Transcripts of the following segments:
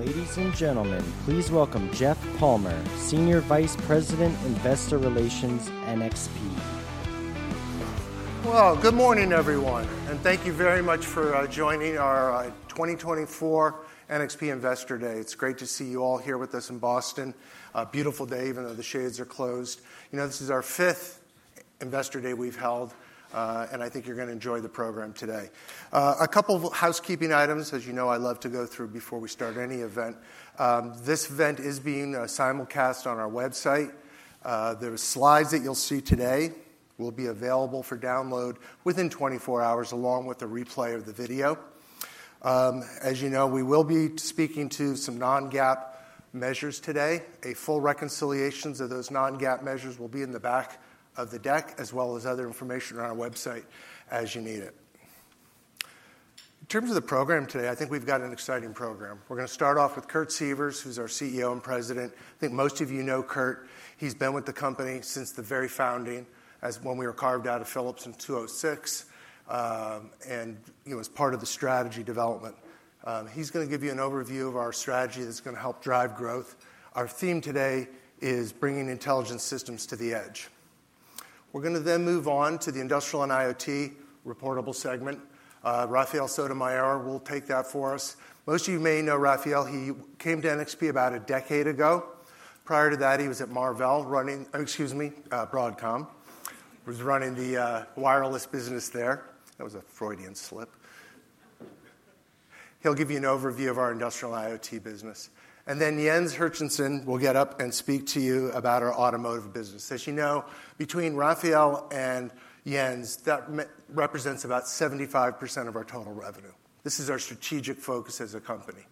Ladies and gentlemen, please welcome Jeff Palmer, Senior Vice President, Investor Relations, NXP. Good morning, everyone, and thank you very much for joining our 2024 NXP Investor Day. It's great to see you all here with us in Boston. A beautiful day, even though the shades are closed. You know, this is our fifth Investor Day we've held, and I think you're going to enjoy the program today. A couple of housekeeping items, as you know, I love to go through before we start any event. This event is being simulcast on our website. The slides that you'll see today will be available for download within 24 hours, along with a replay of the video. As you know, we will be speaking to some non-GAAP measures today. A full reconciliation of those non-GAAP measures will be in the back of the deck, as well as other information on our website as you need it. In terms of the program today, I think we've got an exciting program. We're going to start off with Kurt Sievers, who's our CEO and President. I think most of you know Kurt. He's been with the company since the very founding, as when we were carved out of Philips in 2006, and as part of the strategy development. He's going to give you an overview of our strategy that's going to help drive growth. Our theme today is bringing intelligence systems to the edge. We're going to then move on to the industrial and IoT reportable segment. Rafael Sotomayor will take that for us. Most of you may know Rafael. He came to NXP about a decade ago. Prior to that, he was at Marvell, running, excuse me, Broadcom, was running the wireless business there. That was a Freudian slip. He'll give you an overview of our industrial IoT business. Then Jens Hinrichsen will get up and speak to you about our automotive business. As you know, between Rafael and Jens, that represents about 75% of our total revenue. This is our strategic focus as a company.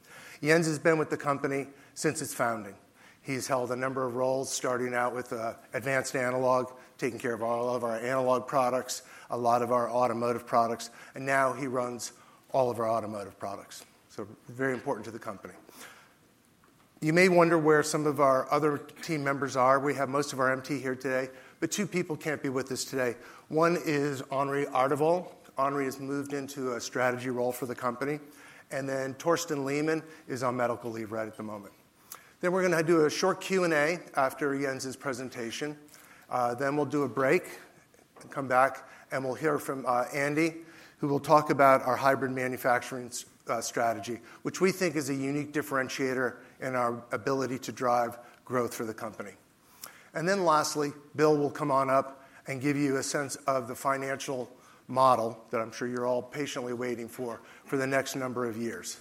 Jens has been with the company since its founding. He's held a number of roles, starting out with Advanced Analog, taking care of all of our analog products, a lot of our automotive products, and now he runs all of our automotive products. So, very important to the company. You may wonder where some of our other team members are. We have most of our MT here today, but two people can't be with us today. One is Henri Ardevol. Henri has moved into a strategy role for the company. Then Torsten Lehmann is on medical leave right at the moment. Then we're going to do a short Q&A after Jens' presentation. Then we'll do a break, come back, and we'll hear from Andy, who will talk about our hybrid manufacturing strategy, which we think is a unique differentiator in our ability to drive growth for the company. And then lastly, Bill will come on up and give you a sense of the financial model that I'm sure you're all patiently waiting for for the next number of years.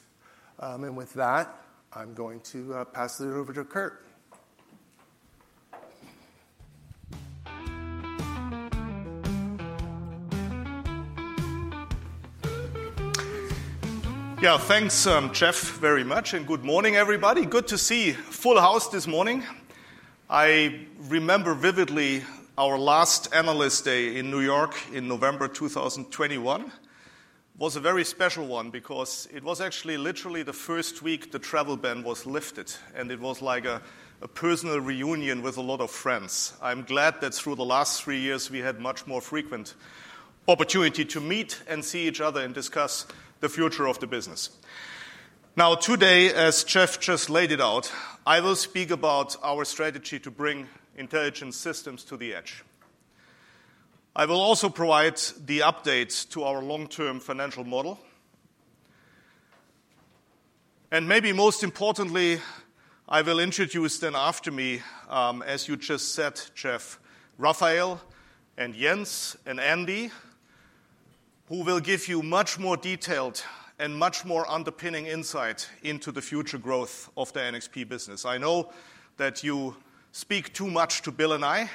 And with that, I'm going to pass it over to Kurt. Yeah, thanks, Jeff, very much. And good morning, everybody. Good to see a full house this morning. I remember vividly our last Investor Day in New York in November 2021. It was a very special one because it was actually literally the first week the travel ban was lifted, and it was like a personal reunion with a lot of friends. I'm glad that through the last three years, we had much more frequent opportunity to meet and see each other and discuss the future of the business. Now, today, as Jeff just laid it out, I will speak about our strategy to bring intelligent systems to the edge. I will also provide the updates to our long-term financial model. And maybe most importantly, I will introduce then after me, as you just said, Jeff, Rafael and Jens and Andy, who will give you much more detailed and much more underpinning insight into the future growth of the NXP business. I know that you speak too much to Bill and I.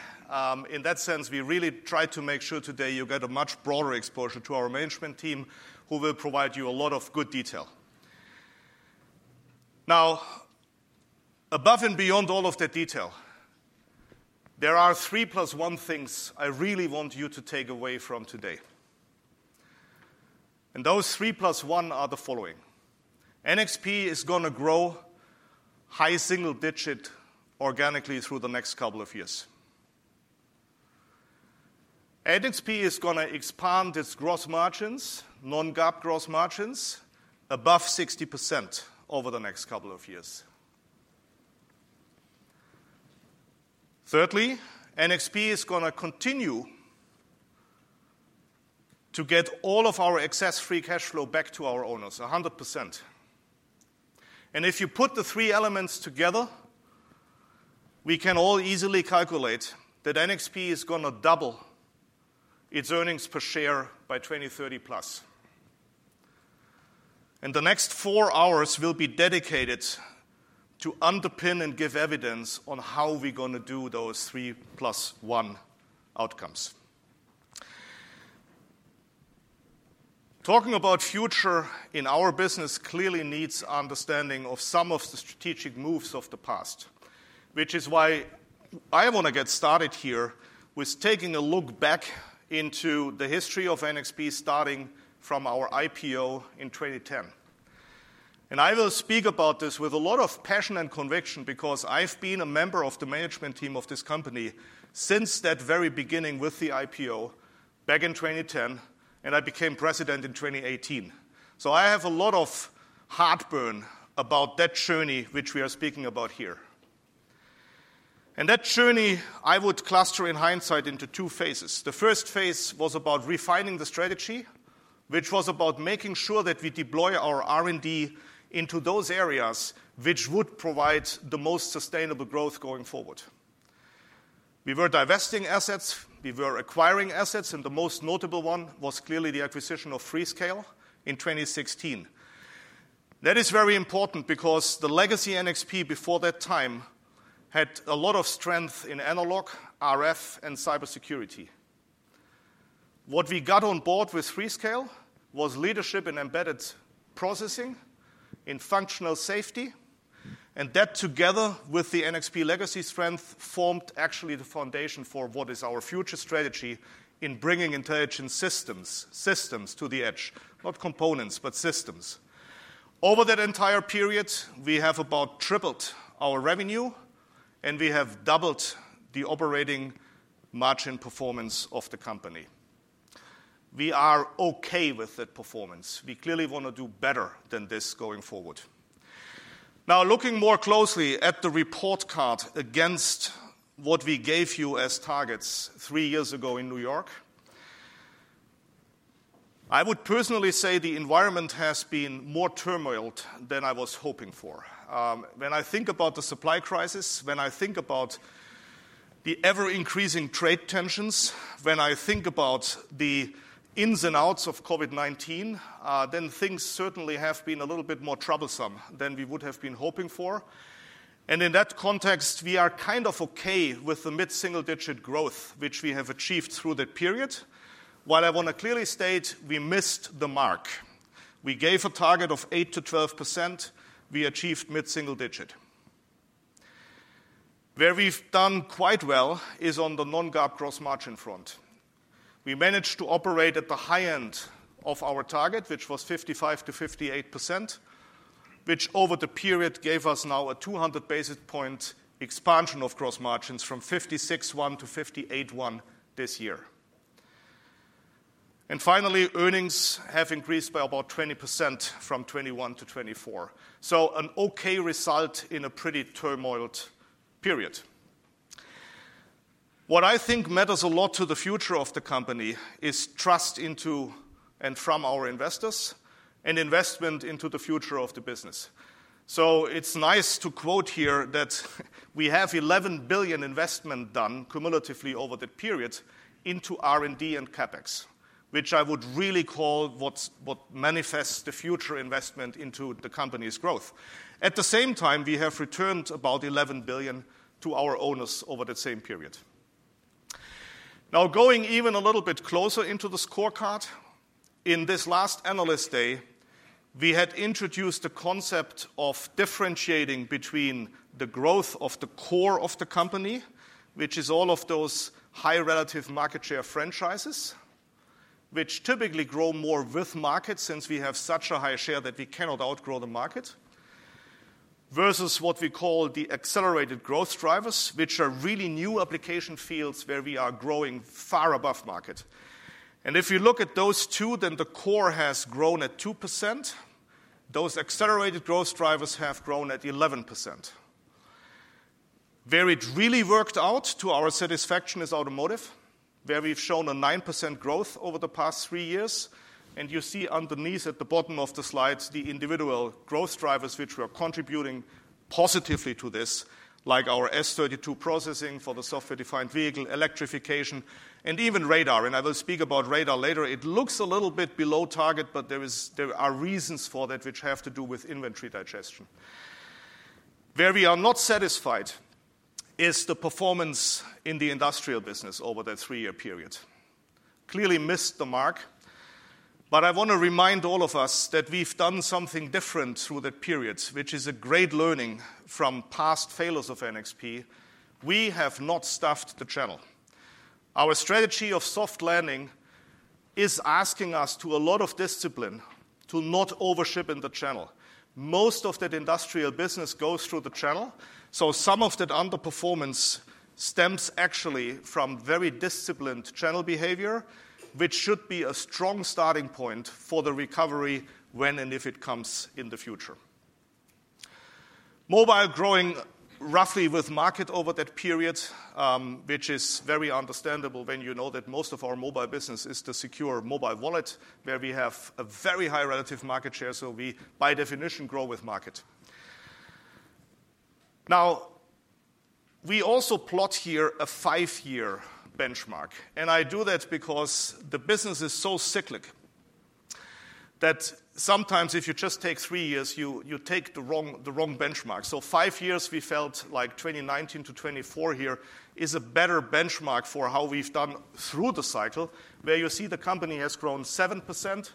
In that sense, we really tried to make sure today you get a much broader exposure to our management team, who will provide you a lot of good detail. Now, above and beyond all of that detail, there are three plus one things I really want you to take away from today. And those three plus one are the following. NXP is going to grow high single digit organically through the next couple of years. NXP is going to expand its gross margins, non-GAAP gross margins, above 60% over the next couple of years. Thirdly, NXP is going to continue to get all of our excess free cash flow back to our owners, 100%. And if you put the three elements together, we can all easily calculate that NXP is going to double its earnings per share by 2030 plus. And the next four hours will be dedicated to underpin and give evidence on how we're going to do those three plus one outcomes. Talking about future in our business clearly needs understanding of some of the strategic moves of the past, which is why I want to get started here with taking a look back into the history of NXP starting from our IPO in 2010. And I will speak about this with a lot of passion and conviction because I've been a member of the management team of this company since that very beginning with the IPO back in 2010, and I became president in 2018. So I have a lot of heartburn about that journey which we are speaking about here. And that journey, I would cluster in hindsight into two phases. The first phase was about refining the strategy, which was about making sure that we deploy our R&D into those areas which would provide the most sustainable growth going forward. We were divesting assets. We were acquiring assets. And the most notable one was clearly the acquisition of Freescale in 2016. That is very important because the legacy NXP before that time had a lot of strength in analog, RF, and cybersecurity. What we got on board with Freescale was leadership in embedded processing, in functional safety, and that together with the NXP legacy strength formed actually the foundation for what is our future strategy in bringing intelligence systems to the edge, not components, but systems. Over that entire period, we have about tripled our revenue, and we have doubled the operating margin performance of the company. We are OK with that performance. We clearly want to do better than this going forward. Now, looking more closely at the report card against what we gave you as targets three years ago in New York, I would personally say the environment has been more turbulent than I was hoping for. When I think about the supply crisis, when I think about the ever-increasing trade tensions, when I think about the ins and outs of COVID-19, then things certainly have been a little bit more troublesome than we would have been hoping for, and in that context, we are kind of OK with the mid-single digit growth which we have achieved through that period. What I want to clearly state, we missed the mark. We gave a target of 8%-12%. We achieved mid-single digit. Where we've done quite well is on the non-GAAP gross margin front. We managed to operate at the high end of our target, which was 55%-58%, which over the period gave us now a 200 basis points expansion of gross margins from 56%-58% this year, and finally, earnings have increased by about 20% from 21%-24%. So, an OK result in a pretty turbulent period. What I think matters a lot to the future of the company is trust into and from our investors and investment into the future of the business. So, it's nice to quote here that we have $11 billion investment done cumulatively over that period into R&D and CapEx, which I would really call what manifests the future investment into the company's growth. At the same time, we have returned about $11 billion to our owners over that same period. Now, going even a little bit closer into the scorecard, in this last analyst day, we had introduced the concept of differentiating between the growth of the core of the company, which is all of those high relative market share franchises, which typically grow more with market since we have such a high share that we cannot outgrow the market, versus what we call the accelerated growth drivers, which are really new application fields where we are growing far above market. And if you look at those two, then the core has grown at 2%. Those accelerated growth drivers have grown at 11%. Where it really worked out to our satisfaction is automotive, where we've shown a 9% growth over the past three years. You see underneath at the bottom of the slides the individual growth drivers which were contributing positively to this, like our S32 processing for the software-defined vehicle electrification and even radar. I will speak about radar later. It looks a little bit below target, but there are reasons for that which have to do with inventory digestion. Where we are not satisfied is the performance in the industrial business over that three-year period. Clearly missed the mark. But I want to remind all of us that we've done something different through that period, which is a great learning from past failures of NXP. We have not stuffed the channel. Our strategy of soft landing is asking us to a lot of discipline to not overship in the channel. Most of that industrial business goes through the channel. So, some of that underperformance stems actually from very disciplined channel behavior, which should be a strong starting point for the recovery when and if it comes in the future. Mobile growing roughly with market over that period, which is very understandable when you know that most of our mobile business is the secure mobile wallet, where we have a very high relative market share. So, we by definition grow with market. Now, we also plot here a five-year benchmark. And I do that because the business is so cyclical that sometimes if you just take three years, you take the wrong benchmark. Five years we felt like 2019 to 2024 here is a better benchmark for how we've done through the cycle, where you see the company has grown 7%,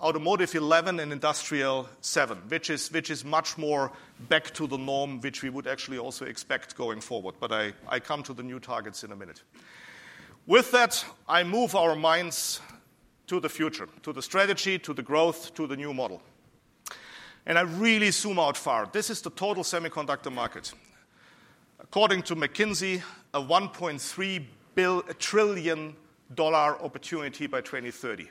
automotive 11%, and industrial 7%, which is much more back to the norm which we would actually also expect going forward. But I come to the new targets in a minute. With that, I move our minds to the future, to the strategy, to the growth, to the new model. And I really zoom out far. This is the total semiconductor market. According to McKinsey, a $1.3 trillion opportunity by 2030.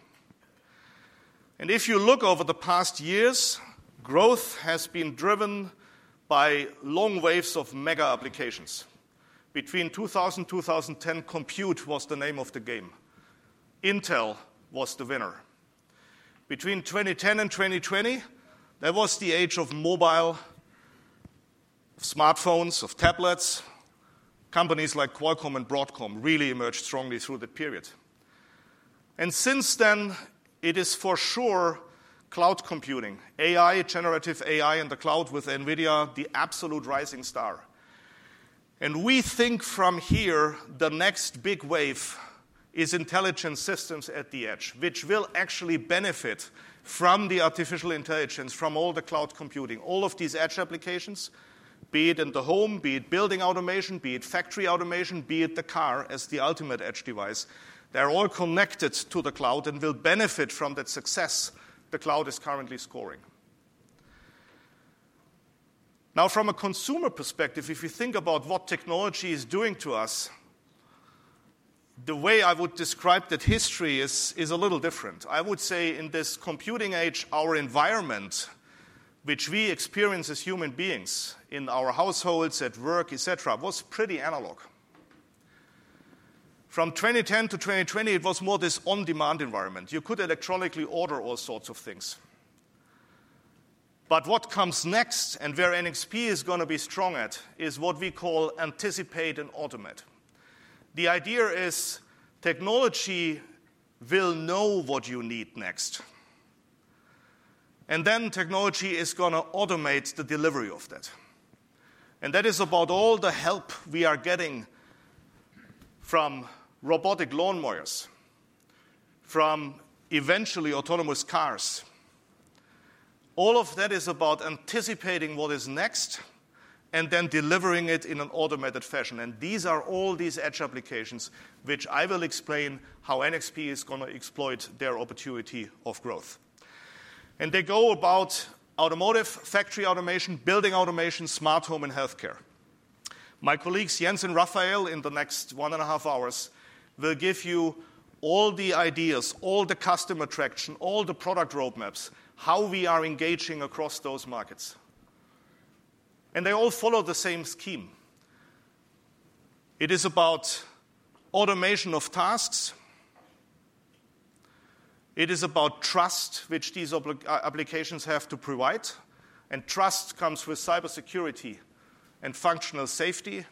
And if you look over the past years, growth has been driven by long waves of mega applications. Between 2000 and 2010, compute was the name of the game. Intel was the winner. Between 2010 and 2020, that was the age of mobile, of smartphones, of tablets. Companies like Qualcomm and Broadcom really emerged strongly through that period. Since then, it is for sure cloud computing, AI, generative AI in the cloud with NVIDIA, the absolute rising star. We think from here the next big wave is intelligence systems at the edge, which will actually benefit from the artificial intelligence, from all the cloud computing, all of these edge applications, be it in the home, be it building automation, be it factory automation, be it the car as the ultimate edge device. They're all connected to the cloud and will benefit from that success the cloud is currently scoring. Now, from a consumer perspective, if you think about what technology is doing to us, the way I would describe that history is a little different. I would say in this computing age, our environment, which we experience as human beings in our households, at work, et cetera, was pretty analog. From 2010 to 2020, it was more this on-demand environment. You could electronically order all sorts of things. But what comes next and where NXP is going to be strong at is what we call anticipate and automate. The idea is technology will know what you need next. And then technology is going to automate the delivery of that. And that is about all the help we are getting from robotic lawnmowers, from eventually autonomous cars. All of that is about anticipating what is next and then delivering it in an automated fashion. And these are all these edge applications which I will explain how NXP is going to exploit their opportunity of growth. And they go about automotive, factory automation, building automation, smart home, and health care. My colleagues, Jens and Rafael, in the next one and a half hours, will give you all the ideas, all the customer traction, all the product roadmaps, how we are engaging across those markets. And they all follow the same scheme. It is about automation of tasks. It is about trust which these applications have to provide. And trust comes with cybersecurity and functional safety.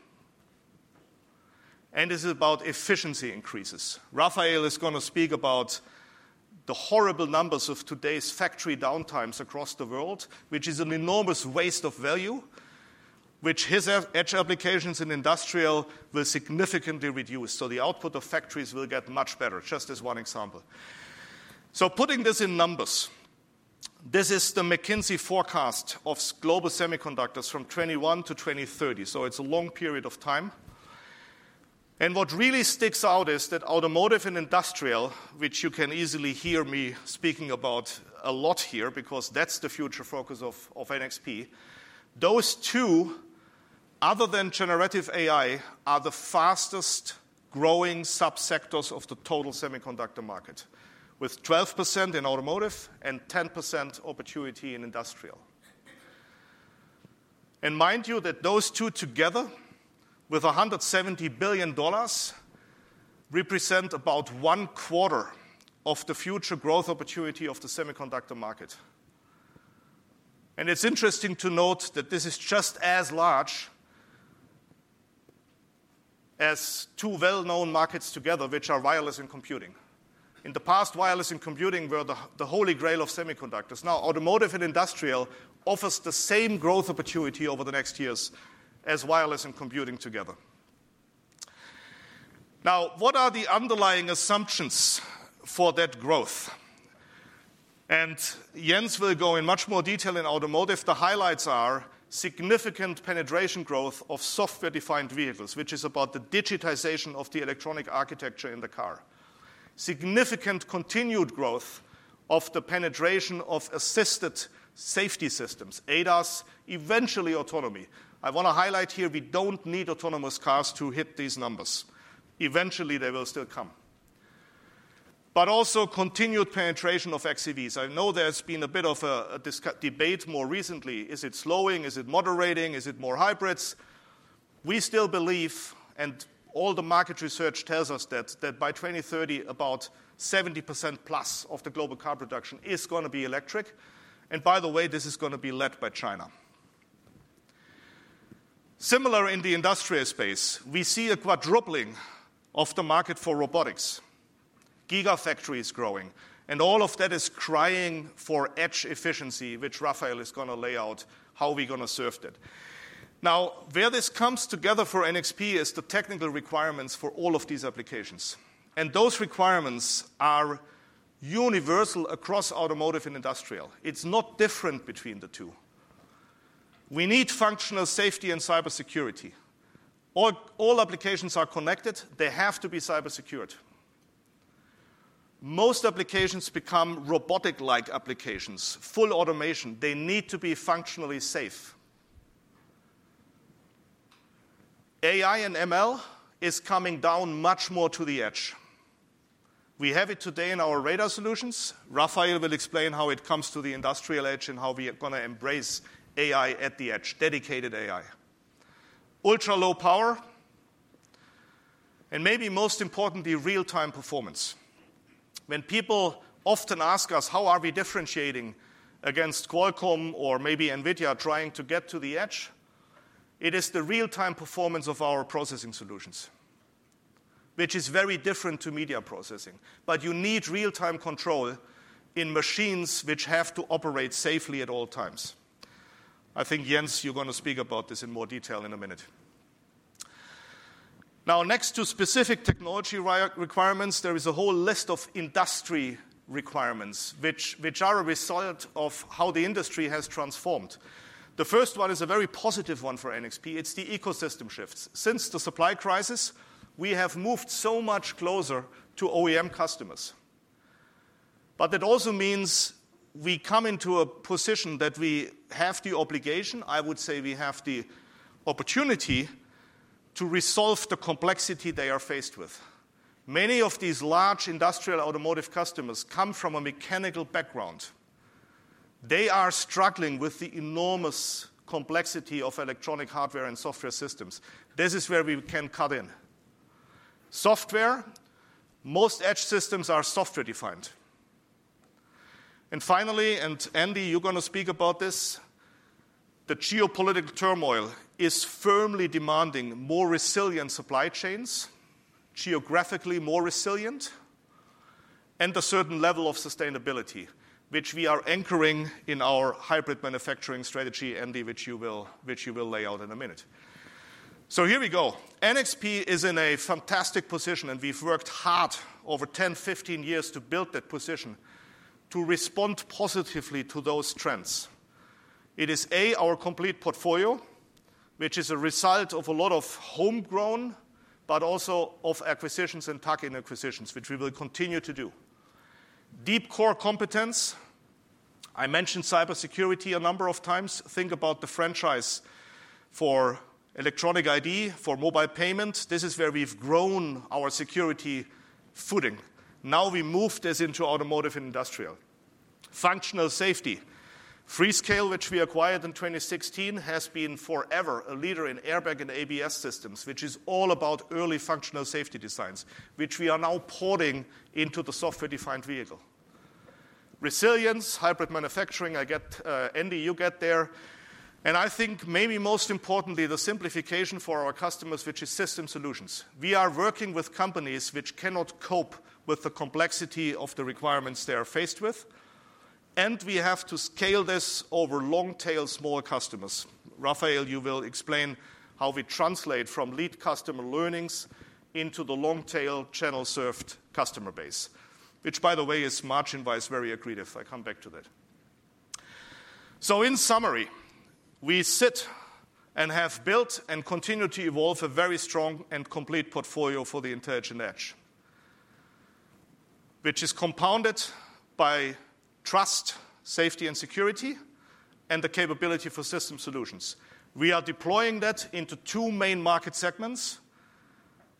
And this is about efficiency increases. Rafael is going to speak about the horrible numbers of today's factory downtimes across the world, which is an enormous waste of value, which his edge applications in industrial will significantly reduce. So, the output of factories will get much better, just as one example. So, putting this in numbers, this is the McKinsey forecast of global semiconductors from 2021 to 2030. It's a long period of time. What really sticks out is that automotive and industrial, which you can easily hear me speaking about a lot here because that's the future focus of NXP, those two, other than generative AI, are the fastest growing subsectors of the total semiconductor market, with 12% in automotive and 10% opportunity in industrial. Mind you that those two together, with $170 billion, represent about one quarter of the future growth opportunity of the semiconductor market. It's interesting to note that this is just as large as two well-known markets together, which are wireless and computing. In the past, wireless and computing were the Holy Grail of semiconductors. Now, automotive and industrial offers the same growth opportunity over the next years as wireless and computing together. Now, what are the underlying assumptions for that growth? And Jens will go in much more detail in automotive. The highlights are significant penetration growth of software-defined vehicles, which is about the digitization of the electronic architecture in the car, significant continued growth of the penetration of assisted safety systems, ADAS, eventually autonomy. I want to highlight here we don't need autonomous cars to hit these numbers. Eventually, they will still come. But also continued penetration of XEVs. I know there has been a bit of a debate more recently. Is it slowing? Is it moderating? Is it more hybrids? We still believe, and all the market research tells us that by 2030, about 70% plus of the global car production is going to be electric. And by the way, this is going to be led by China. Similar in the industrial space, we see a quadrupling of the market for robotics. Gigafactories growing. All of that is crying for edge efficiency, which Rafael is going to lay out how we're going to serve that. Now, where this comes together for NXP is the technical requirements for all of these applications. Those requirements are universal across automotive and industrial. It's not different between the two. We need functional safety and cybersecurity. All applications are connected. They have to be cybersecured. Most applications become robotic-like applications, full automation. They need to be functionally safe. AI and ML is coming down much more to the edge. We have it today in our radar solutions. Rafael will explain how it comes to the industrial edge and how we are going to embrace AI at the edge, dedicated AI, ultra low power, and maybe most importantly, real-time performance. When people often ask us, how are we differentiating against Qualcomm or maybe NVIDIA trying to get to the edge? It is the real-time performance of our processing solutions, which is very different to media processing, but you need real-time control in machines which have to operate safely at all times. I think, Jens, you're going to speak about this in more detail in a minute. Now, next to specific technology requirements, there is a whole list of industry requirements which are a result of how the industry has transformed. The first one is a very positive one for NXP. It's the ecosystem shifts. Since the supply crisis, we have moved so much closer to OEM customers. But that also means we come into a position that we have the obligation, I would say we have the opportunity to resolve the complexity they are faced with. Many of these large industrial automotive customers come from a mechanical background. They are struggling with the enormous complexity of electronic hardware and software systems. This is where we can cut in. Software. Most edge systems are software-defined. And finally, and Andy, you're going to speak about this, the geopolitical turmoil is firmly demanding more resilient supply chains, geographically more resilient, and a certain level of sustainability, which we are anchoring in our hybrid manufacturing strategy, Andy, which you will lay out in a minute. So here we go. NXP is in a fantastic position, and we've worked hard over 10, 15 years to build that position to respond positively to those trends. It is, A, our complete portfolio, which is a result of a lot of homegrown, but also of acquisitions and tactical acquisitions, which we will continue to do. Deep core competence. I mentioned cybersecurity a number of times. Think about the franchise for electronic ID, for mobile payment. This is where we've grown our security footing. Now we moved this into automotive and industrial. Functional safety. Freescale, which we acquired in 2016, has been forever a leader in airbag and ABS systems, which is all about early functional safety designs, which we are now porting into the software-defined vehicle. Resilience, hybrid manufacturing. I get, Andy, you get there, and I think maybe most importantly, the simplification for our customers, which is system solutions. We are working with companies which cannot cope with the complexity of the requirements they are faced with, and we have to scale this over long-tail small customers. Rafael, you will explain how we translate from lead customer learnings into the long-tail channel-served customer base, which, by the way, is margin-wise very aggressive. I come back to that. So, in summary, we sit and have built and continue to evolve a very strong and complete portfolio for the intelligent edge, which is compounded by trust, safety, and security, and the capability for system solutions. We are deploying that into two main market segments,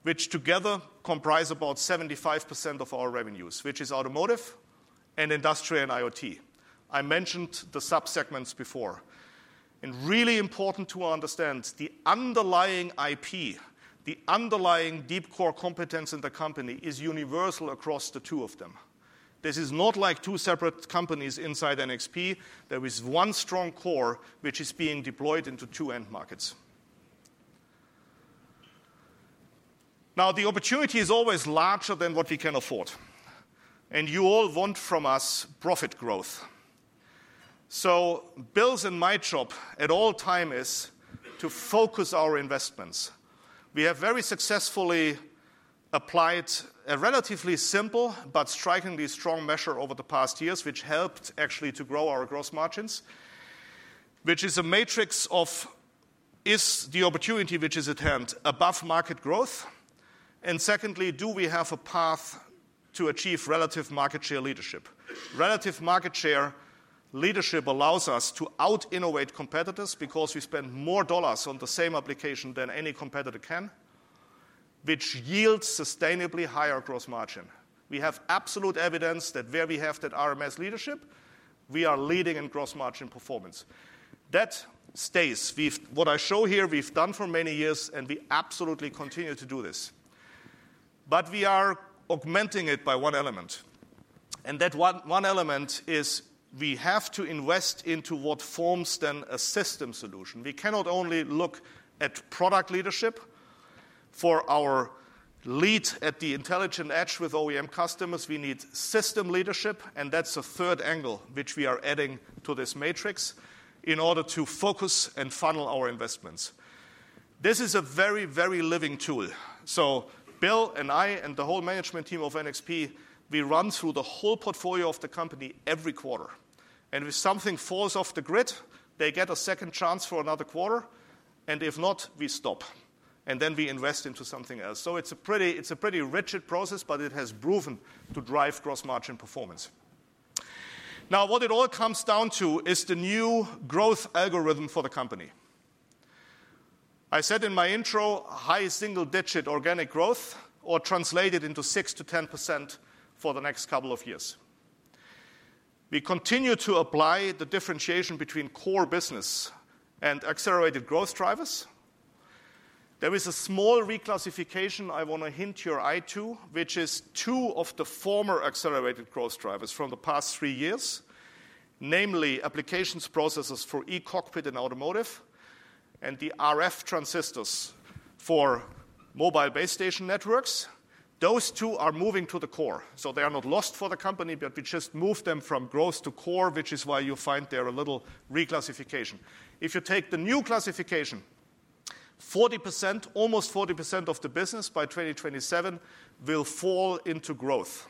which together comprise about 75% of our revenues, which is automotive and industrial and IoT. I mentioned the subsegments before. And really important to understand, the underlying IP, the underlying deep core competence in the company is universal across the two of them. This is not like two separate companies inside NXP. There is one strong core which is being deployed into two end markets. Now, the opportunity is always larger than what we can afford. And you all want from us profit growth. So, Bill's and my job at all time is to focus our investments. We have very successfully applied a relatively simple but strikingly strong measure over the past years, which helped actually to grow our gross margins, which is a matrix of: is the opportunity which is at hand above market growth, and secondly, do we have a path to achieve relative market share leadership? Relative market share leadership allows us to out-innovate competitors because we spend more dollars on the same application than any competitor can, which yields sustainably higher gross margin. We have absolute evidence that where we have that RMS leadership, we are leading in gross margin performance. That stays. What I show here, we've done for many years, and we absolutely continue to do this, but we are augmenting it by one element, and that one element is we have to invest into what forms then a system solution. We cannot only look at product leadership. For our lead at the intelligent edge with OEM customers, we need system leadership, and that's a third angle which we are adding to this matrix in order to focus and funnel our investments. This is a very, very living tool, so Bill and I and the whole management team of NXP, we run through the whole portfolio of the company every quarter, and if something falls off the grid, they get a second chance for another quarter, and if not, we stop, and then we invest into something else, so it's a pretty rigid process, but it has proven to drive gross margin performance. Now, what it all comes down to is the new growth algorithm for the company. I said in my intro, high single-digit organic growth, or translated into 6%-10% for the next couple of years. We continue to apply the differentiation between core business and accelerated growth drivers. There is a small reclassification I want to draw your eye to, which is two of the former accelerated growth drivers from the past three years, namely applications processors for e-cockpit and automotive and the RF transistors for mobile base station networks. Those two are moving to the core. So, they are not lost for the company, but we just moved them from growth to core, which is why you find there a little reclassification. If you take the new classification, 40%, almost 40% of the business by 2027 will fall into growth,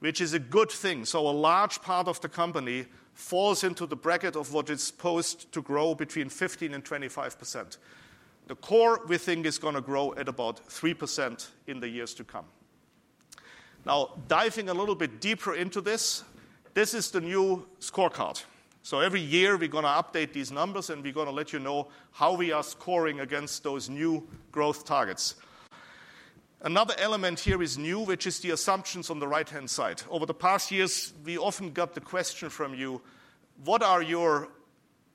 which is a good thing. So, a large part of the company falls into the bracket of what it's supposed to grow between 15%-25%. The core, we think, is going to grow at about 3% in the years to come. Now, diving a little bit deeper into this, this is the new scorecard. So, every year we're going to update these numbers, and we're going to let you know how we are scoring against those new growth targets. Another element here is new, which is the assumptions on the right-hand side. Over the past years, we often got the question from you, what are your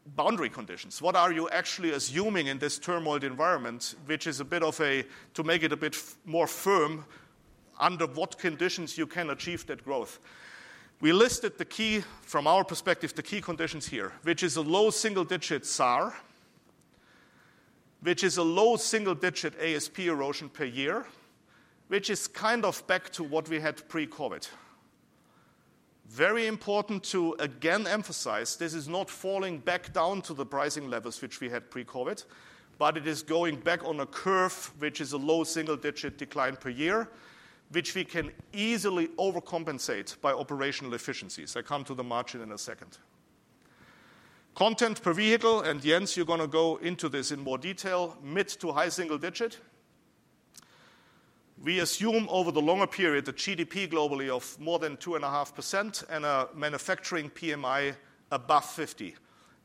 boundary conditions? What are you actually assuming in this turbulent environment, which is a bit of a, to make it a bit more firm, under what conditions you can achieve that growth? We listed the key, from our perspective, the key conditions here, which is a low single-digit SAAR, which is a low single-digit ASP erosion per year, which is kind of back to what we had pre-COVID. Very important to again emphasize, this is not falling back down to the pricing levels which we had pre-COVID, but it is going back on a curve, which is a low single-digit decline per year, which we can easily overcompensate by operational efficiencies. I come to the margin in a second. Content per vehicle, and Jens, you're going to go into this in more detail, mid to high single-digit. We assume over the longer period, the GDP globally of more than 2.5% and a manufacturing PMI above 50.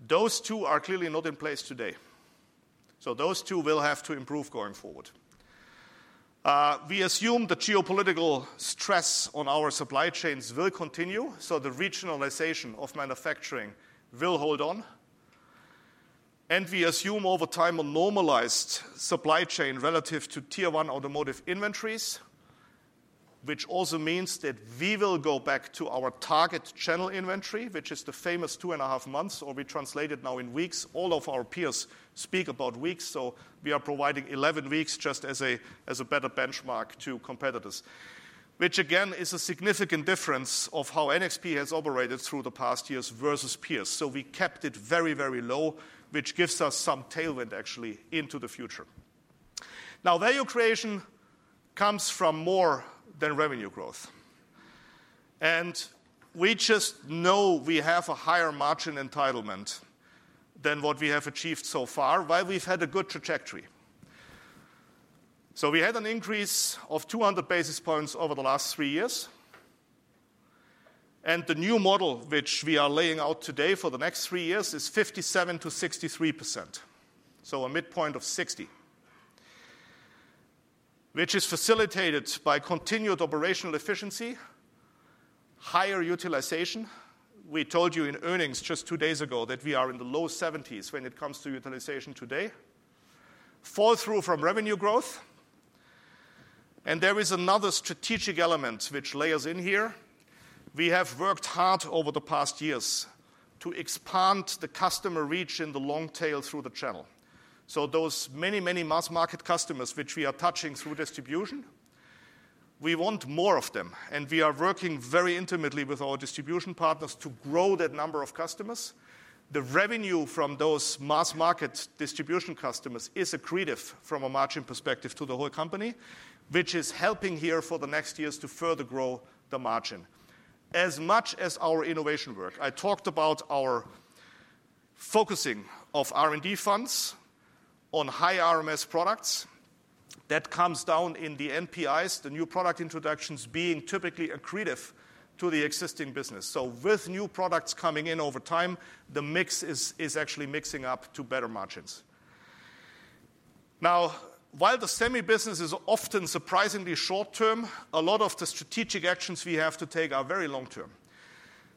Those two are clearly not in place today. So, those two will have to improve going forward. We assume the geopolitical stress on our supply chains will continue. So, the regionalization of manufacturing will hold on. We assume over time a normalized supply chain relative to tier one automotive inventories, which also means that we will go back to our target channel inventory, which is the famous two and a half months, or we translate it now in weeks. All of our peers speak about weeks. We are providing 11 weeks just as a better benchmark to competitors, which again is a significant difference of how NXP has operated through the past years versus peers. We kept it very, very low, which gives us some tailwind actually into the future. Now, value creation comes from more than revenue growth. We just know we have a higher margin entitlement than what we have achieved so far, while we've had a good trajectory. We had an increase of 200 basis points over the last three years. And the new model which we are laying out today for the next three years is 57%-63%. So, a midpoint of 60, which is facilitated by continued operational efficiency, higher utilization. We told you in earnings just two days ago that we are in the low 70s when it comes to utilization today. Fall through from revenue growth. And there is another strategic element which layers in here. We have worked hard over the past years to expand the customer reach in the long tail through the channel. So, those many, many mass market customers which we are touching through distribution, we want more of them. And we are working very intimately with our distribution partners to grow that number of customers. The revenue from those mass market distribution customers is accretive from a margin perspective to the whole company, which is helping here for the next years to further grow the margin. As much as our innovation work, I talked about our focusing of R&D funds on high RMS products. That comes down in the NPIs, the new product introductions being typically accretive to the existing business. So, with new products coming in over time, the mix is actually mixing up to better margins. Now, while the semi-business is often surprisingly short-term, a lot of the strategic actions we have to take are very long-term.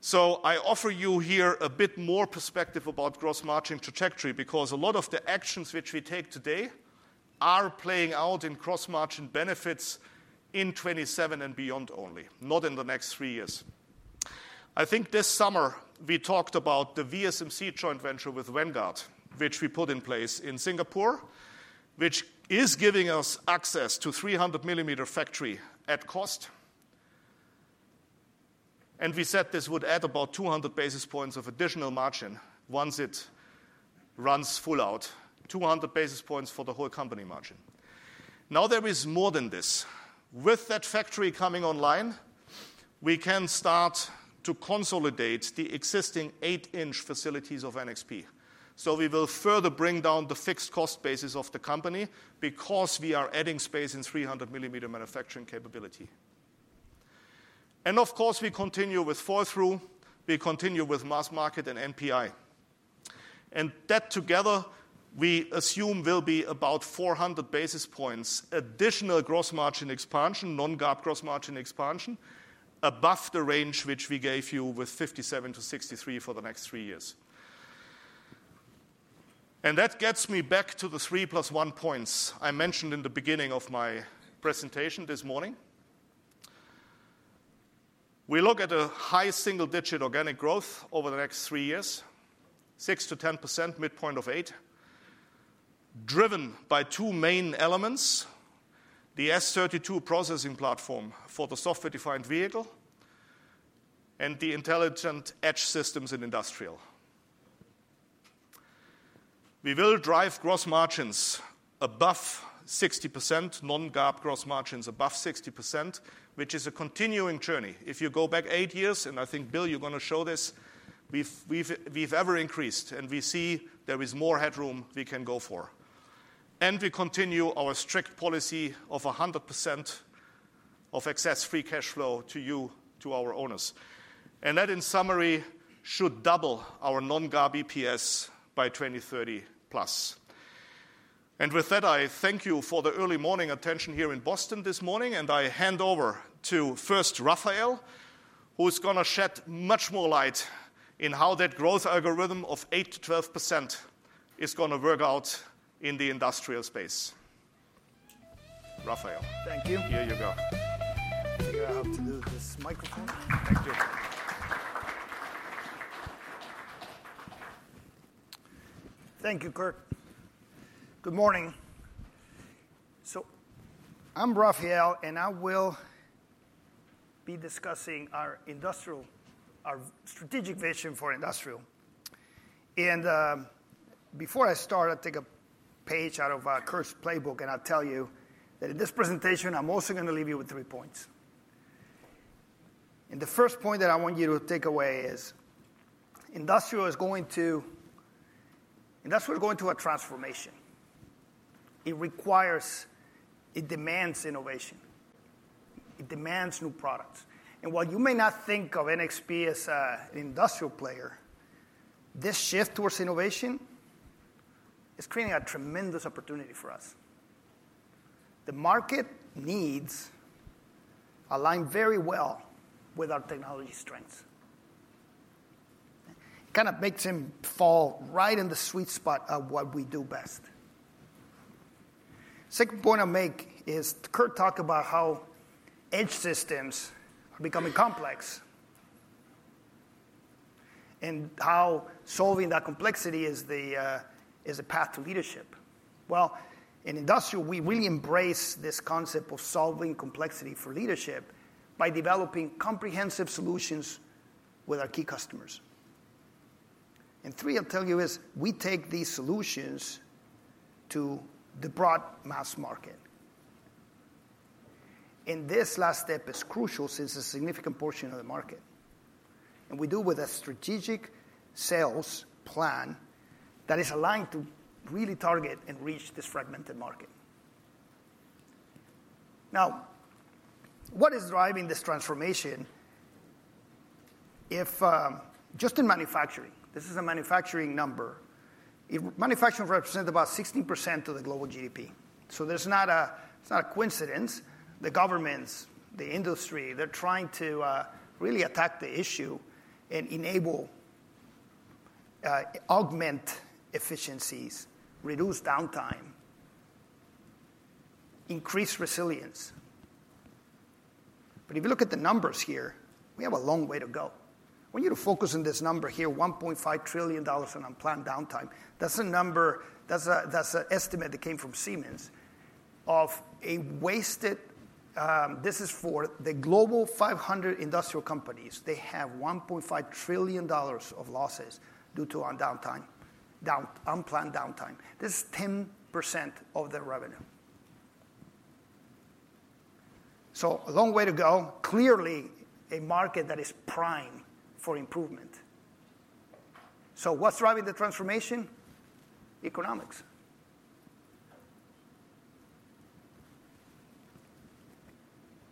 So, I offer you here a bit more perspective about gross margin trajectory because a lot of the actions which we take today are playing out in gross margin benefits in 2027 and beyond only, not in the next three years. I think this summer we talked about the VSMC joint venture with Vanguard, which we put in place in Singapore, which is giving us access to a 300 millimeter factory at cost. We said this would add about 200 basis points of additional margin once it runs full out, 200 basis points for the whole company margin. Now, there is more than this. With that factory coming online, we can start to consolidate the existing eight-inch facilities of NXP. We will further bring down the fixed cost basis of the company because we are adding space in 300 millimeter manufacturing capability. Of course, we continue with fab throughput. We continue with mass market and NPI. And that together, we assume will be about 400 basis points additional gross margin expansion, non-GAAP gross margin expansion above the range which we gave you with 57%-63% for the next three years. And that gets me back to the three plus one points I mentioned in the beginning of my presentation this morning. We look at a high single-digit organic growth over the next three years, 6%-10%, midpoint of 8%, driven by two main elements, the S32 processing platform for the software-defined vehicle and the intelligent edge systems in industrial. We will drive gross margins above 60%, non-GAAP gross margins above 60%, which is a continuing journey. If you go back eight years, and I think, Bill, you're going to show this, we've ever increased, and we see there is more headroom we can go for. We continue our strict policy of 100% of excess free cash flow to you, to our owners. That, in summary, should double our non-GAAP EPS by 2030 plus. With that, I thank you for the early morning attention here in Boston this morning. I hand over to first Rafael, who's going to shed much more light in how that growth algorithm of 8%-12% is going to work out in the industrial space. Rafael. Thank you. Here you go. I think I have to use this microphone. Thank you. Thank you, Kurt. Good morning. So, I'm Rafael, and I will be discussing our strategic vision for industrial. And before I start, I'll take a page out of Kurt's playbook, and I'll tell you that in this presentation, I'm also going to leave you with three points. And the first point that I want you to take away is industrial is going to a transformation. It requires, it demands innovation. It demands new products. And while you may not think of NXP as an industrial player, this shift towards innovation is creating a tremendous opportunity for us. The market needs align very well with our technology strengths. It kind of makes it fall right in the sweet spot of what we do best. Second point I'll make is Kurt talked about how edge systems are becoming complex and how solving that complexity is the path to leadership, well, in industrial, we really embrace this concept of solving complexity for leadership by developing comprehensive solutions with our key customers, and three, I'll tell you, is we take these solutions to the broad mass market, and this last step is crucial since it's a significant portion of the market, and we do with a strategic sales plan that is aligned to really target and reach this fragmented market. Now, what is driving this transformation? If just in manufacturing, this is a manufacturing number. Manufacturing represents about 16% of the global GDP. So, there's not a coincidence. The governments, the industry, they're trying to really attack the issue and enable, augment efficiencies, reduce downtime, increase resilience. But if you look at the numbers here, we have a long way to go. I want you to focus on this number here, $1.5 trillion in unplanned downtime. That's a number, that's an estimate that came from Siemens of a wasted, this is for the global 500 industrial companies. They have $1.5 trillion of losses due to unplanned downtime. This is 10% of their revenue. So, a long way to go. Clearly, a market that is primed for improvement. So, what's driving the transformation? Economics.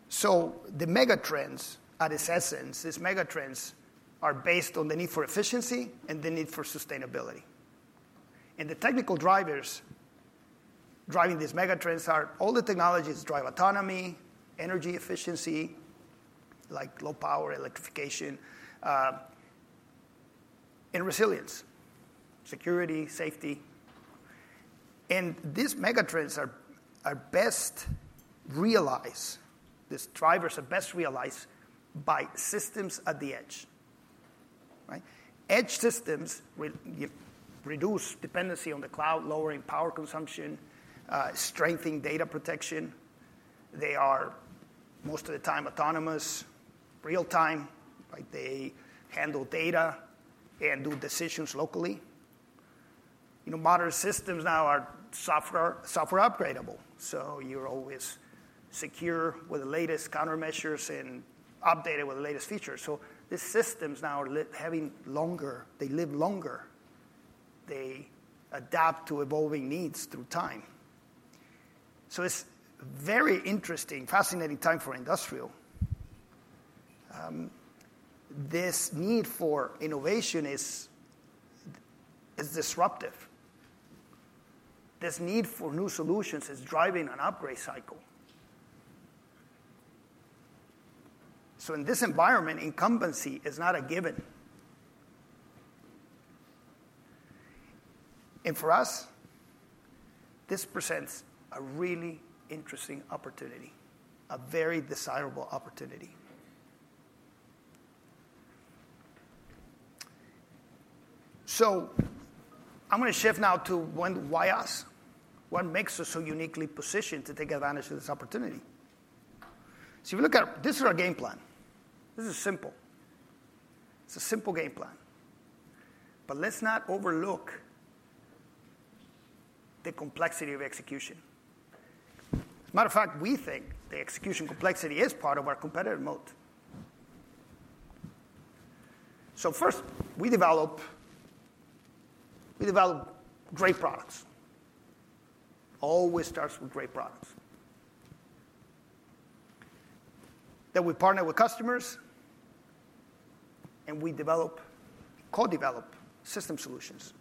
So, the mega trends at its essence, these mega trends are based on the need for efficiency and the need for sustainability. And the technical drivers driving these mega trends are all the technologies that drive autonomy, energy efficiency, like low power, electrification, and resilience, security, safety. And these mega trends are best realized, these drivers are best realized by systems at the edge. Edge systems reduce dependency on the cloud, lowering power consumption, strengthening data protection. They are most of the time autonomous, real-time, like they handle data and do decisions locally. Modern systems now are software upgradable, so you're always secure with the latest countermeasures and updated with the latest features. These systems now are having longer, they live longer. They adapt to evolving needs through time, so it's a very interesting, fascinating time for industrial. This need for innovation is disruptive. This need for new solutions is driving an upgrade cycle, so in this environment, incumbency is not a given, and for us, this presents a really interesting opportunity, a very desirable opportunity. I'm going to shift now to why us, what makes us so uniquely positioned to take advantage of this opportunity, so if you look at, this is our game plan. This is simple. It's a simple game plan, but let's not overlook the complexity of execution. As a matter of fact, we think the execution complexity is part of our competitive moat, so first, we develop great products. It always starts with great products, then we partner with customers and we develop, co-develop system solutions,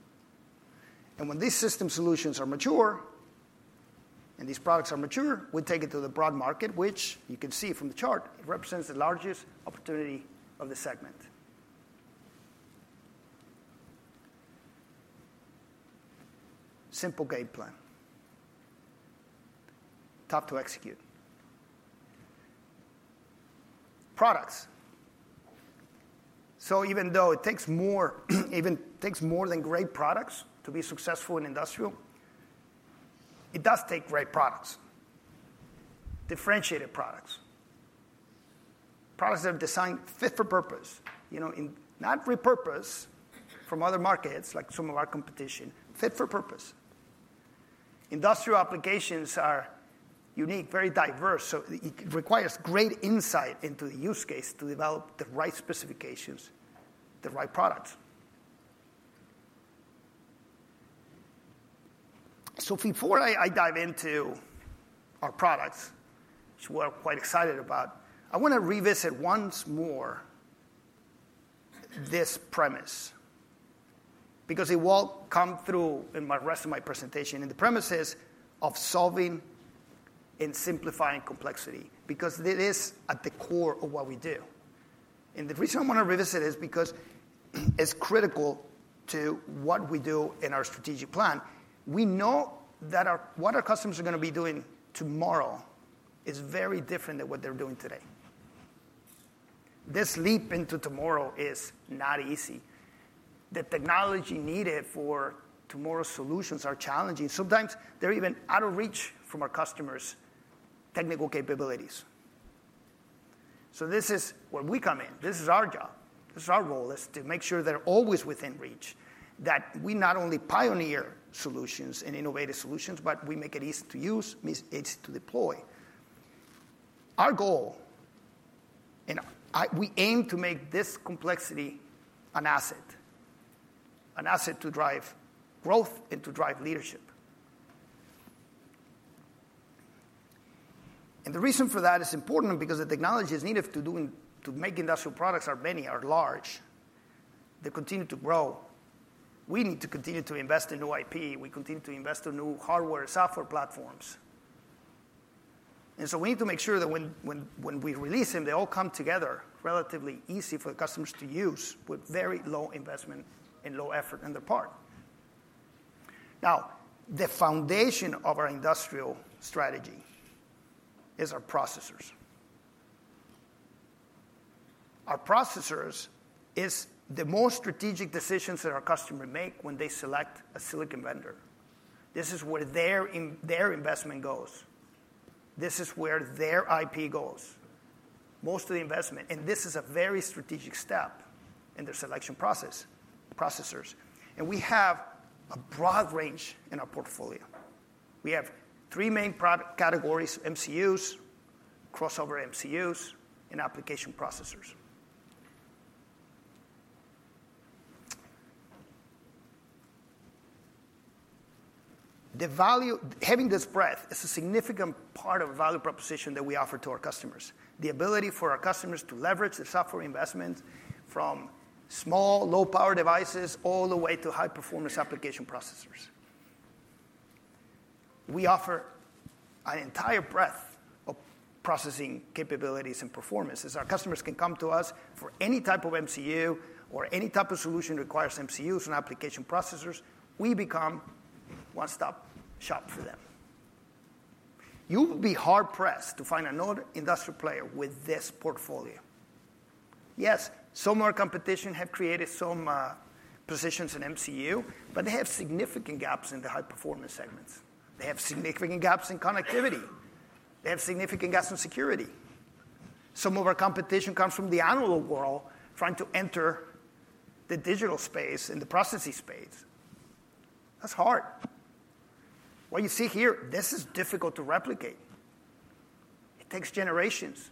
and when these system solutions are mature and these products are mature, we take it to the broad market, which you can see from the chart. It represents the largest opportunity of the segment. Simple game plan. Tough to execute. Products, so even though it takes more, even takes more than great products to be successful in industrial, it does take great products. Differentiated products. Products that are designed fit for purpose, not repurposed from other markets like some of our competition, fit for purpose. Industrial applications are unique, very diverse. It requires great insight into the use case to develop the right specifications, the right products. Before I dive into our products, which we're quite excited about, I want to revisit once more this premise because it will come through in the rest of my presentation and the premises of solving and simplifying complexity because it is at the core of what we do. The reason I want to revisit is because it's critical to what we do in our strategic plan. We know that what our customers are going to be doing tomorrow is very different than what they're doing today. This leap into tomorrow is not easy. The technology needed for tomorrow's solutions are challenging. Sometimes they're even out of reach from our customers' technical capabilities. This is where we come in. This is our job. This, our role is to make sure they're always within reach, that we not only pioneer solutions and innovative solutions, but we make it easy to use, it's easy to deploy. Our goal, and we aim to make this complexity an asset, an asset to drive growth and to drive leadership, and the reason for that is important because the technologies needed to make industrial products are many, are large. They continue to grow. We need to continue to invest in new IP. We continue to invest in new hardware and software platforms, and so we need to make sure that when we release them, they all come together relatively easy for the customers to use with very low investment and low effort on their part. Now, the foundation of our industrial strategy is our processors. Our processors is the most strategic decisions that our customers make when they select a silicon vendor. This is where their investment goes. This is where their IP goes. Most of the investment, and this is a very strategic step in their selection process, processors, and we have a broad range in our portfolio. We have three main categories, MCUs, crossover MCUs, and application processors. Having this breadth is a significant part of the value proposition that we offer to our customers, the ability for our customers to leverage the software investment from small low-power devices all the way to high-performance application processors. We offer an entire breadth of processing capabilities and performances. Our customers can come to us for any type of MCU or any type of solution that requires MCUs and application processors. We become one-stop shop for them. You will be hard-pressed to find another industrial player with this portfolio. Yes, some of our competition have created some positions in MCU, but they have significant gaps in the high-performance segments. They have significant gaps in connectivity. They have significant gaps in security. Some of our competition comes from the analog world trying to enter the digital space and the processing space. That's hard. What you see here, this is difficult to replicate. It takes generations.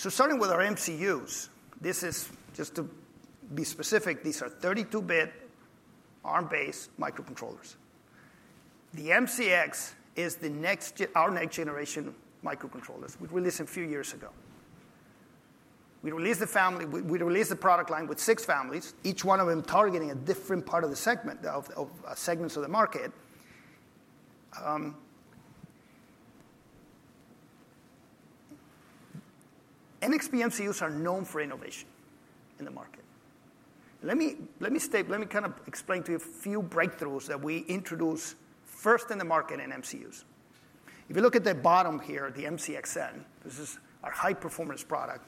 So, starting with our MCUs, this is just to be specific, these are 32-bit ARM-based microcontrollers. The MCX is our next generation microcontrollers. We released them a few years ago. We released the family, we released the product line with six families, each one of them targeting a different part of the segment of segments of the market. NXP MCUs are known for innovation in the market. Let me kind of explain to you a few breakthroughs that we introduce first in the market in MCUs. If you look at the bottom here, the MCX N, this is our high-performance product.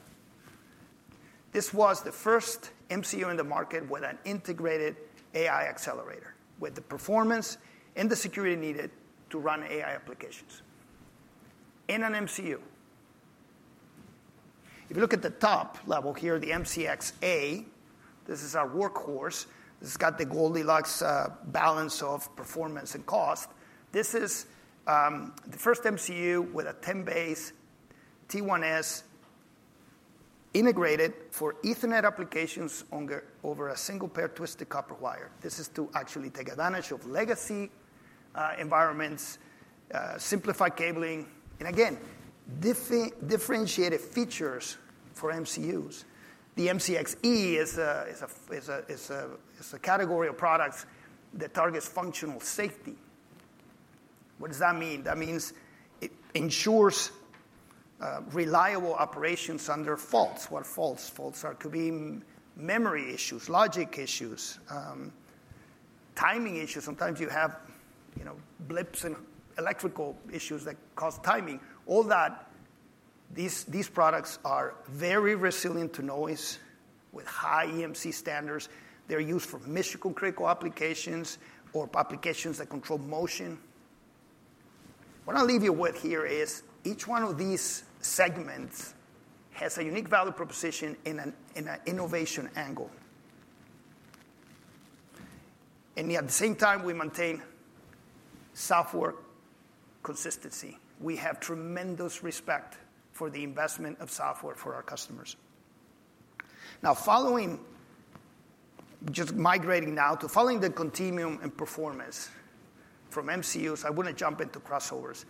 This was the first MCU in the market with an integrated AI accelerator with the performance and the security needed to run AI applications in an MCU. If you look at the top level here, the MCX A, this is our workhorse. This has got the Goldilocks balance of performance and cost. This is the first MCU with a 10BASE-T1S integrated for Ethernet applications over a single pair of twisted copper wire. This is to actually take advantage of legacy environments, simplify cabling, and again, differentiated features for MCUs. The MCX E is a category of products that targets functional safety. What does that mean? That means it ensures reliable operations under faults. What faults are? Could be memory issues, logic issues, timing issues. Sometimes you have blips and electrical issues that cause timing. All that, these products are very resilient to noise with high EMC standards. They're used for mission-critical applications or applications that control motion. What I'll leave you with here is each one of these segments has a unique value proposition and an innovation angle, and at the same time, we maintain software consistency. We have tremendous respect for the investment of software for our customers. Now, just migrating now to following the continuum and performance from MCUs, I want to jump into crossovers.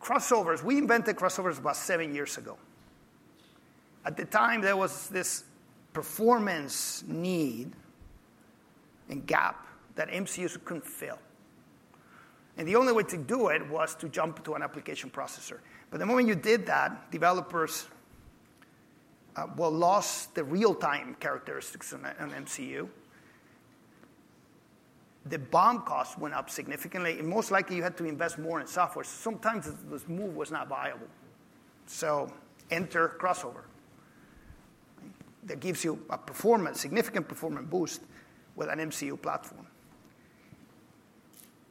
Crossovers, we invented crossovers about seven years ago. At the time, there was this performance need and gap that MCUs couldn't fill, and the only way to do it was to jump to an application processor. But the moment you did that, developers lost the real-time characteristics on an MCU. The BOM cost went up significantly. And most likely, you had to invest more in software. Sometimes this move was not viable. So, enter crossover. That gives you a significant performance boost with an MCU platform.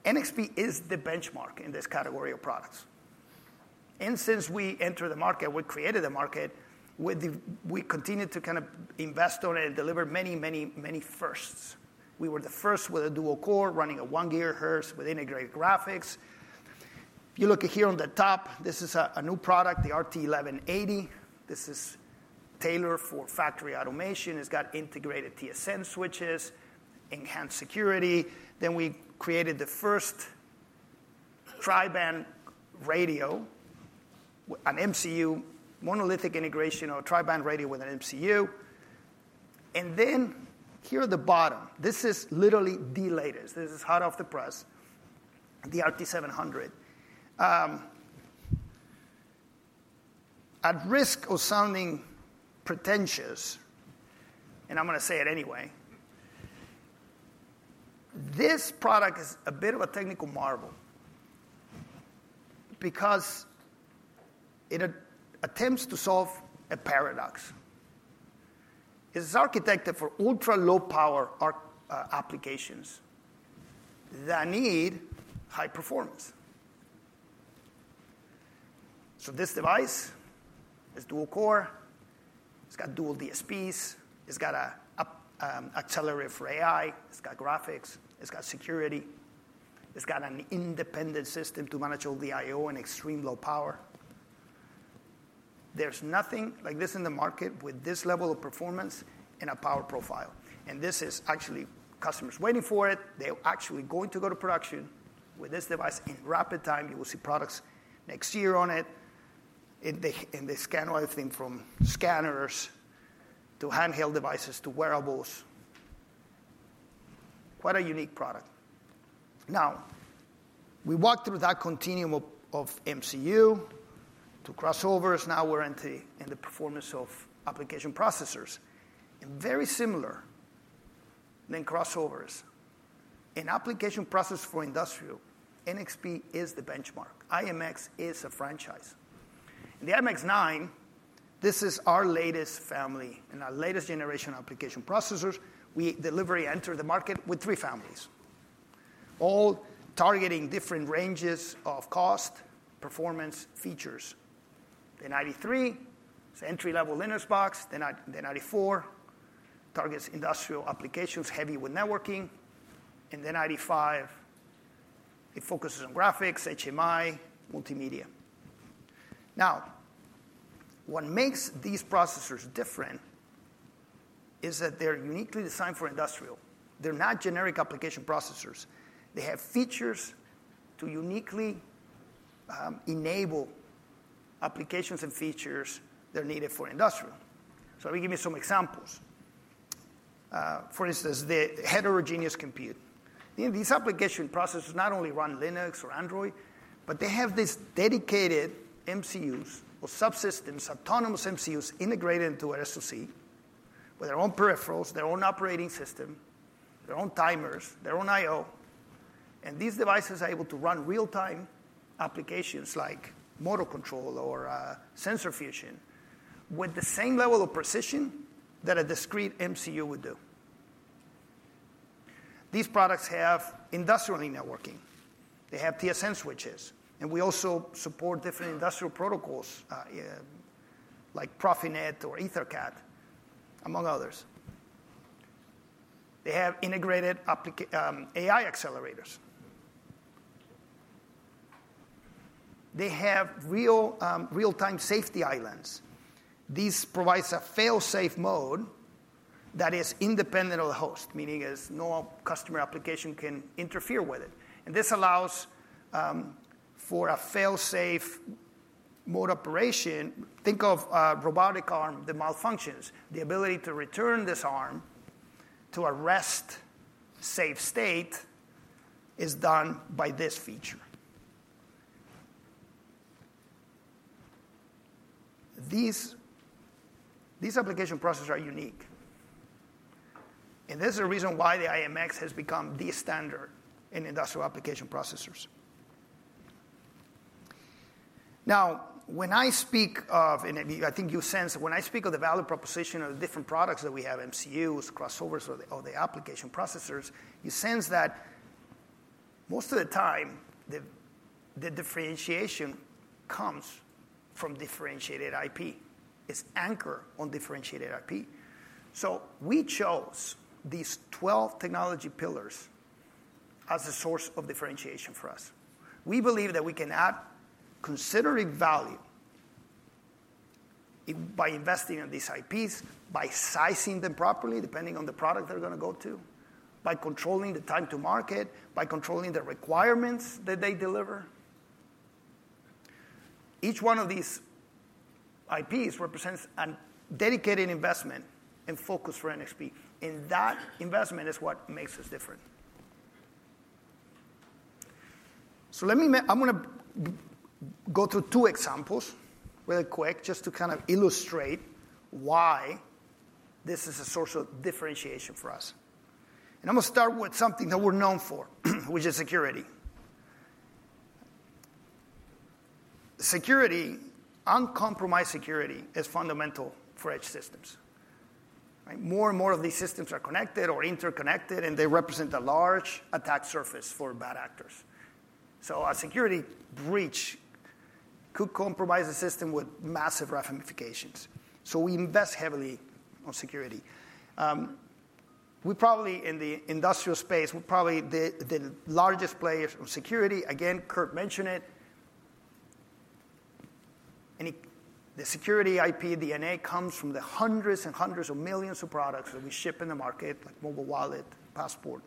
NXP is the benchmark in this category of products. And since we entered the market, we created the market, we continued to kind of invest on it and deliver many, many, many firsts. We were the first with a dual core running a one gigahertz with integrated graphics. If you look here on the top, this is a new product, the RT1180. This is tailored for factory automation. It's got integrated TSN switches, enhanced security. Then we created the first tri-band radio, an MCU, monolithic integration of tri-band radio with an MCU. And then here at the bottom, this is literally the latest. This is hot off the press, the RT700. At risk of sounding pretentious, and I'm going to say it anyway, this product is a bit of a technical marvel because it attempts to solve a paradox. It's architected for ultra-low-power applications that need high performance. So, this device is dual-core. It's got dual DSPs. It's got an accelerator for AI. It's got graphics. It's got security. It's got an independent system to manage all the I/O in extreme low power. There's nothing like this in the market with this level of performance and a power profile. And this is actually customers waiting for it. They're actually going to go to production with this device in rapid time. You will see products next year on it. And they span everything from scanners to handheld devices to wearables. Quite a unique product. Now, we walked through that continuum of MCU to crossovers. Now we're into the performance of application processors. And very similar to crossovers. In application processors for industrial, NXP is the benchmark. i.MX is a franchise. And the i.MX 9, this is our latest family and our latest generation application processors. We entered the market with three families, all targeting different ranges of cost, performance, features. The i.MX 93, it's entry-level Linux box. The i.MX 94 targets industrial applications heavy with networking. And the i.MX 95, it focuses on graphics, HMI, multimedia. Now, what makes these processors different is that they're uniquely designed for industrial. They're not generic application processors. They have features to uniquely enable applications and features that are needed for industrial. So, let me give you some examples. For instance, the heterogeneous compute. These application processors not only run Linux or Android, but they have these dedicated MCUs or subsystems, autonomous MCUs integrated into SoC with their own peripherals, their own operating system, their own timers, their own I/O, and these devices are able to run real-time applications like motor control or sensor fusion with the same level of precision that a discrete MCU would do. These products have industrial networking. They have TSN switches, and we also support different industrial protocols like Profinet or EtherCAT, among others. They have integrated AI accelerators. They have real-time safety islands. These provide a fail-safe mode that is independent of the host, meaning no customer application can interfere with it, and this allows for a fail-safe mode operation. Think of robotic arm, the malfunctions. The ability to return this arm to a rest-safe state is done by this feature. These application processors are unique. This is the reason why the i.MX has become the standard in industrial application processors. Now, when I speak of, and I think you sense, when I speak of the value proposition of the different products that we have, MCUs, crossovers, or the application processors, you sense that most of the time the differentiation comes from differentiated IP. It's anchored on differentiated IP. We chose these 12 technology pillars as a source of differentiation for us. We believe that we can add considerable value by investing in these IPs, by sizing them properly depending on the product they're going to go to, by controlling the time to market, by controlling the requirements that they deliver. Each one of these IPs represents a dedicated investment and focus for NXP. That investment is what makes us different. So, I'm going to go through two examples really quick just to kind of illustrate why this is a source of differentiation for us. And I'm going to start with something that we're known for, which is security. Security, uncompromised security, is fundamental for edge systems. More and more of these systems are connected or interconnected, and they represent a large attack surface for bad actors. So, a security breach could compromise a system with massive ramifications. So, we invest heavily on security. We probably, in the industrial space, we're probably the largest players on security. Again, Kurt mentioned it. The security IP, the know-how, comes from the hundreds and hundreds of millions of products that we ship in the market, like mobile wallet, passport,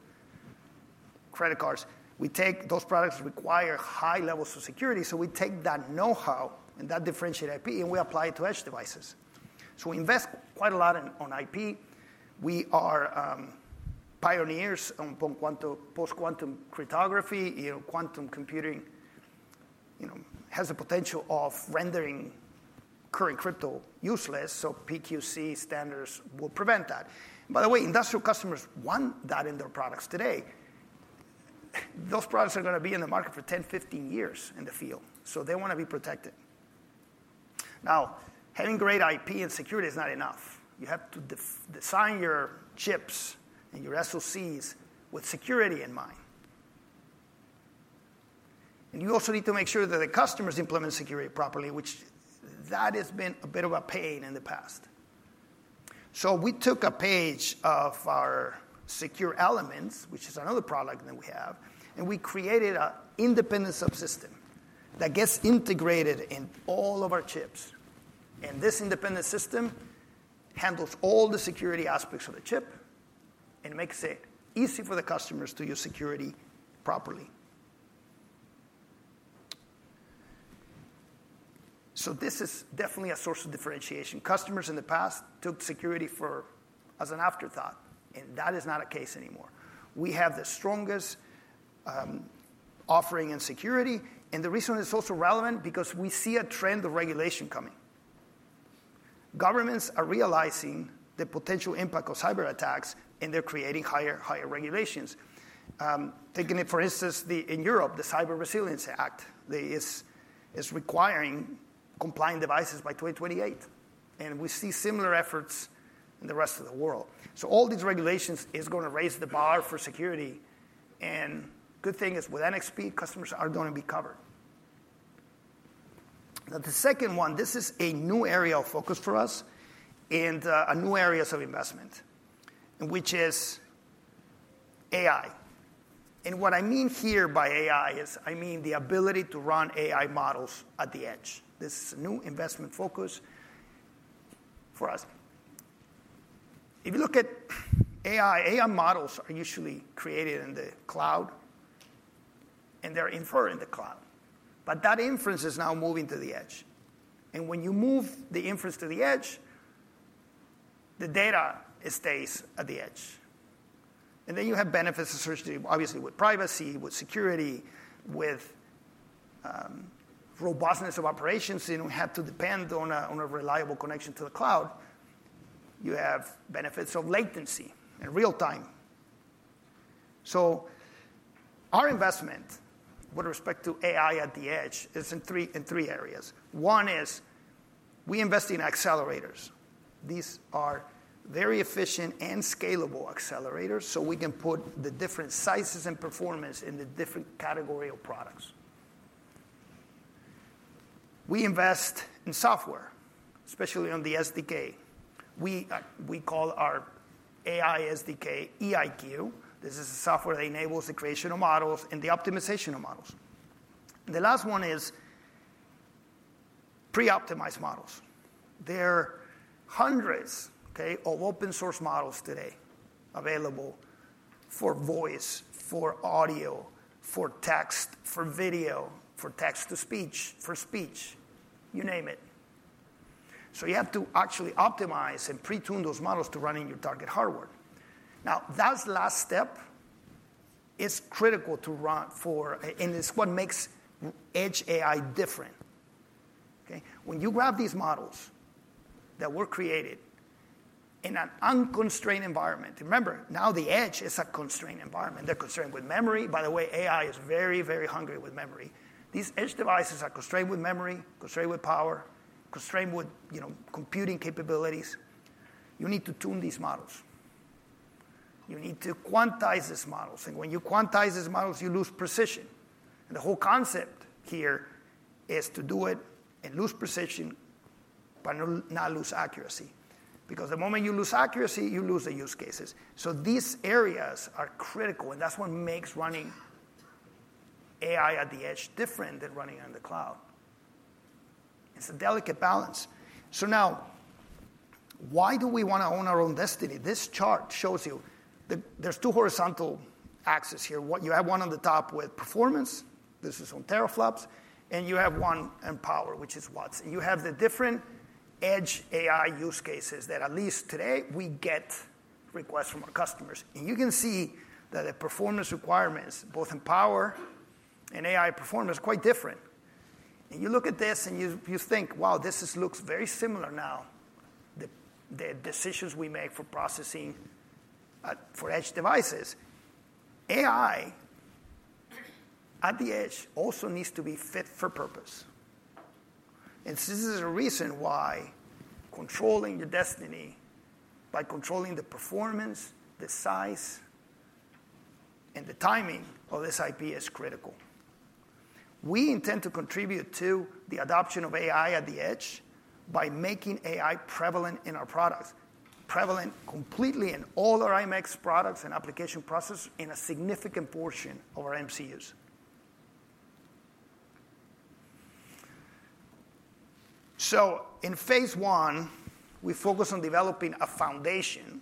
credit cards. Those products require high levels of security. So, we take that know-how and that differentiated IP, and we apply it to edge devices. So, we invest quite a lot on IP. We are pioneers on post-quantum cryptography. Quantum computing has the potential of rendering current crypto useless. So, PQC standards will prevent that. By the way, industrial customers want that in their products today. Those products are going to be in the market for 10, 15 years in the field. So, they want to be protected. Now, having great IP and security is not enough. You have to design your chips and your SOCs with security in mind. And you also need to make sure that the customers implement security properly, which has been a bit of a pain in the past. So, we took a page of our secure elements, which is another product that we have, and we created an independent subsystem that gets integrated in all of our chips. And this independent system handles all the security aspects of the chip and makes it easy for the customers to use security properly. So, this is definitely a source of differentiation. Customers in the past took security as an afterthought, and that is not the case anymore. We have the strongest offering in security. And the reason it's also relevant is because we see a trend of regulation coming. Governments are realizing the potential impact of cyber attacks, and they're creating higher regulations. Thinking of, for instance, in Europe, the Cyber Resilience Act is requiring compliant devices by 2028. And we see similar efforts in the rest of the world. So, all these regulations are going to raise the bar for security. And the good thing is with NXP, customers are going to be covered. Now, the second one, this is a new area of focus for us and a new area of investment, which is AI. And what I mean here by AI is the ability to run AI models at the edge. This is a new investment focus for us. If you look at AI, AI models are usually created in the cloud, and they're inferred in the cloud. But that inference is now moving to the edge. And when you move the inference to the edge, the data stays at the edge. And then you have benefits, obviously, with privacy, with security, with robustness of operations. You don't have to depend on a reliable connection to the cloud. You have benefits of latency and real-time. So, our investment with respect to AI at the edge is in three areas. One is we invest in accelerators. These are very efficient and scalable accelerators, so we can put the different sizes and performance in the different category of products. We invest in software, especially on the SDK. We call our AI SDK eIQ. This is a software that enables the creation of models and the optimization of models, and the last one is pre-optimized models. There are hundreds of open-source models today available for voice, for audio, for text, for video, for text-to-speech, for speech, you name it. So, you have to actually optimize and pre-tune those models to run in your target hardware. Now, that last step is critical for, and it's what makes edge AI different. When you grab these models that were created in an unconstrained environment, remember, now the edge is a constrained environment. They're constrained with memory. By the way, AI is very, very hungry with memory. These edge devices are constrained with memory, constrained with power, constrained with computing capabilities. You need to tune these models. You need to quantize these models, and when you quantize these models, you lose precision, and the whole concept here is to do it and lose precision, but not lose accuracy. Because the moment you lose accuracy, you lose the use cases, so these areas are critical, and that's what makes running AI at the edge different than running on the cloud. It's a delicate balance, so now, why do we want to own our own destiny? This chart shows you there's two horizontal axes here. You have one on the top with performance. This is on teraflops, and you have one in power, which is watts, and you have the different edge AI use cases that, at least today, we get requests from our customers. You can see that the performance requirements, both in power and AI performance, are quite different. You look at this and you think, wow, this looks very similar now. The decisions we make for processing for edge devices. AI at the edge also needs to be fit for purpose. This is a reason why controlling your destiny by controlling the performance, the size, and the timing of this IP is critical. We intend to contribute to the adoption of AI at the edge by making AI prevalent in our products, prevalent completely in all our i.MX products and application processors and a significant portion of our MCUs. In phase one, we focus on developing a foundation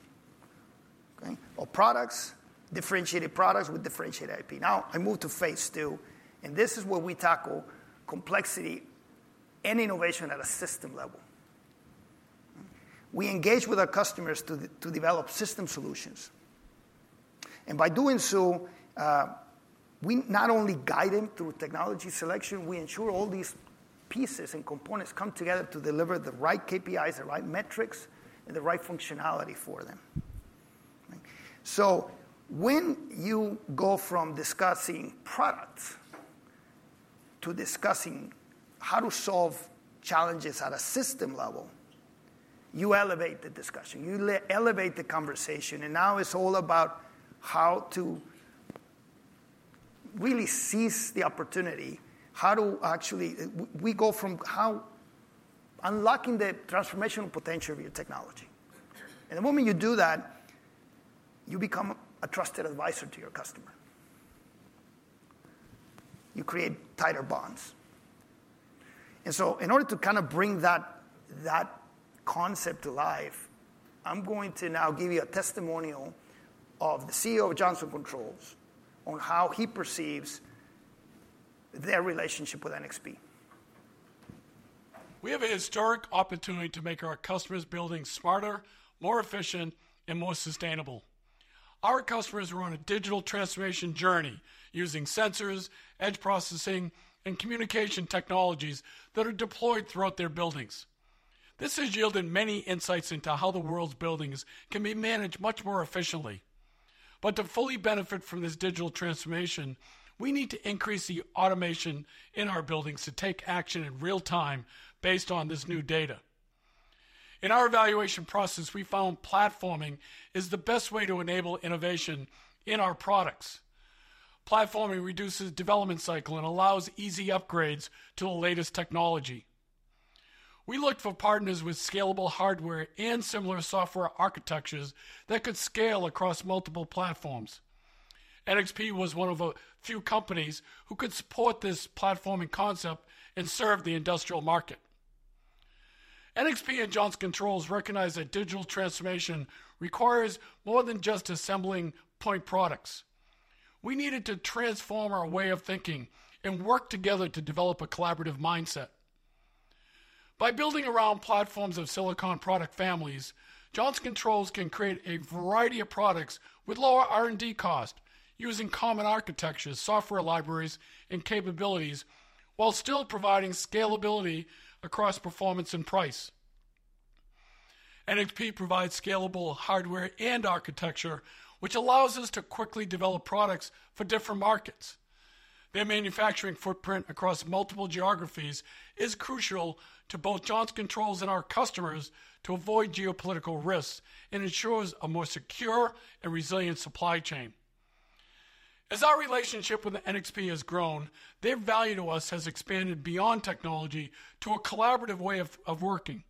of products, differentiated products with differentiated IP. Now, I move to phase two, and this is where we tackle complexity and innovation at a system level. We engage with our customers to develop system solutions and by doing so, we not only guide them through technology selection, we ensure all these pieces and components come together to deliver the right KPIs, the right metrics, and the right functionality for them so, when you go from discussing products to discussing how to solve challenges at a system level, you elevate the discussion. You elevate the conversation and now it's all about how to really seize the opportunity, how to actually we go from unlocking the transformational potential of your technology and the moment you do that, you become a trusted advisor to your customer. You create tighter bonds and so, in order to kind of bring that concept to life, I'm going to now give you a testimonial of the CEO of Johnson Controls on how he perceives their relationship with NXP. We have a historic opportunity to make our customers' buildings smarter, more efficient, and more sustainable. Our customers are on a digital transformation journey using sensors, edge processing, and communication technologies that are deployed throughout their buildings. This has yielded many insights into how the world's buildings can be managed much more efficiently. But to fully benefit from this digital transformation, we need to increase the automation in our buildings to take action in real time based on this new data. In our evaluation process, we found platforming is the best way to enable innovation in our products. Platforming reduces the development cycle and allows easy upgrades to the latest technology. We looked for partners with scalable hardware and similar software architectures that could scale across multiple platforms. NXP was one of a few companies who could support this platforming concept and serve the industrial market. NXP and Johnson Controls recognized that digital transformation requires more than just assembling point products. We needed to transform our way of thinking and work together to develop a collaborative mindset. By building around platforms of silicon product families, Johnson Controls can create a variety of products with lower R&D costs using common architectures, software libraries, and capabilities while still providing scalability across performance and price. NXP provides scalable hardware and architecture, which allows us to quickly develop products for different markets. Their manufacturing footprint across multiple geographies is crucial to both Johnson Controls and our customers to avoid geopolitical risks and ensures a more secure and resilient supply chain. As our relationship with NXP has grown, their value to us has expanded beyond technology to a collaborative way of working.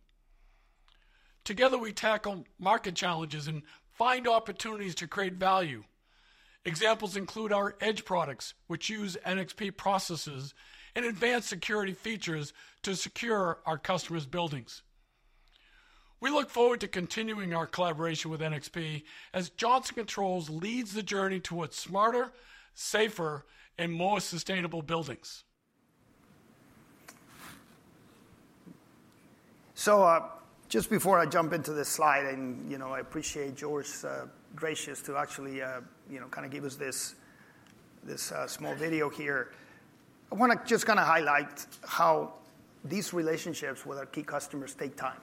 Together, we tackle market challenges and find opportunities to create value. Examples include our edge products, which use NXP processes and advanced security features to secure our customers' buildings. We look forward to continuing our collaboration with NXP as Johnson Controls leads the journey towards smarter, safer, and more sustainable buildings. So just before I jump into this slide, and I appreciate George's graciousness to actually kind of give us this small video here, I want to just kind of highlight how these relationships with our key customers take time.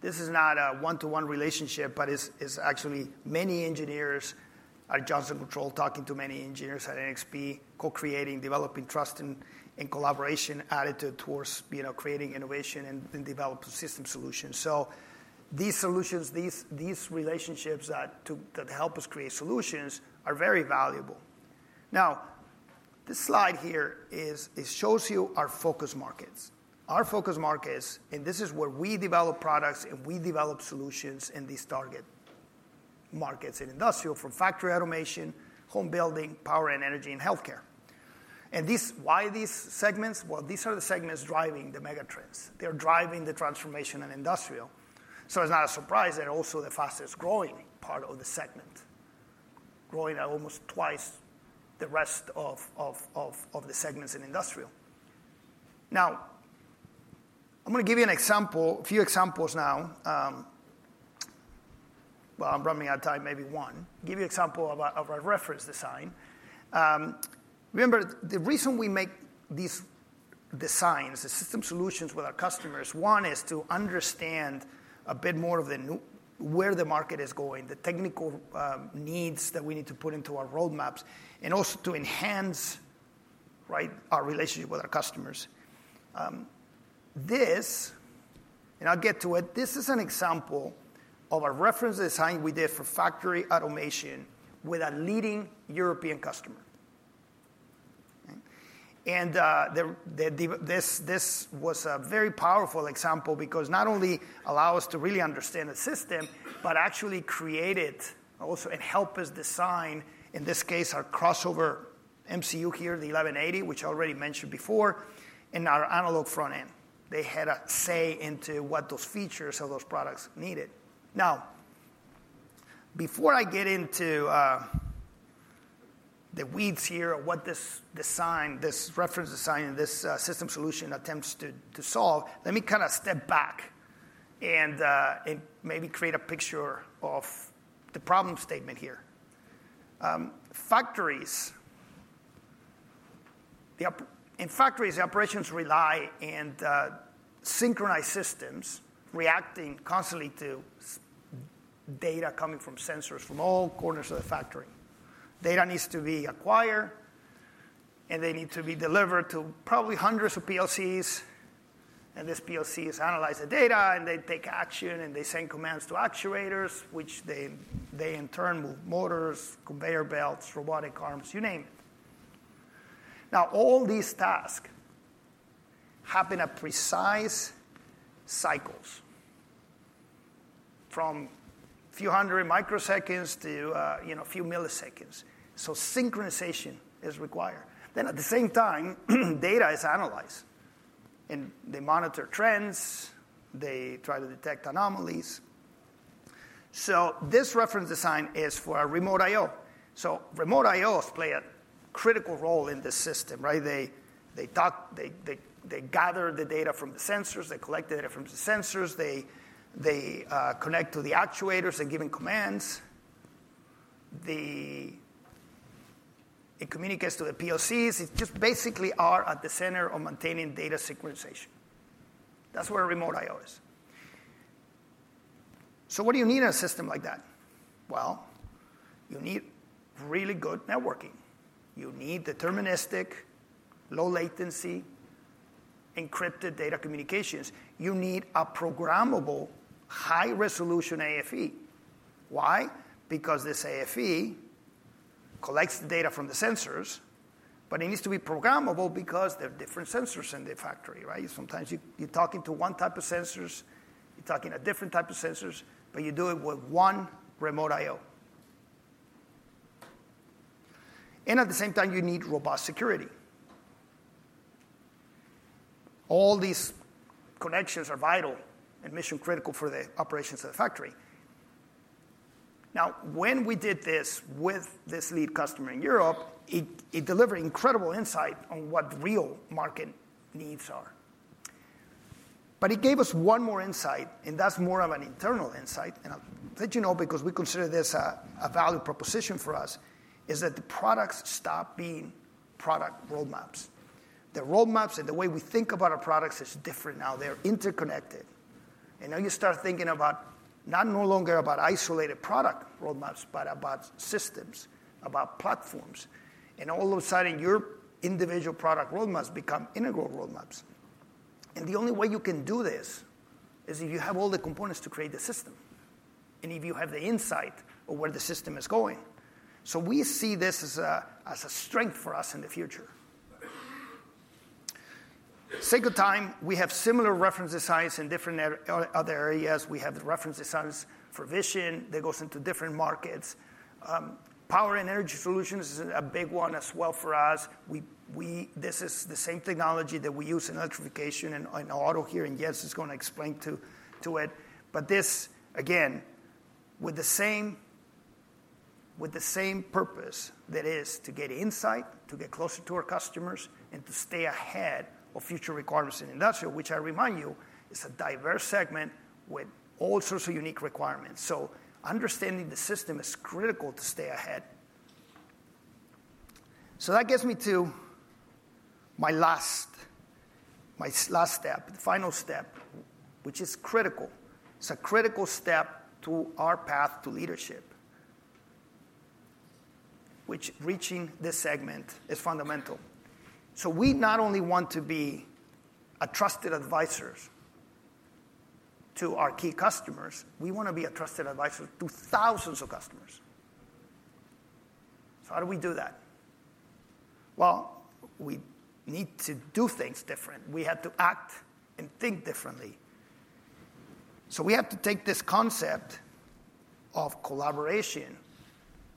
This is not a one-to-one relationship, but it's actually many engineers at Johnson Controls talking to many engineers at NXP, co-creating, developing trust and collaboration attitude towards creating innovation and developing system solutions. So these solutions, these relationships that help us create solutions are very valuable. Now, this slide here shows you our focus markets. Our focus markets, and this is where we develop products and we develop solutions in these target markets: industrial, from factory automation, home building, power and energy, and healthcare. Why these segments? These are the segments driving the megatrends. They're driving the transformation in industrial. It's not a surprise they're also the fastest growing part of the segment, growing at almost twice the rest of the segments in industrial. Now, I'm going to give you a few examples now. I'm running out of time, maybe one. I'll give you an example of our reference design. Remember, the reason we make these designs, the system solutions with our customers: one is to understand a bit more of where the market is going, the technical needs that we need to put into our roadmaps, and also to enhance our relationship with our customers. This, and I'll get to it, this is an example of a reference design we did for factory automation with a leading European customer. And this was a very powerful example because not only did it allow us to really understand the system, but actually created also and helped us design, in this case, our crossover MCU here, the 1180, which I already mentioned before, and our analog front end. They had a say into what those features of those products needed. Now, before I get into the weeds here of what this reference design and this system solution attempts to solve, let me kind of step back and maybe create a picture of the problem statement here. In factories, operations rely on synchronized systems reacting constantly to data coming from sensors from all corners of the factory. Data needs to be acquired, and they need to be delivered to probably hundreds of PLCs, and these PLCs analyze the data, and they take action, and they send commands to actuators, which in turn move motors, conveyor belts, robotic arms, you name it. Now, all these tasks happen at precise cycles from a few hundred microseconds to a few milliseconds, so synchronization is required, then at the same time data is analyzed, and they monitor trends. They try to detect anomalies, so this reference design is for a remote IO, so remote IOs play a critical role in this system. They gather the data from the sensors. They collect the data from the sensors. They connect to the actuators and give them commands. It communicates to the PLCs. It just basically is at the center of maintaining data synchronization. That's where remote IO is. So what do you need in a system like that? Well, you need really good networking. You need deterministic, low-latency, encrypted data communications. You need a programmable high-resolution AFE. Why? Because this AFE collects the data from the sensors, but it needs to be programmable because there are different sensors in the factory. Sometimes you're talking to one type of sensors. You're talking to a different type of sensors, but you do it with one remote IO. And at the same time, you need robust security. All these connections are vital and mission-critical for the operations of the factory. Now, when we did this with this lead customer in Europe, it delivered incredible insight on what real market needs are. But it gave us one more insight, and that's more of an internal insight. And I'll let you know because we consider this a value proposition for us, is that the products stop being product roadmaps. The roadmaps and the way we think about our products is different now. They're interconnected. And now you start thinking about not no longer about isolated product roadmaps, but about systems, about platforms. And all of a sudden, your individual product roadmaps become integral roadmaps. And the only way you can do this is if you have all the components to create the system and if you have the insight of where the system is going. So we see this as a strength for us in the future. At the same time, we have similar reference designs in different other areas. We have the reference designs for vision that goes into different markets. Power and energy solutions is a big one as well for us. This is the same technology that we use in electrification and auto here, and Jens is going to explain to it. But this, again, with the same purpose that is to get insight, to get closer to our customers, and to stay ahead of future requirements in industrial, which I remind you is a diverse segment with all sorts of unique requirements, so understanding the system is critical to stay ahead, so that gets me to my last step, the final step, which is critical. It's a critical step to our path to leadership, which reaching this segment is fundamental, so we not only want to be trusted advisors to our key customers, we want to be trusted advisors to thousands of customers, so how do we do that, well, we need to do things different. We have to act and think differently. So we have to take this concept of collaboration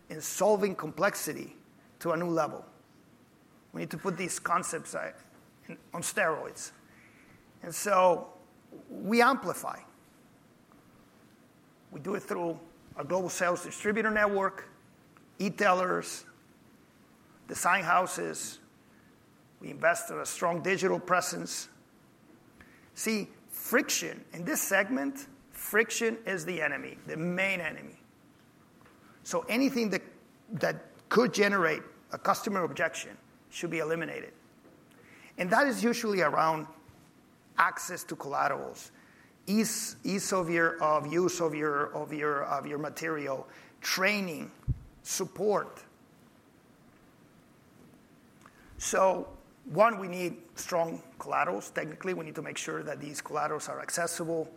and solving complexity to a new level. We need to put these concepts on steroids. And so we amplify. We do it through our global sales distributor network, e-tellers, design houses. We invest in a strong digital presence. See, friction in this segment, friction is the enemy, the main enemy. So anything that could generate a customer objection should be eliminated. And that is usually around access to collaterals, ease of use of your material, training, support. So one, we need strong collaterals. Technically, we need to make sure that these collaterals are accessible,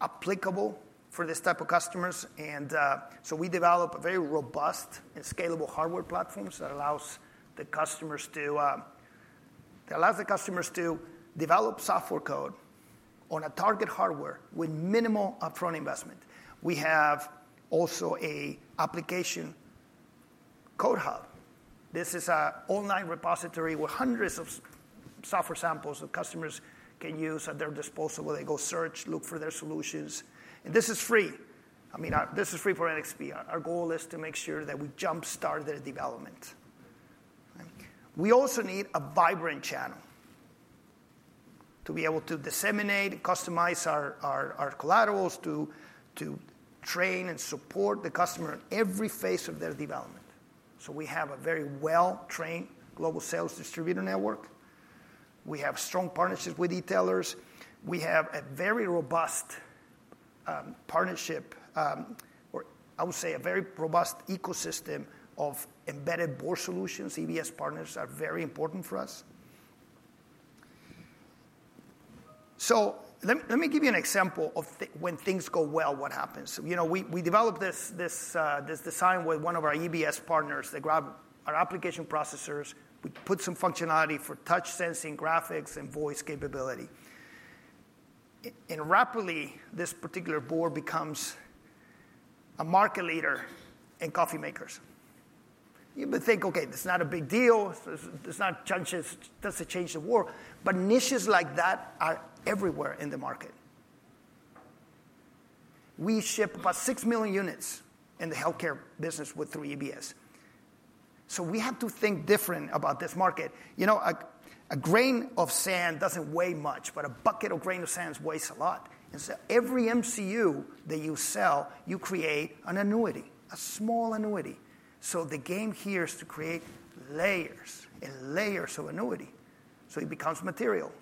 applicable for this type of customers. And so we develop a very robust and scalable hardware platform that allows the customers to develop software code on a target hardware with minimal upfront investment. We have also an application code hub. This is an online repository with hundreds of software samples that customers can use at their disposal. They go search, look for their solutions, and this is free. I mean, this is free for NXP. Our goal is to make sure that we jump-start their development. We also need a vibrant channel to be able to disseminate and customize our collaterals to train and support the customer in every phase of their development, so we have a very well-trained global sales distributor network. We have strong partnerships with e-tailers. We have a very robust partnership, or I would say a very robust ecosystem of embedded board solutions. EBS partners are very important for us, so let me give you an example of when things go well, what happens. We developed this design with one of our EBS partners. They grabbed our application processors. We put some functionality for touch sensing, graphics, and voice capability, and rapidly, this particular board becomes a market leader in coffee makers. You may think, "Okay, it's not a big deal. It's not a chance it doesn't change the world," but niches like that are everywhere in the market. We ship about six million units in the healthcare business with three EBS, so we have to think different about this market. A grain of sand doesn't weigh much, but a bucket of grain of sand weighs a lot, and so every MCU that you sell, you create an annuity, a small annuity. The game here is to create layers and layers of annuity so it becomes material.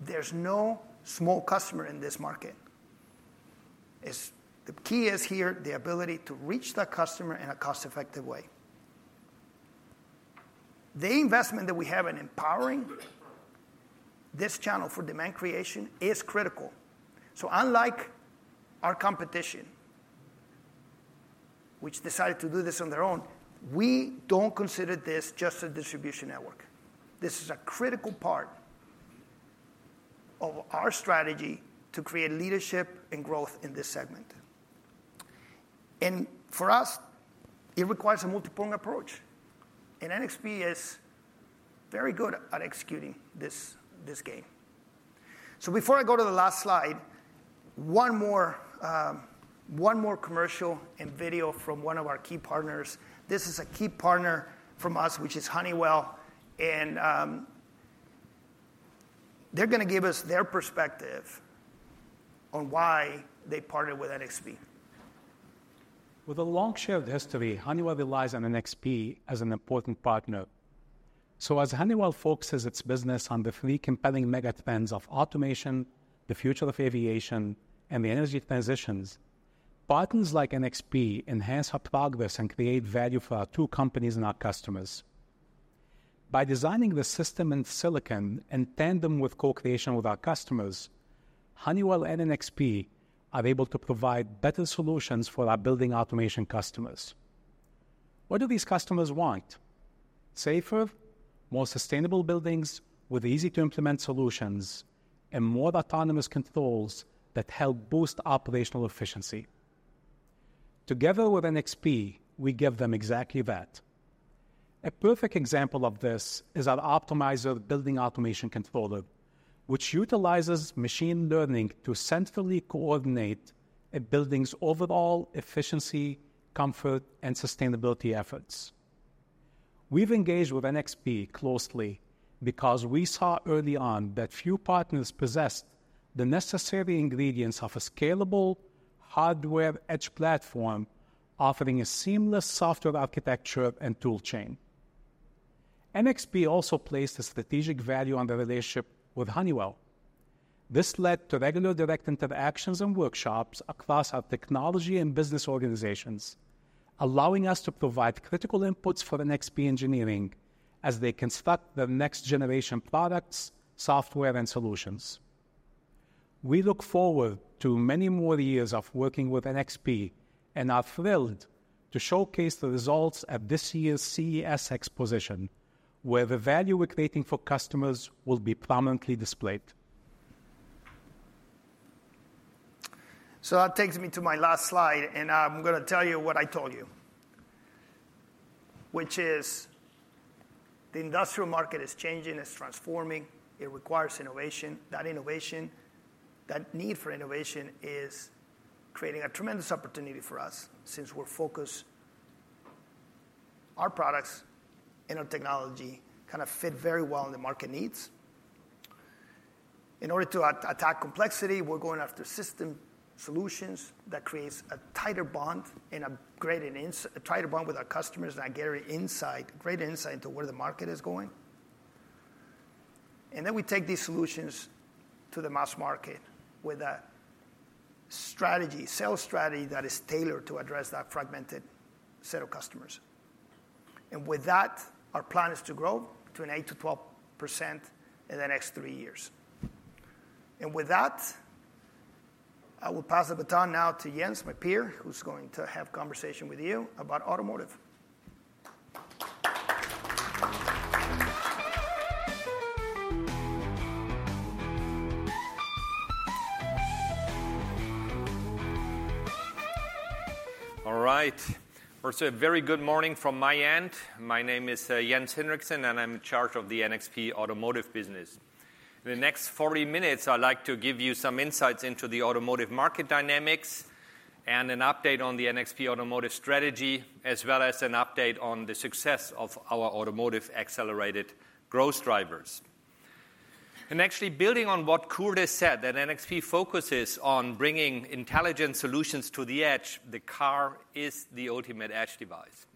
There's no small customer in this market. The key is here: the ability to reach that customer in a cost-effective way. The investment that we have in empowering this channel for demand creation is critical. So unlike our competition, which decided to do this on their own, we don't consider this just a distribution network. This is a critical part of our strategy to create leadership and growth in this segment. And for us, it requires a multi-prong approach. And NXP is very good at executing this game. So before I go to the last slide, one more commercial and video from one of our key partners. This is a key partner from us, which is Honeywell. And they're going to give us their perspective on why they partnered with NXP. With a long share of history, Honeywell relies on NXP as an important partner. So as Honeywell focuses its business on the three compelling megatrends of automation, the future of aviation, and the energy transitions, partners like NXP enhance our progress and create value for our two companies and our customers. By designing the system in silicon in tandem with co-creation with our customers, Honeywell and NXP are able to provide better solutions for our building automation customers. What do these customers want? Safer, more sustainable buildings with easy-to-implement solutions and more autonomous controls that help boost operational efficiency. Together with NXP, we give them exactly that. A perfect example of this is our optimizer building automation controller, which utilizes machine learning to centrally coordinate a building's overall efficiency, comfort, and sustainability efforts. We've engaged with NXP closely because we saw early on that few partners possessed the necessary ingredients of a scalable hardware edge platform offering a seamless software architecture and toolchain. NXP also placed a strategic value on the relationship with Honeywell. This led to regular direct interactions and workshops across our technology and business organizations, allowing us to provide critical inputs for NXP engineering as they construct their next-generation products, software, and solutions. We look forward to many more years of working with NXP and are thrilled to showcase the results at this year's CES exposition, where the value we're creating for customers will be prominently displayed. So that takes me to my last slide. And I'm going to tell you what I told you, which is the industrial market is changing. It's transforming. It requires innovation. That need for innovation is creating a tremendous opportunity for us since we're focused on our products and our technology kind of fit very well in the market needs. In order to attack complexity, we're going after system solutions that create a tighter bond and a greater bond with our customers and a greater insight into where the market is going. And then we take these solutions to the mass market with a sales strategy that is tailored to address that fragmented set of customers. And with that, our plan is to grow to 8%-12% in the next three years. And with that, I will pass the baton now to Jens, my peer, who's going to have a conversation with you about automotive. All right. First, a very good morning from my end. My name is Jens Hinrichsen, and I'm in charge of the NXP automotive business. In the next 40 minutes, I'd like to give you some insights into the automotive market dynamics and an update on the NXP automotive strategy, as well as an update on the success of our automotive accelerated growth drivers. Actually, building on what Kurt said, NXP focuses on bringing intelligent solutions to the edge. The car is the ultimate edge device.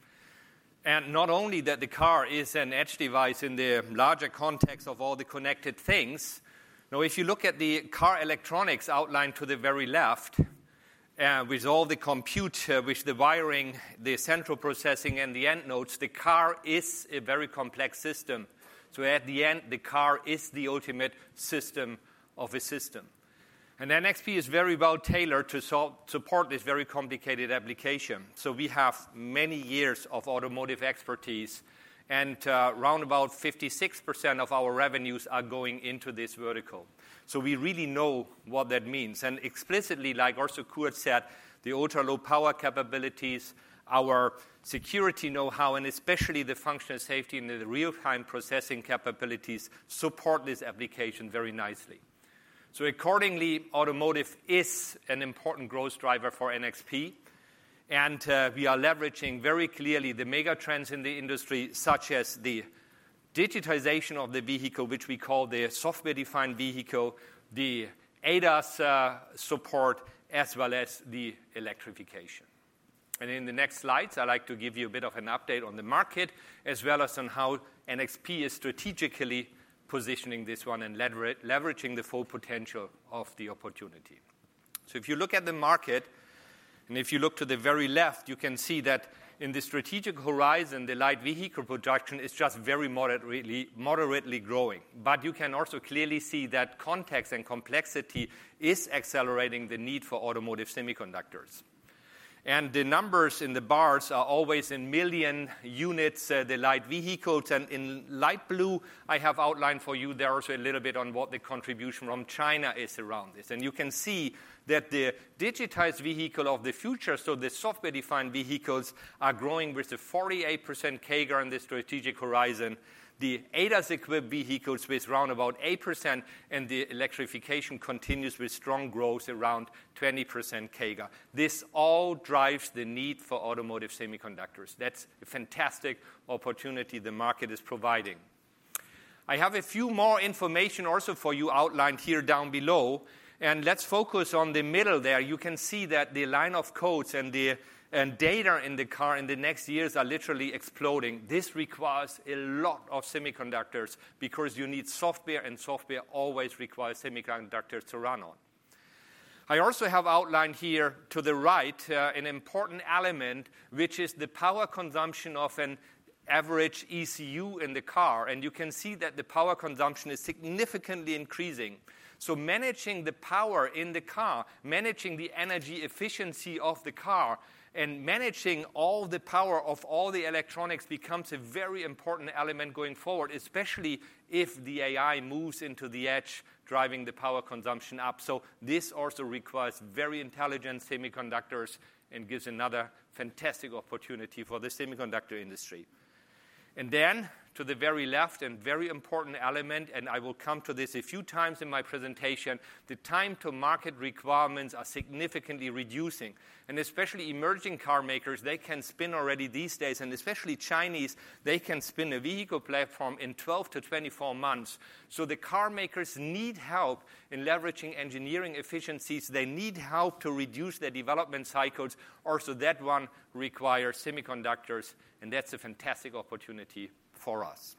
Not only that, the car is an edge device in the larger context of all the connected things. Now, if you look at the car electronics outline to the very left, with all the compute, with the wiring, the central processing, and the end nodes, the car is a very complex system. At the end, the car is the ultimate system of systems. NXP is very well tailored to support this very complicated application. So we have many years of automotive expertise, and around about 56% of our revenues are going into this vertical. So we really know what that means. And explicitly, like also Kurt said, the ultra-low power capabilities, our security know-how, and especially the functional safety and the real-time processing capabilities support this application very nicely. So accordingly, automotive is an important growth driver for NXP. And we are leveraging very clearly the megatrends in the industry, such as the digitization of the vehicle, which we call the software-defined vehicle, the ADAS support, as well as the electrification. And in the next slides, I'd like to give you a bit of an update on the market, as well as on how NXP is strategically positioning this one and leveraging the full potential of the opportunity. So if you look at the market, and if you look to the very left, you can see that in the strategic horizon, the light vehicle production is just very moderately growing. But you can also clearly see that context and complexity is accelerating the need for automotive semiconductors. And the numbers in the bars are always in million units, the light vehicles. And in light blue, I have outlined for you there also a little bit on what the contribution from China is around this. And you can see that the digitized vehicle of the future, so the software-defined vehicles, are growing with a 48% CAGR on the strategic horizon. The ADAS-equipped vehicles with around about 8%, and the electrification continues with strong growth around 20% CAGR. This all drives the need for automotive semiconductors. That's a fantastic opportunity the market is providing. I have a few more information also for you outlined here down below. And let's focus on the middle there. You can see that the lines of code and the data in the car in the next years are literally exploding. This requires a lot of semiconductors because you need software, and software always requires semiconductors to run on. I also have outlined here to the right an important element, which is the power consumption of an average ECU in the car. And you can see that the power consumption is significantly increasing. So managing the power in the car, managing the energy efficiency of the car, and managing all the power of all the electronics becomes a very important element going forward, especially if the AI moves into the edge, driving the power consumption up. So this also requires very intelligent semiconductors and gives another fantastic opportunity for the semiconductor industry. And then to the very left, a very important element, and I will come to this a few times in my presentation, the time-to-market requirements are significantly reducing. And especially emerging car makers, they can spin already these days, and especially Chinese, they can spin a vehicle platform in 12-24 months. So the car makers need help in leveraging engineering efficiencies. They need help to reduce their development cycles. Also, that one requires semiconductors, and that's a fantastic opportunity for us.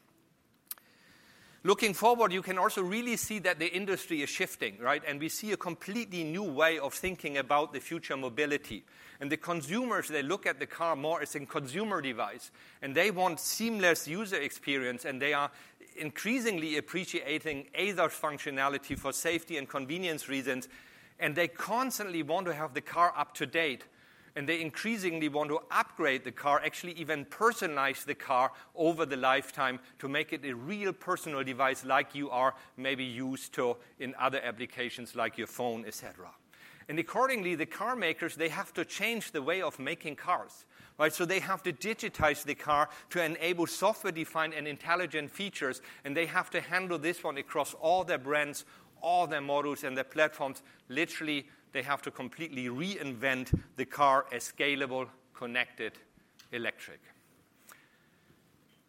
Looking forward, you can also really see that the industry is shifting, right? And we see a completely new way of thinking about the future mobility. And the consumers, they look at the car more as a consumer device, and they want seamless user experience, and they are increasingly appreciating ADAS functionality for safety and convenience reasons. And they constantly want to have the car up to date, and they increasingly want to upgrade the car, actually even personalize the car over the lifetime to make it a real personal device like you are maybe used to in other applications like your phone, etc. And accordingly, the car makers, they have to change the way of making cars, right? So they have to digitize the car to enable software-defined and intelligent features, and they have to handle this one across all their brands, all their models, and their platforms. Literally, they have to completely reinvent the car as scalable, connected, electric.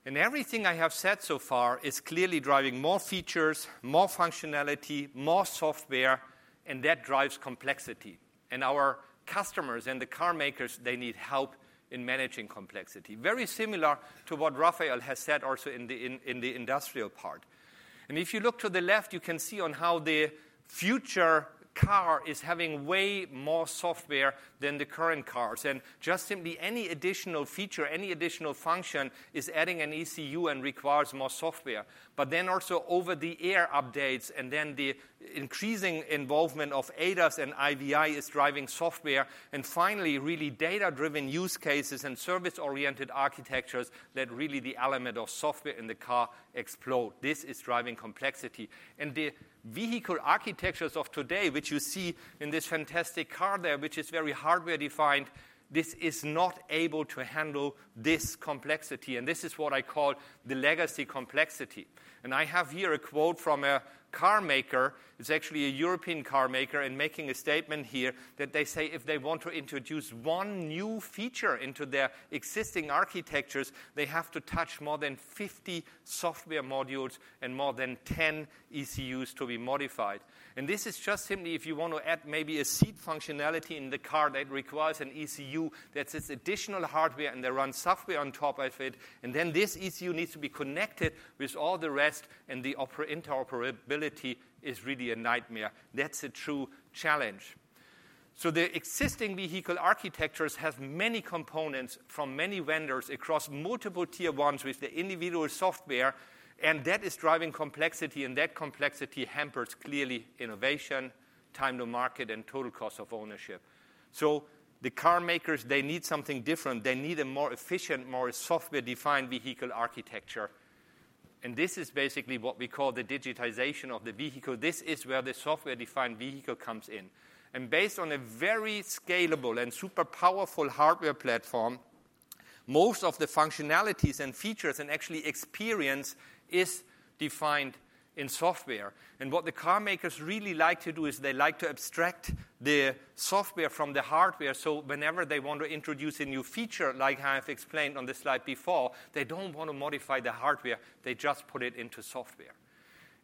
Everything I have said so far is clearly driving more features, more functionality, more software, and that drives complexity. Our customers and the car makers, they need help in managing complexity, very similar to what Rafael has said also in the industrial part. If you look to the left, you can see how the future car is having way more software than the current cars. Just simply any additional feature, any additional function is adding an ECU and requires more software. Then also over-the-air updates and then the increasing involvement of ADAS and IVI is driving software. Finally, really data-driven use cases and service-oriented architectures that really the element of software in the car explode. This is driving complexity. And the vehicle architectures of today, which you see in this fantastic car there, which is very hardware-defined, this is not able to handle this complexity. And this is what I call the legacy complexity. And I have here a quote from a car maker. It's actually a European car maker making a statement here that they say if they want to introduce one new feature into their existing architectures, they have to touch more than 50 software modules and more than 10 ECUs to be modified. And this is just simply if you want to add maybe a seat functionality in the car that requires an ECU that's this additional hardware and they run software on top of it. And then this ECU needs to be connected with all the rest, and the interoperability is really a nightmare. That's a true challenge. So the existing vehicle architectures have many components from many vendors across multiple tier ones with the individual software, and that is driving complexity. And that complexity hampers clearly innovation, time to market, and total cost of ownership. So the car makers, they need something different. They need a more efficient, more software-defined vehicle architecture. And this is basically what we call the digitization of the vehicle. This is where the software-defined vehicle comes in. And based on a very scalable and super powerful hardware platform, most of the functionalities and features and actually experience is defined in software. And what the car makers really like to do is they like to abstract the software from the hardware. So whenever they want to introduce a new feature, like I have explained on the slide before, they don't want to modify the hardware. They just put it into software.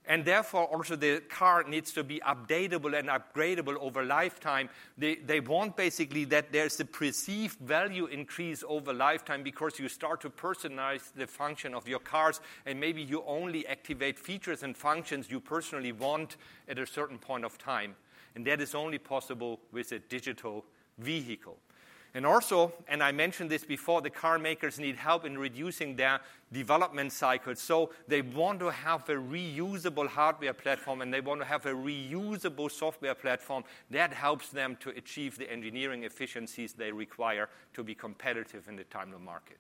And therefore, also, the car needs to be updatable and upgradable over lifetime. They want basically that there's a perceived value increase over lifetime because you start to personalize the function of your cars, and maybe you only activate features and functions you personally want at a certain point of time. And that is only possible with a digital vehicle. And also, and I mentioned this before, the car makers need help in reducing their development cycles. So they want to have a reusable hardware platform, and they want to have a reusable software platform that helps them to achieve the engineering efficiencies they require to be competitive in the time of market.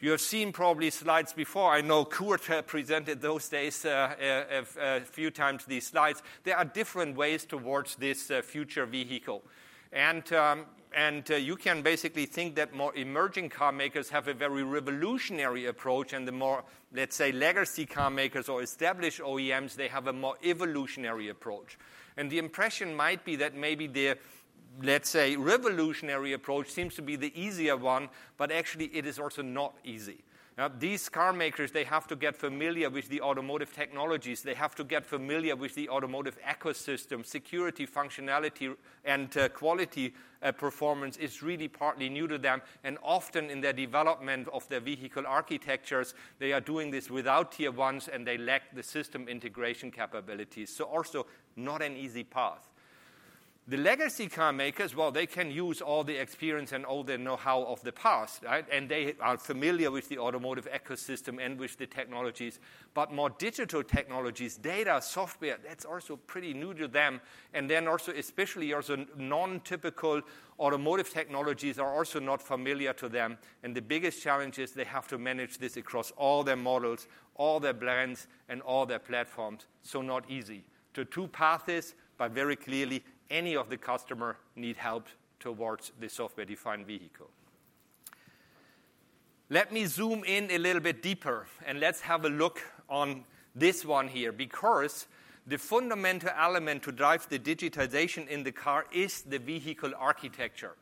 You have seen probably slides before. I know Kurt has presented those same slides a few times. There are different ways towards this future vehicle. You can basically think that more emerging car makers have a very revolutionary approach, and the more, let's say, legacy car makers or established OEMs, they have a more evolutionary approach. The impression might be that maybe the, let's say, revolutionary approach seems to be the easier one, but actually, it is also not easy. These car makers, they have to get familiar with the automotive technologies. They have to get familiar with the automotive ecosystem. Security functionality and quality performance is really partly new to them. Often, in their development of their vehicle architectures, they are doing this without tier ones, and they lack the system integration capabilities. Also, not an easy path. The legacy car makers, well, they can use all the experience and all the know-how of the past, right? They are familiar with the automotive ecosystem and with the technologies. But more digital technologies, data, software, that's also pretty new to them. And then also, especially also non-typical automotive technologies are also not familiar to them. And the biggest challenge is they have to manage this across all their models, all their brands, and all their platforms. So not easy. The tough path is, but very clearly, any of the customers need help towards the software-defined vehicle. Let me zoom in a little bit deeper, and let's have a look on this one here because the fundamental element to drive the digitization in the car is the vehicle architecture.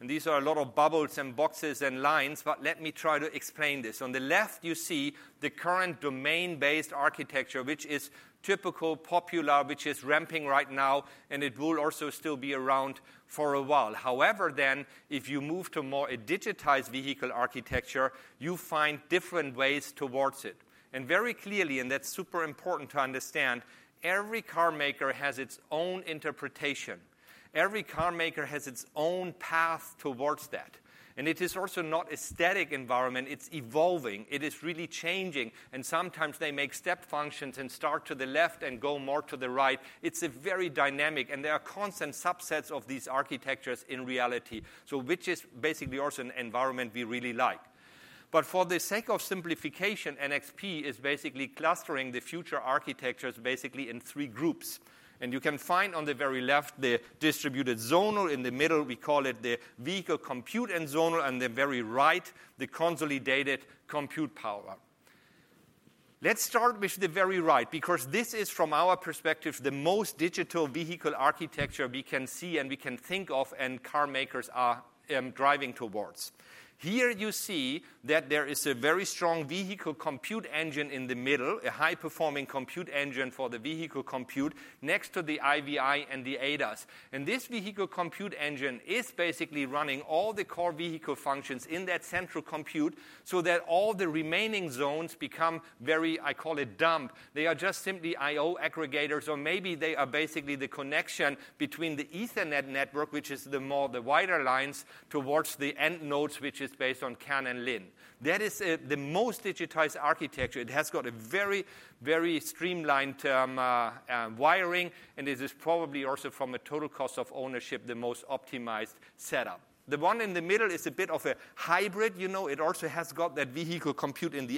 And these are a lot of bubbles and boxes and lines, but let me try to explain this. On the left, you see the current domain-based architecture, which is typical, popular, which is ramping right now, and it will also still be around for a while. However, then, if you move to more a digitized vehicle architecture, you find different ways towards it. And very clearly, and that's super important to understand, every car maker has its own interpretation. Every car maker has its own path towards that. And it is also not a static environment. It's evolving. It is really changing. And sometimes they make step functions and start to the left and go more to the right. It's a very dynamic, and there are constant subsets of these architectures in reality. So which is basically also an environment we really like. But for the sake of simplification, NXP is basically clustering the future architectures basically in three groups. And you can find on the very left the distributed zonal. In the middle, we call it the vehicle compute and zonal. On the very right, the consolidated compute power. Let's start with the very right because this is, from our perspective, the most digital vehicle architecture we can see and we can think of and car makers are driving towards. Here you see that there is a very strong vehicle compute engine in the middle, a high-performing compute engine for the vehicle compute next to the IVI and the ADAS. And this vehicle compute engine is basically running all the core vehicle functions in that central compute so that all the remaining zones become very, I call it dumb. They are just simply I/O aggregators, or maybe they are basically the connection between the Ethernet network, which is the more the wider lines towards the end nodes, which is based on CAN and LIN. That is the most digitized architecture. It has got a very, very streamlined wiring, and this is probably also from a total cost of ownership, the most optimized setup. The one in the middle is a bit of a hybrid. It also has got that vehicle compute in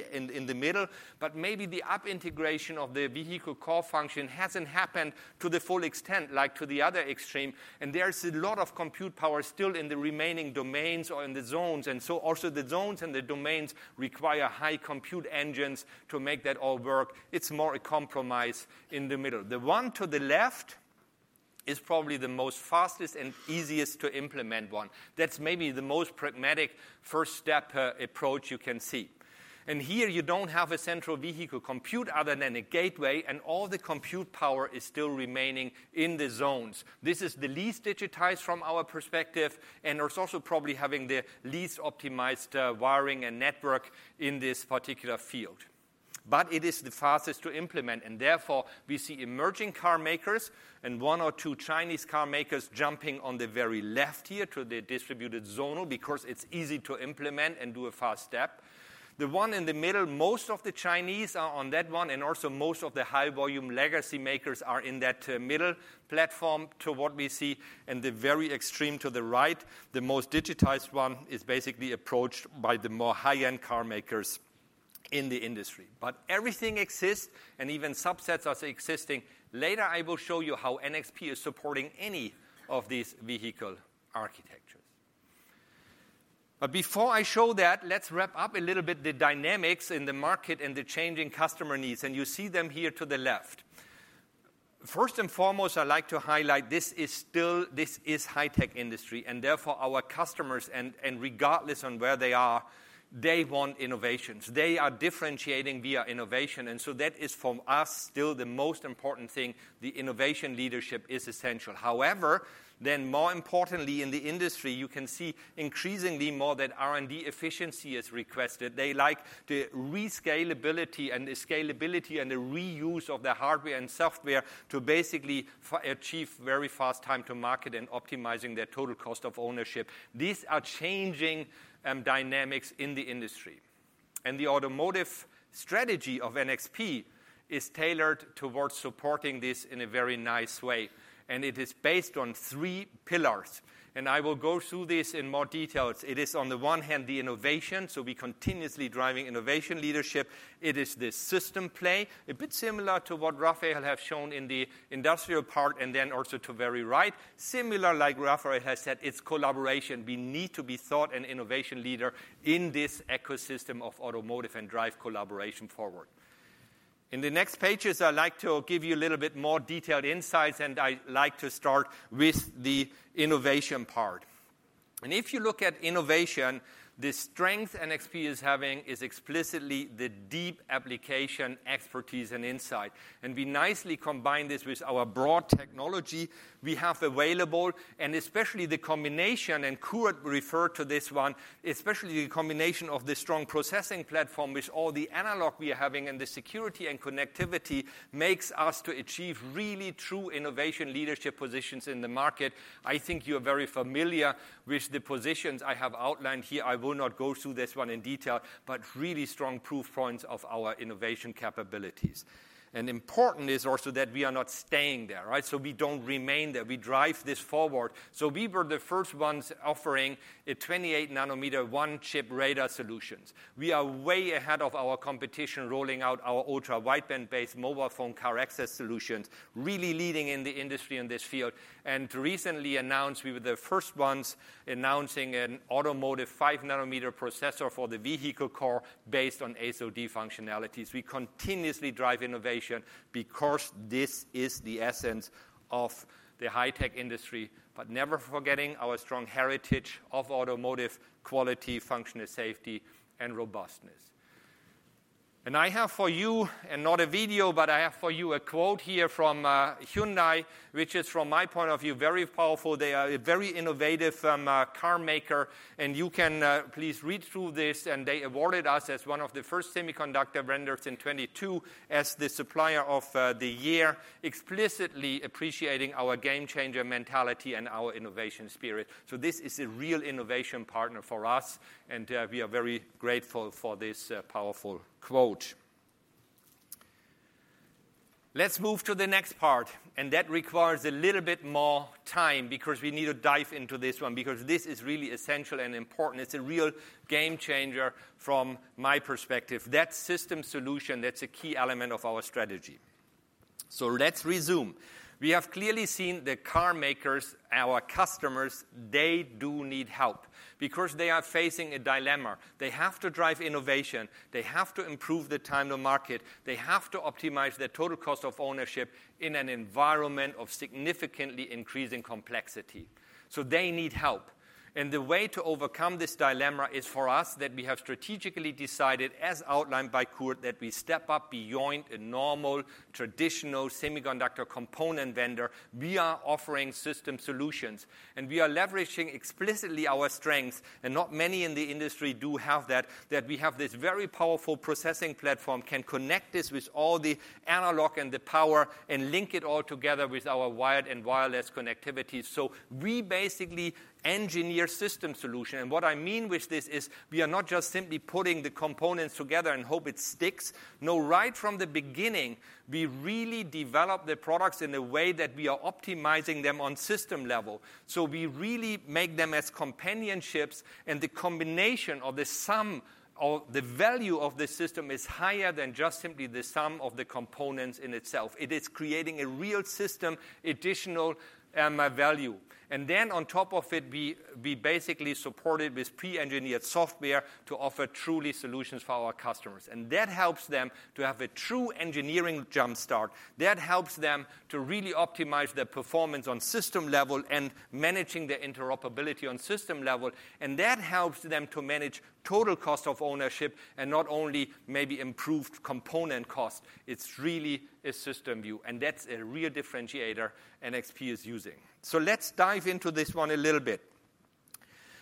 the middle, but maybe the app integration of the vehicle core function hasn't happened to the full extent like to the other extreme, and there's a lot of compute power still in the remaining domains or in the zones, and so also, the zones and the domains require high compute engines to make that all work. It's more a compromise in the middle. The one to the left is probably the most fastest and easiest to implement one. That's maybe the most pragmatic first-step approach you can see. Here, you don't have a central vehicle compute other than a gateway, and all the compute power is still remaining in the zones. This is the least digitized from our perspective and is also probably having the least optimized wiring and network in this particular field. But it is the fastest to implement, and therefore, we see emerging car makers and one or two Chinese car makers jumping on the very left here to the distributed zonal because it's easy to implement and do a fast step. The one in the middle, most of the Chinese are on that one, and also most of the high-volume legacy makers are in that middle platform to what we see. The very extreme to the right, the most digitized one is basically approached by the more high-end car makers in the industry. But everything exists and even subsets are existing. Later, I will show you how NXP is supporting any of these vehicle architectures. But before I show that, let's wrap up a little bit the dynamics in the market and the changing customer needs, and you see them here to the left. First and foremost, I'd like to highlight this is still a high-tech industry, and therefore, our customers, and regardless of where they are, they want innovations. They are differentiating via innovation, and so that is for us still the most important thing. The innovation leadership is essential. However, then more importantly, in the industry, you can see increasingly more that R&D efficiency is requested. They like the reusability and the scalability and the reuse of the hardware and software to basically achieve very fast time to market and optimizing their total cost of ownership. These are changing dynamics in the industry. And the automotive strategy of NXP is tailored towards supporting this in a very nice way. And it is based on three pillars, and I will go through this in more detail. It is, on the one hand, the innovation, so we continuously driving innovation leadership. It is the system play, a bit similar to what Rafael has shown in the industrial part, and then also to the very right, similar like Rafael has said, it's collaboration. We need to be thought an innovation leader in this ecosystem of automotive and drive collaboration forward. In the next pages, I'd like to give you a little bit more detailed insights, and I'd like to start with the innovation part. And if you look at innovation, the strength NXP is having is explicitly the deep application expertise and insight. We nicely combine this with our broad technology we have available, and especially the combination, and Kurt referred to this one, especially the combination of the strong processing platform with all the analog we are having and the security and connectivity makes us to achieve really true innovation leadership positions in the market. I think you are very familiar with the positions I have outlined here. I will not go through this one in detail, but really strong proof points of our innovation capabilities. Important is also that we are not staying there, right? We don't remain there. We drive this forward. We were the first ones offering a 28-nanometer one-chip radar solutions. We are way ahead of our competition rolling out our ultra-wideband-based mobile phone car access solutions, really leading in the industry in this field. Recently announced, we were the first ones announcing an automotive 5-nanometer processor for the vehicle core based on ASIL-D functionalities. We continuously drive innovation because this is the essence of the high-tech industry, but never forgetting our strong heritage of automotive quality, functional safety, and robustness. I have for you, and not a video, but I have for you a quote here from Hyundai, which is, from my point of view, very powerful. They are a very innovative car maker, and you can please read through this. They awarded us as one of the first semiconductor vendors in 2022 as the supplier of the year, explicitly appreciating our game-changer mentality and our innovation spirit. This is a real innovation partner for us, and we are very grateful for this powerful quote. Let's move to the next part, and that requires a little bit more time because we need to dive into this one because this is really essential and important. It's a real game changer from my perspective. That system solution, that's a key element of our strategy. So let's resume. We have clearly seen the car makers, our customers, they do need help because they are facing a dilemma. They have to drive innovation. They have to improve the time to market. They have to optimize their total cost of ownership in an environment of significantly increasing complexity. So they need help, and the way to overcome this dilemma is for us that we have strategically decided, as outlined by Kurt, that we step up beyond a normal traditional semiconductor component vendor. We are offering system solutions, and we are leveraging explicitly our strengths, and not many in the industry do have that, that we have this very powerful processing platform, can connect this with all the analog and the power, and link it all together with our wired and wireless connectivity, so we basically engineer system solution, and what I mean with this is we are not just simply putting the components together and hope it sticks, no, right from the beginning, we really develop the products in a way that we are optimizing them on system level, so we really make them as complements, and the combination of the sum or the value of the system is higher than just simply the sum of the components in itself. It is creating a real system additional value. And then on top of it, we basically support it with pre-engineered software to offer truly solutions for our customers. And that helps them to have a true engineering jump start. That helps them to really optimize their performance on system level and managing their interoperability on system level. And that helps them to manage total cost of ownership and not only maybe improved component cost. It's really a system view, and that's a real differentiator NXP is using. So let's dive into this one a little bit.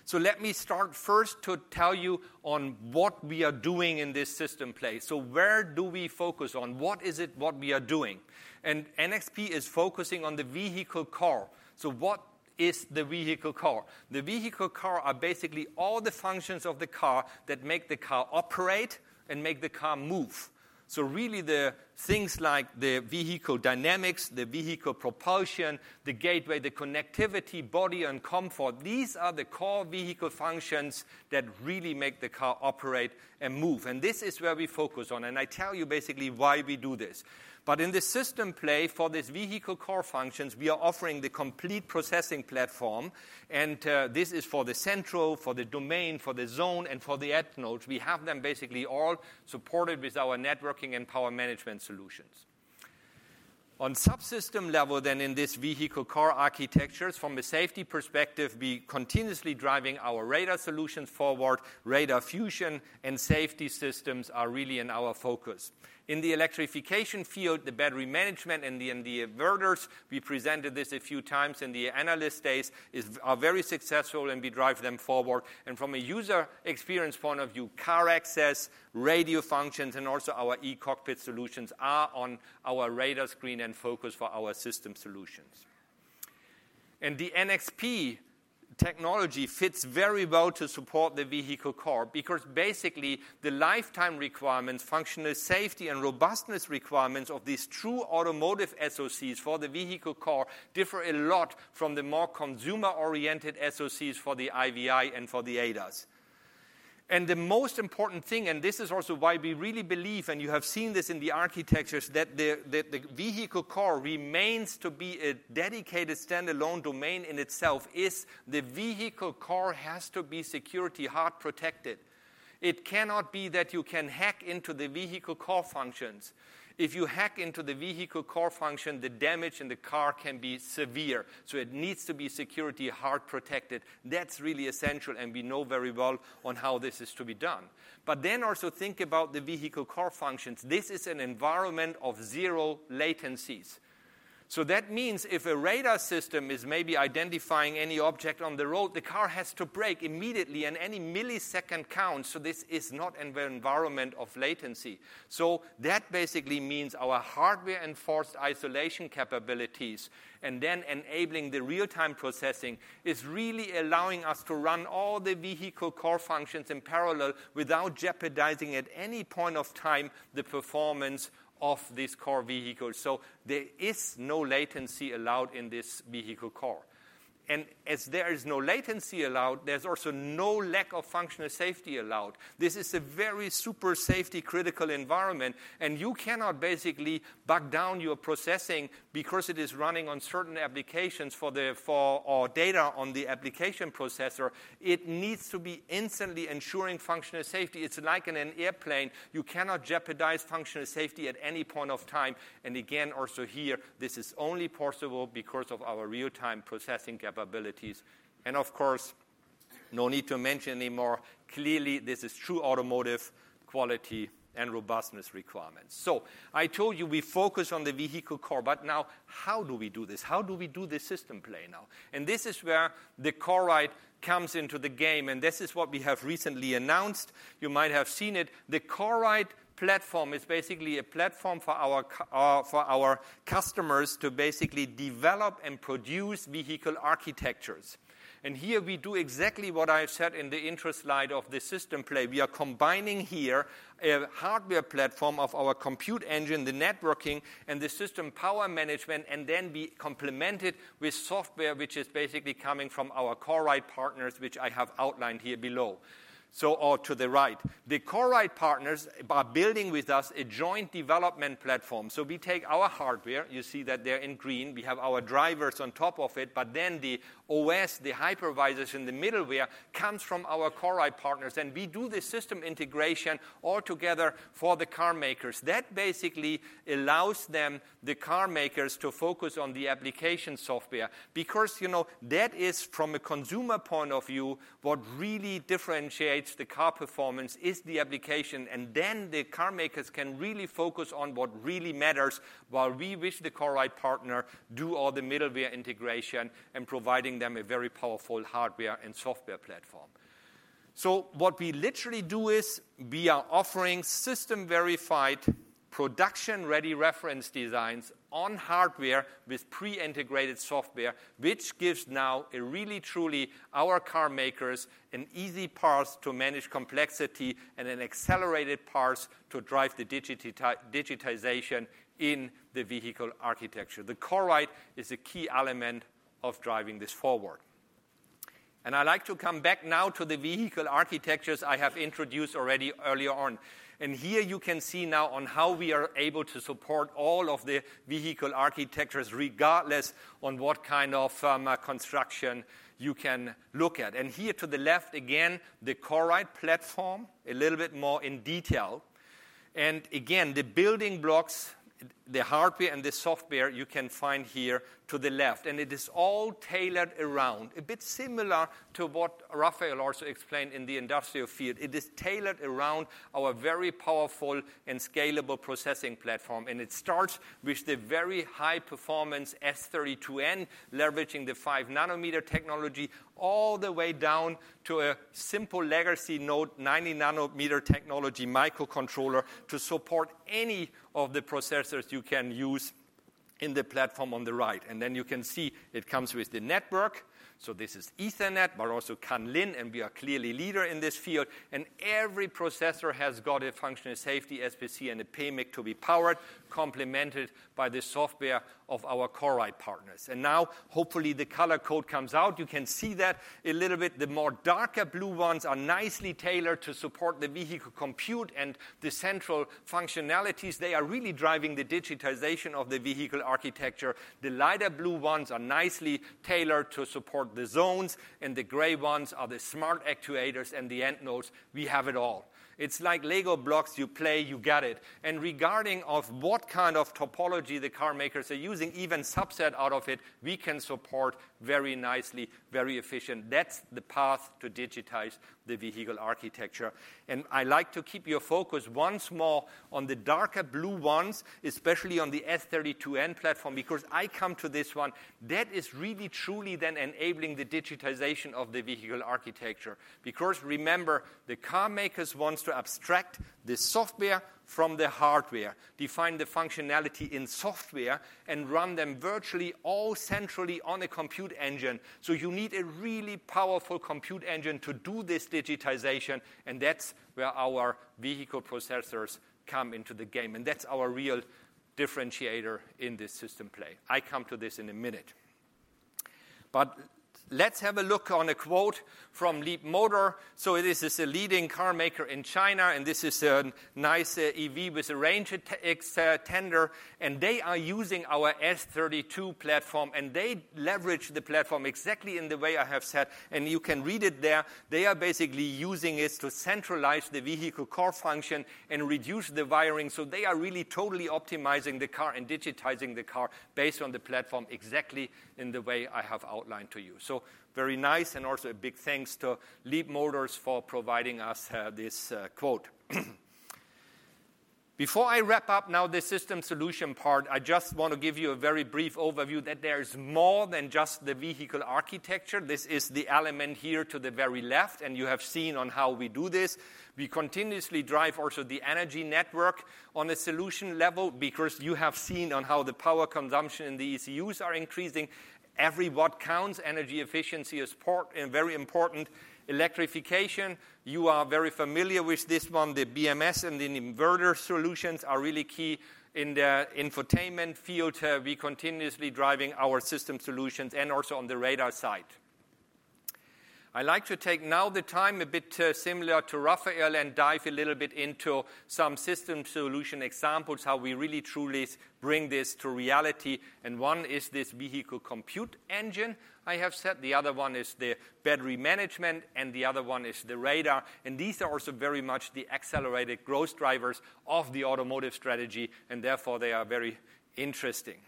So let me start first to tell you on what we are doing in this system play. So where do we focus on? What is it what we are doing? And NXP is focusing on the vehicle core. So what is the vehicle core? The vehicle core are basically all the functions of the car that make the car operate and make the car move. So really, the things like the vehicle dynamics, the vehicle propulsion, the gateway, the connectivity, body, and comfort, these are the core vehicle functions that really make the car operate and move. And this is where we focus on, and I tell you basically why we do this. But in the system play for these vehicle core functions, we are offering the complete processing platform, and this is for the central, for the domain, for the zone, and for the end nodes. We have them basically all supported with our networking and power management solutions. On subsystem level, then in this vehicle core architectures, from a safety perspective, we continuously driving our radar solutions forward. Radar fusion and safety systems are really in our focus. In the electrification field, the battery management and the inverters we presented this a few times in the analyst days are very successful, and we drive them forward. From a user experience point of view, car access, radio functions, and also our e-cockpit solutions are on our radar screen and focus for our system solutions. The NXP technology fits very well to support the vehicle core because basically the lifetime requirements, functional safety, and robustness requirements of these true automotive SOCs for the vehicle core differ a lot from the more consumer-oriented SOCs for the IVI and for the ADAS. The most important thing, and this is also why we really believe, and you have seen this in the architectures, that the vehicle core remains to be a dedicated standalone domain in itself, is the vehicle core has to be security hard protected. It cannot be that you can hack into the vehicle core functions. If you hack into the vehicle core function, the damage in the car can be severe. So it needs to be security hard protected. That's really essential, and we know very well on how this is to be done. But then also think about the vehicle core functions. This is an environment of zero latencies. So that means if a radar system is maybe identifying any object on the road, the car has to brake immediately and any millisecond counts. So this is not an environment of latency. So that basically means our hardware-enforced isolation capabilities and then enabling the real-time processing is really allowing us to run all the vehicle core functions in parallel without jeopardizing at any point of time the performance of this core vehicle. So there is no latency allowed in this vehicle core. As there is no latency allowed, there's also no lack of functional safety allowed. This is a very super safety-critical environment, and you cannot basically back down your processing because it is running on certain applications for our data on the application processor. It needs to be instantly ensuring functional safety. It's like in an airplane. You cannot jeopardize functional safety at any point of time. Again, also here, this is only possible because of our real-time processing capabilities. Of course, no need to mention anymore, clearly, this is true automotive quality and robustness requirements. I told you we focus on the vehicle core, but now how do we do this? How do we do this system play now? This is where the CoreRIDE comes into the game, and this is what we have recently announced. You might have seen it. The CoreRIDE platform is basically a platform for our customers to basically develop and produce vehicle architectures. Here we do exactly what I've said in the intro slide of the system play. We are combining here a hardware platform of our compute engine, the networking, and the system power management, and then we complement it with software, which is basically coming from our CoreRIDE partners, which I have outlined here below. To the right, the CoreRIDE partners are building with us a joint development platform. We take our hardware. You see that they're in green. We have our drivers on top of it, but then the OS, the hypervisors and the middleware comes from our CoreRIDE partners, and we do the system integration all together for the car makers. That basically allows them, the car makers, to focus on the application software because that is, from a consumer point of view, what really differentiates the car performance is the application, and then the car makers can really focus on what really matters while we wish the CoreRIDE partner do all the middleware integration and providing them a very powerful hardware and software platform. So what we literally do is we are offering system-verified production-ready reference designs on hardware with pre-integrated software, which gives now a really, truly our car makers an easy path to manage complexity and an accelerated path to drive the digitization in the vehicle architecture. The CoreRIDE is a key element of driving this forward, and I'd like to come back now to the vehicle architectures I have introduced already earlier on. Here you can see now how we are able to support all of the vehicle architectures regardless of what kind of construction you can look at. Here to the left again, the CoreRIDE platform a little bit more in detail. Again, the building blocks, the hardware and the software you can find here to the left. It is all tailored around a bit similar to what Rafael also explained in the industrial field. It is tailored around our very powerful and scalable processing platform, and it starts with the very high-performance S32N leveraging the 5-nanometer technology all the way down to a simple legacy node 90-nanometer technology microcontroller to support any of the processors you can use in the platform on the right. Then you can see it comes with the network. So this is Ethernet, but also CAN/LIN, and we are clearly leader in this field. And every processor has got a functional safety SPC and a PMIC to be powered, complemented by the software of our CoreRIDE partners. And now hopefully the color code comes out. You can see that a little bit. The more darker blue ones are nicely tailored to support the vehicle compute and the central functionalities. They are really driving the digitization of the vehicle architecture. The lighter blue ones are nicely tailored to support the zones, and the gray ones are the smart actuators and the end nodes. We have it all. It's like Lego blocks. You play, you get it. And regarding what kind of topology the car makers are using, even subset out of it, we can support very nicely, very efficient. That's the path to digitize the vehicle architecture. I’d like to keep your focus once more on the darker blue ones, especially on the S32N platform, because I come to this one. That is really, truly then enabling the digitization of the vehicle architecture. Because remember, the car makers want to abstract the software from the hardware, define the functionality in software, and run them virtually all centrally on a compute engine. So you need a really powerful compute engine to do this digitization, and that’s where our vehicle processors come into the game, and that’s our real differentiator in this system play. I come to this in a minute. But let’s have a look on a quote from Leapmotor. So this is a leading car maker in China, and this is a nice EV with a range extender, and they are using our S32 platform, and they leverage the platform exactly in the way I have said, and you can read it there. They are basically using it to centralize the vehicle core function and reduce the wiring. So they are really totally optimizing the car and digitizing the car based on the platform exactly in the way I have outlined to you. So very nice, and also a big thanks to Leapmotor for providing us this quote. Before I wrap up now the system solution part, I just want to give you a very brief overview that there is more than just the vehicle architecture. This is the element here to the very left, and you have seen on how we do this. We continuously drive also the energy network on a solution level because you have seen on how the power consumption and the ECUs are increasing. Every watt counts, energy efficiency is very important. Electrification, you are very familiar with this one. The BMS and the inverter solutions are really key in the infotainment field. We continuously driving our system solutions and also on the radar side. I'd like to take now the time a bit similar to Rafael and dive a little bit into some system solution examples how we really, truly bring this to reality. One is this vehicle compute engine I have set. The other one is the battery management, and the other one is the radar. These are also very much the accelerated growth drivers of the automotive strategy, and therefore they are very interesting.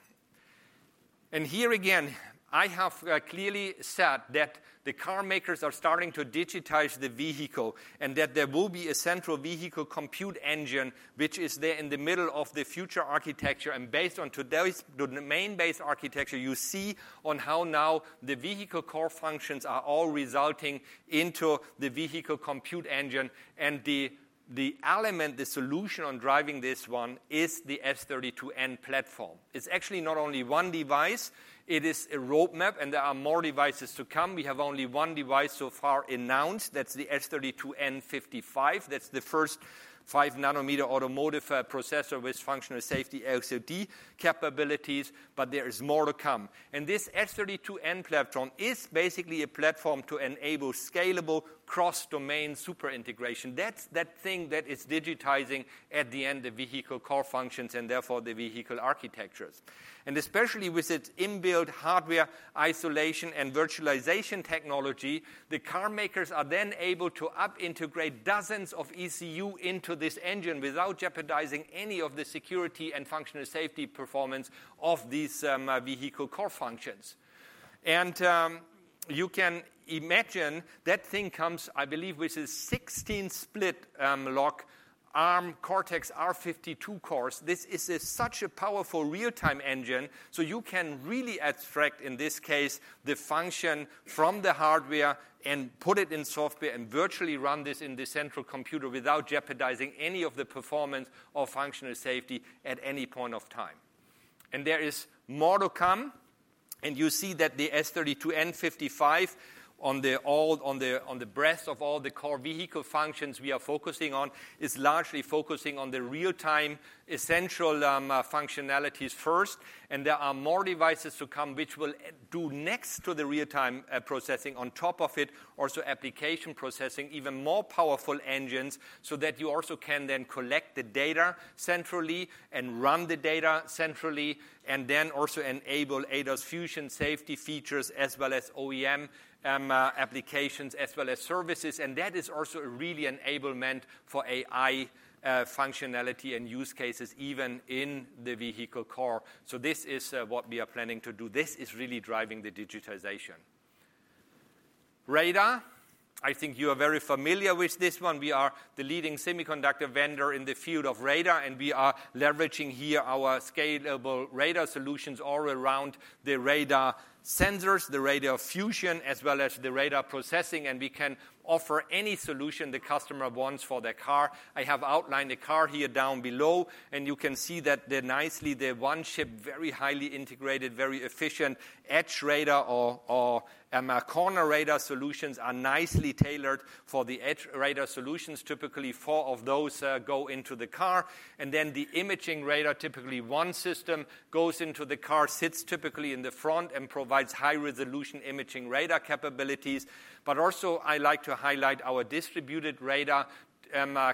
And here again, I have clearly said that the car makers are starting to digitize the vehicle and that there will be a central vehicle compute engine, which is there in the middle of the future architecture. And based on today's domain-based architecture, you see on how now the vehicle core functions are all resulting into the vehicle compute engine. And the element, the solution on driving this one is the S32N platform. It's actually not only one device. It is a roadmap, and there are more devices to come. We have only one device so far announced. That's the S32N55. That's the first 5-nanometer automotive processor with functional safety SOD capabilities, but there is more to come. And this S32N platform is basically a platform to enable scalable cross-domain super integration. That's that thing that is digitizing at the end the vehicle core functions and therefore the vehicle architectures. Especially with its inbuilt hardware isolation and virtualization technology, the car makers are then able to integrate dozens of ECU into this engine without jeopardizing any of the security and functional safety performance of these vehicle core functions. You can imagine that thing comes, I believe, with a 16 split-lock Arm Cortex-R52 cores. This is such a powerful real-time engine, so you can really abstract in this case the function from the hardware and put it in software and virtually run this in the central computer without jeopardizing any of the performance or functional safety at any point of time. There is more to come, and you see that the S32N55 on the breadth of all the core vehicle functions we are focusing on is largely focusing on the real-time essential functionalities first. There are more devices to come which will do next to the real-time processing on top of it, also application processing, even more powerful engines so that you also can then collect the data centrally and run the data centrally and then also enable ADAS Fusion safety features as well as OEM applications as well as services. That is also a real enabler for AI functionality and use cases even in the vehicle core. This is what we are planning to do. This is really driving the digitization. Radar, I think you are very familiar with this one. We are the leading semiconductor vendor in the field of radar, and we are leveraging here our scalable radar solutions all around the radar sensors, the radar fusion, as well as the radar processing, and we can offer any solution the customer wants for their car. I have outlined the car here down below, and you can see that they're one chip, very highly integrated, very efficient edge radar or corner radar solutions are nicely tailored for the edge radar solutions. Typically, four of those go into the car, and then the imaging radar. Typically one system goes into the car, sits typically in the front and provides high-resolution imaging radar capabilities. But also I'd like to highlight our distributed radar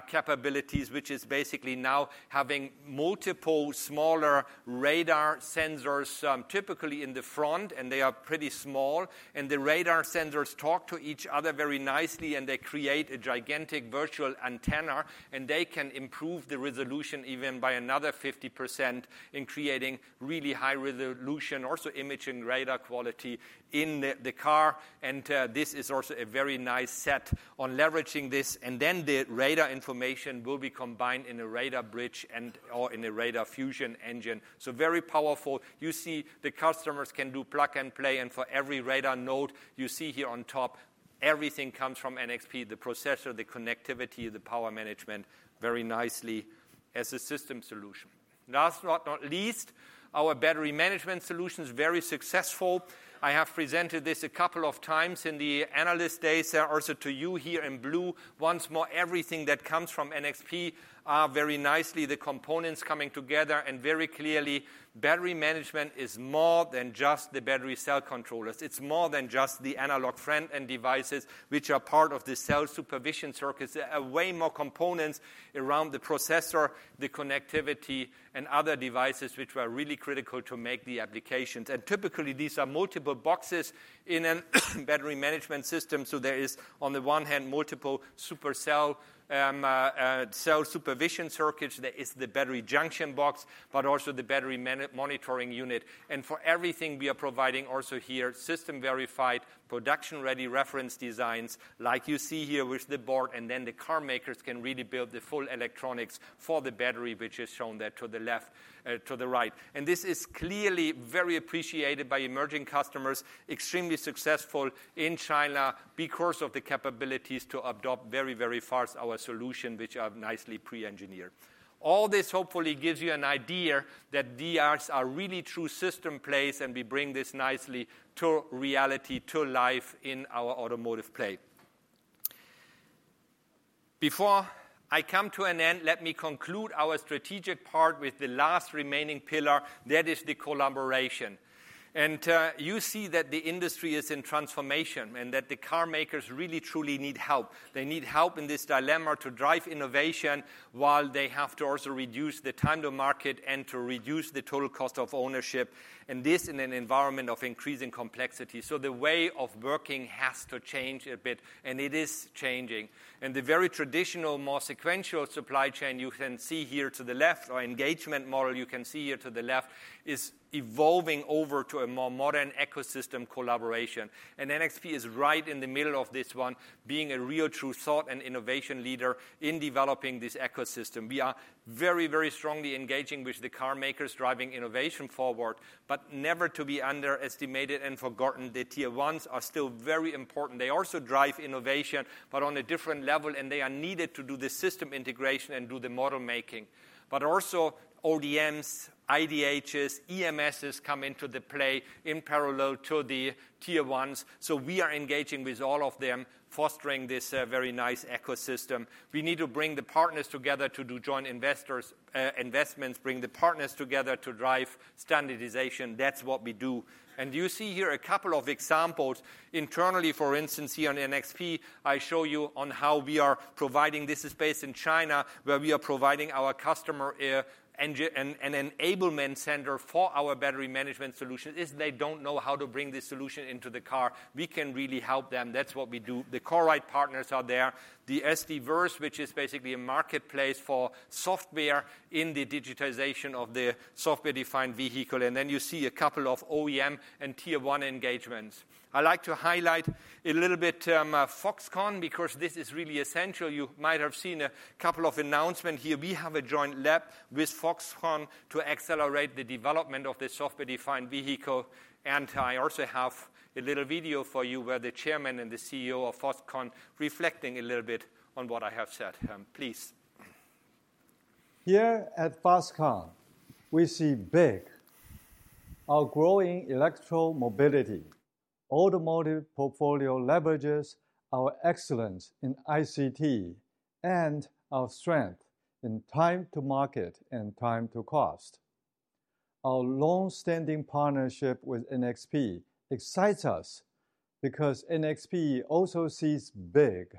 capabilities, which is basically now having multiple smaller radar sensors typically in the front, and they are pretty small, and the radar sensors talk to each other very nicely, and they create a gigantic virtual antenna, and they can improve the resolution even by another 50% in creating really high-resolution also imaging radar quality in the car. This is also a very nice set on leveraging this, and then the radar information will be combined in a radar bridge and/or in a radar fusion engine. Very powerful. You see the customers can do plug and play, and for every radar node you see here on top, everything comes from NXP, the processor, the connectivity, the power management very nicely as a system solution. Last but not least, our battery management solution is very successful. I have presented this a couple of times in the analyst days. There are also two here in blue. Once more, everything that comes from NXP are very nicely the components coming together, and very clearly, battery management is more than just the battery cell controllers. It's more than just the analog front-end devices, which are part of the cell supervision circuits. There are way more components around the processor, the connectivity, and other devices which are really critical to make the applications, and typically, these are multiple boxes in a battery management system, so there is, on the one hand, multiple supercell cell supervision circuits. There is the battery junction box, but also the battery monitoring unit, and for everything, we are providing also here system-verified production-ready reference designs like you see here with the board, and then the car makers can really build the full electronics for the battery, which is shown there to the left, to the right, and this is clearly very appreciated by emerging customers, extremely successful in China because of the capabilities to adopt very, very fast our solution, which are nicely pre-engineered. All this hopefully gives you an idea that DRs are really true system plays, and we bring this nicely to reality, to life in our automotive play. Before I come to an end, let me conclude our strategic part with the last remaining pillar. That is the collaboration. And you see that the industry is in transformation and that the car makers really, truly need help. They need help in this dilemma to drive innovation while they have to also reduce the time to market and to reduce the total cost of ownership, and this in an environment of increasing complexity. So the way of working has to change a bit, and it is changing. And the very traditional, more sequential supply chain you can see here to the left, or engagement model you can see here to the left, is evolving over to a more modern ecosystem collaboration. And NXP is right in the middle of this one, being a real true thought and innovation leader in developing this ecosystem. We are very, very strongly engaging with the car makers driving innovation forward, but never to be underestimated and forgotten. The tier ones are still very important. They also drive innovation, but on a different level, and they are needed to do the system integration and do the model making. But also ODMs, IDHs, EMSs come into play in parallel to the tier ones. So we are engaging with all of them, fostering this very nice ecosystem. We need to bring the partners together to do joint investments, bring the partners together to drive standardization. That's what we do. And you see here a couple of examples. Internally, for instance, here on NXP, I show you how we are providing. This is based in China, where we are providing our customer an enablement center for our battery management solutions. If they don't know how to bring this solution into the car, we can really help them. That's what we do. The CoreRIDE partners are there. The SDVerse, which is basically a marketplace for software in the digitization of the software-defined vehicle, and then you see a couple of OEM and tier one engagements. I'd like to highlight a little bit Foxconn because this is really essential. You might have seen a couple of announcements here. We have a joint lab with Foxconn to accelerate the development of the software-defined vehicle, and I also have a little video for you where the chairman and the CEO of Foxconn reflecting a little bit on what I have said. Please. Here at Foxconn, we see big in our growing electromobility. Automotive portfolio leverages our excellence in ICT and our strength in time to market and time to cost. Our long-standing partnership with NXP excites us because NXP also sees big.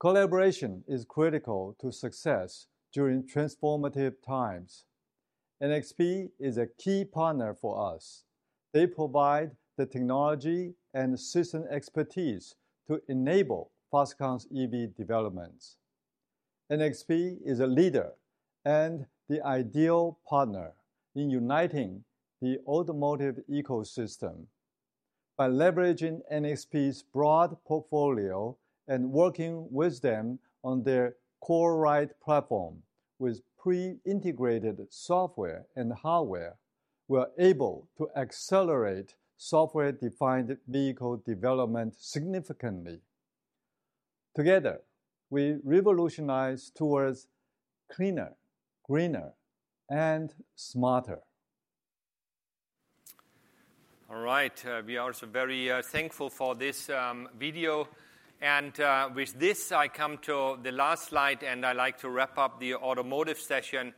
Collaboration is critical to success during transformative times. NXP is a key partner for us. They provide the technology and system expertise to enable Foxconn's EV developments. NXP is a leader and the ideal partner in uniting the automotive ecosystem. By leveraging NXP's broad portfolio and working with them on their CoreRIDE platform with pre-integrated software and hardware, we are able to accelerate software-defined vehicle development significantly. Together, we revolutionize towards cleaner, greener, and smarter. All right. We are also very thankful for this video. And with this, I come to the last slide, and I'd like to wrap up the automotive session.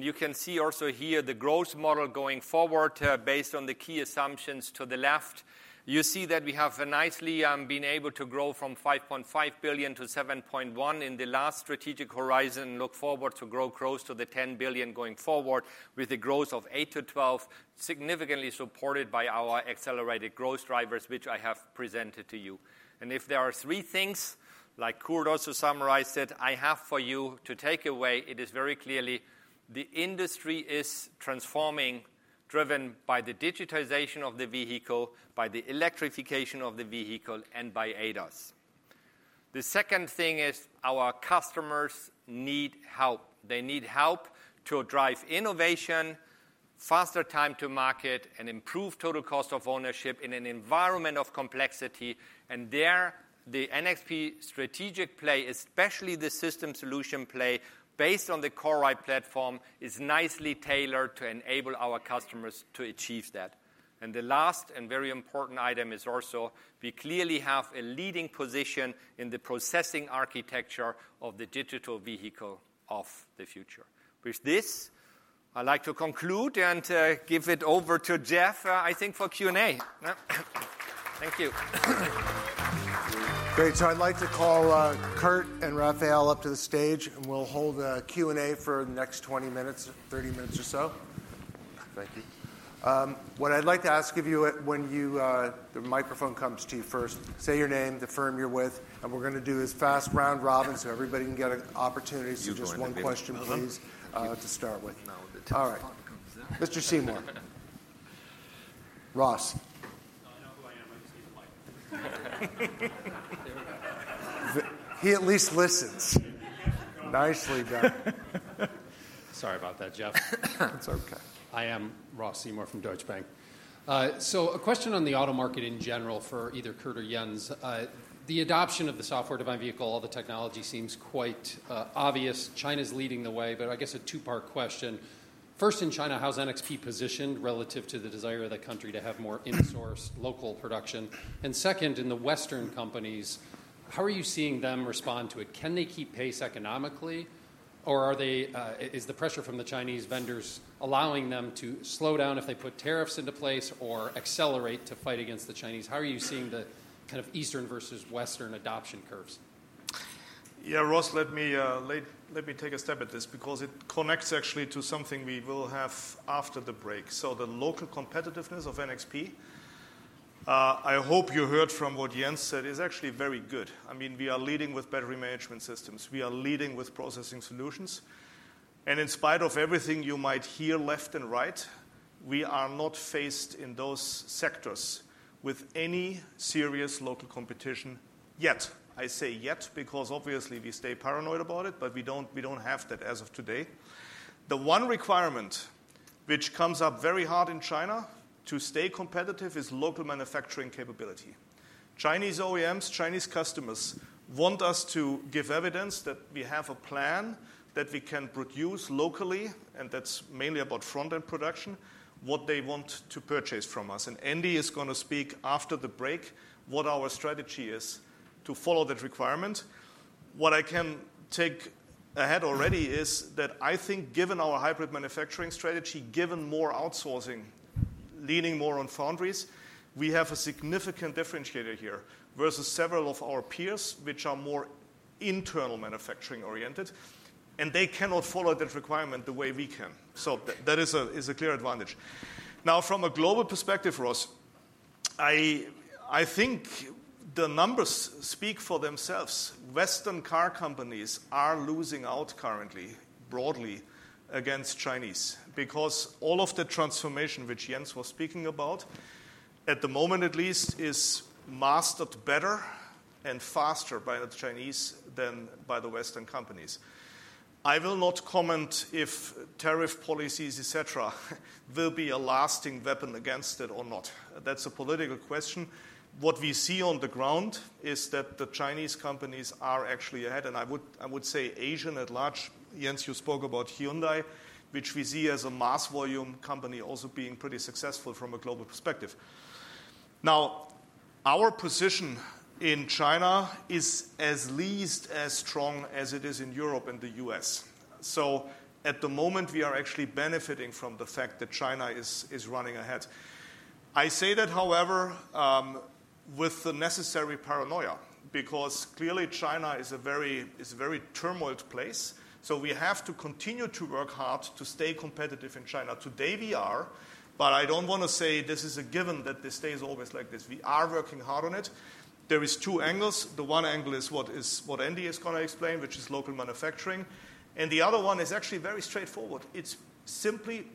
You can see also here the growth model going forward based on the key assumptions to the left. You see that we have nicely been able to grow from $5.5 billion-$7.1 billion in the last strategic horizon and look forward to grow close to the $10 billion going forward with a growth of 8-12, significantly supported by our accelerated growth drivers, which I have presented to you. If there are three things, like Kurt also summarized it, I have for you to take away, it is very clearly the industry is transforming, driven by the digitization of the vehicle, by the electrification of the vehicle, and by ADAS. The second thing is our customers need help. They need help to drive innovation, faster time to market, and improve total cost of ownership in an environment of complexity. And there, the NXP strategic play, especially the system solution play based on the CoreRIDE platform, is nicely tailored to enable our customers to achieve that. And the last and very important item is also we clearly have a leading position in the processing architecture of the digital vehicle of the future. With this, I'd like to conclude and give it over to Jeff, I think, for Q&A. Thank you. Great. So I'd like to call Kurt and Rafael up to the stage, and we'll hold a Q&A for the next 20 minutes, 30 minutes or so. Thank you. What I'd like to ask of you when the microphone comes to you first, say your name, the firm you're with, and what we're going to do is fast round robin so everybody can get an opportunity to just one question, please, to start with. All right. Mr. Seymore. Ross. I know who I am. I just need to like it. He at least listens. Nicely done. Sorry about that, Jeff. It's okay. I am Ross Seymore from Deutsche Bank. So, a question on the auto market in general for either Kurt or Jens. The adoption of the software-defined vehicle, all the technology seems quite obvious. China's leading the way, but I guess a two-part question. First, in China, how's NXP positioned relative to the desire of the country to have more in-sourced local production? And second, in the Western companies, how are you seeing them respond to it? Can they keep pace economically, or is the pressure from the Chinese vendors allowing them to slow down if they put tariffs into place or accelerate to fight against the Chinese? How are you seeing the kind of Eastern versus Western adoption curves? Yeah, Ross, let me take a stab at this because it connects actually to something we will have after the break. So the local competitiveness of NXP, I hope you heard from what Jens said, is actually very good. I mean, we are leading with battery management systems. We are leading with processing solutions. And in spite of everything you might hear left and right, we are not faced in those sectors with any serious local competition yet. I say yet because obviously we stay paranoid about it, but we don't have that as of today. The one requirement which comes up very hard in China to stay competitive is local manufacturing capability. Chinese OEMs, Chinese customers want us to give evidence that we have a plan that we can produce locally, and that's mainly about front-end production, what they want to purchase from us. And Andy is going to speak after the break what our strategy is to follow that requirement. What I can take ahead already is that I think, given our hybrid manufacturing strategy, given more outsourcing, leaning more on foundries, we have a significant differentiator here versus several of our peers which are more internal manufacturing oriented, and they cannot follow that requirement the way we can. So that is a clear advantage. Now, from a global perspective, Ross, I think the numbers speak for themselves. Western car companies are losing out currently broadly against Chinese because all of the transformation which Jens was speaking about, at the moment at least, is mastered better and faster by the Chinese than by the Western companies. I will not comment if tariff policies, etc., will be a lasting weapon against it or not. That's a political question. What we see on the ground is that the Chinese companies are actually ahead, and I would say Asia at large. Jens, you spoke about Hyundai, which we see as a mass volume company also being pretty successful from a global perspective. Now, our position in China is at least as strong as it is in Europe and the U.S. So at the moment, we are actually benefiting from the fact that China is running ahead. I say that, however, with the necessary paranoia because clearly China is a very turbulent place. So we have to continue to work hard to stay competitive in China. Today we are, but I don't want to say this is a given that this stays always like this. We are working hard on it. There are two angles. The one angle is what Andy is going to explain, which is local manufacturing. And the other one is actually very straightforward. It's simply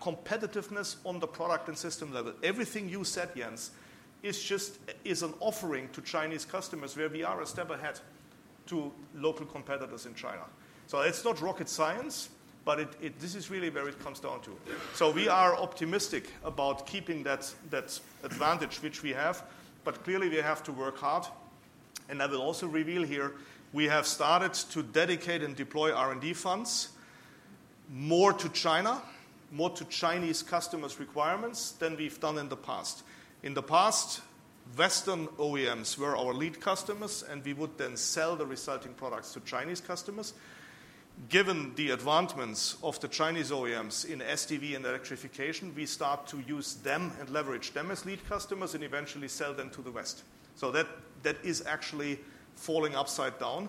competitiveness on the product and system level. Everything you said, Jens, is an offering to Chinese customers where we are a step ahead to local competitors in China. So it's not rocket science, but this is really where it comes down to. So we are optimistic about keeping that advantage which we have, but clearly we have to work hard. And I will also reveal here, we have started to dedicate and deploy R&D funds more to China, more to Chinese customers' requirements than we've done in the past. In the past, Western OEMs were our lead customers, and we would then sell the resulting products to Chinese customers. Given the advancements of the Chinese OEMs in SDV and electrification, we start to use them and leverage them as lead customers and eventually sell them to the West. So that is actually falling upside down.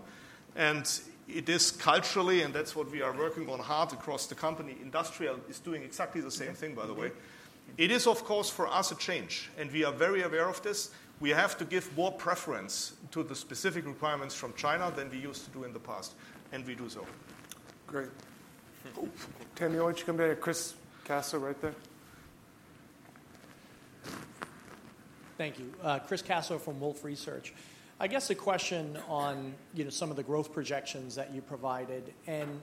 And it is culturally, and that's what we are working on hard across the company. Industrial is doing exactly the same thing, by the way. It is, of course, for us a change, and we are very aware of this. We have to give more preference to the specific requirements from China than we used to do in the past, and we do so. Great. Tammy, why don't you come back to Chris Caso right there? Thank you. Chris Caso from Wolfe Research. I guess a question on some of the growth projections that you provided and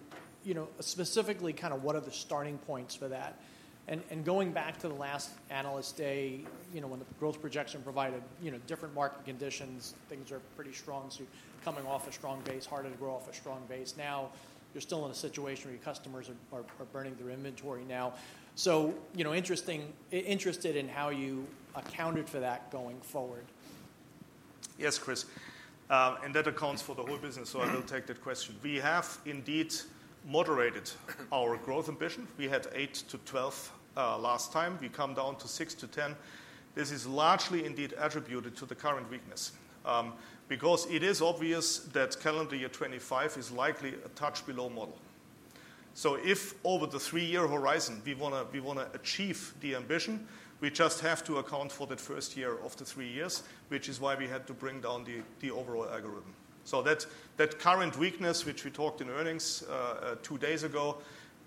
specifically kind of what are the starting points for that. And going back to the last analyst day when the growth projection provided different market conditions, things are pretty strong. So coming off a strong base, harder to grow off a strong base. Now, you're still in a situation where your customers are burning their inventory now, so interested in how you accounted for that going forward? Yes, Chris, and that accounts for the whole business, so I will take that question. We have indeed moderated our growth ambition. We had 8-12 last time. We come down to 6-10. This is largely indeed attributed to the current weakness, because it is obvious that calendar year 2025 is likely a touch below model, so if over the three-year horizon we want to achieve the ambition, we just have to account for that first year of the three years, which is why we had to bring down the overall ambition, so that current weakness, which we talked in earnings two days ago,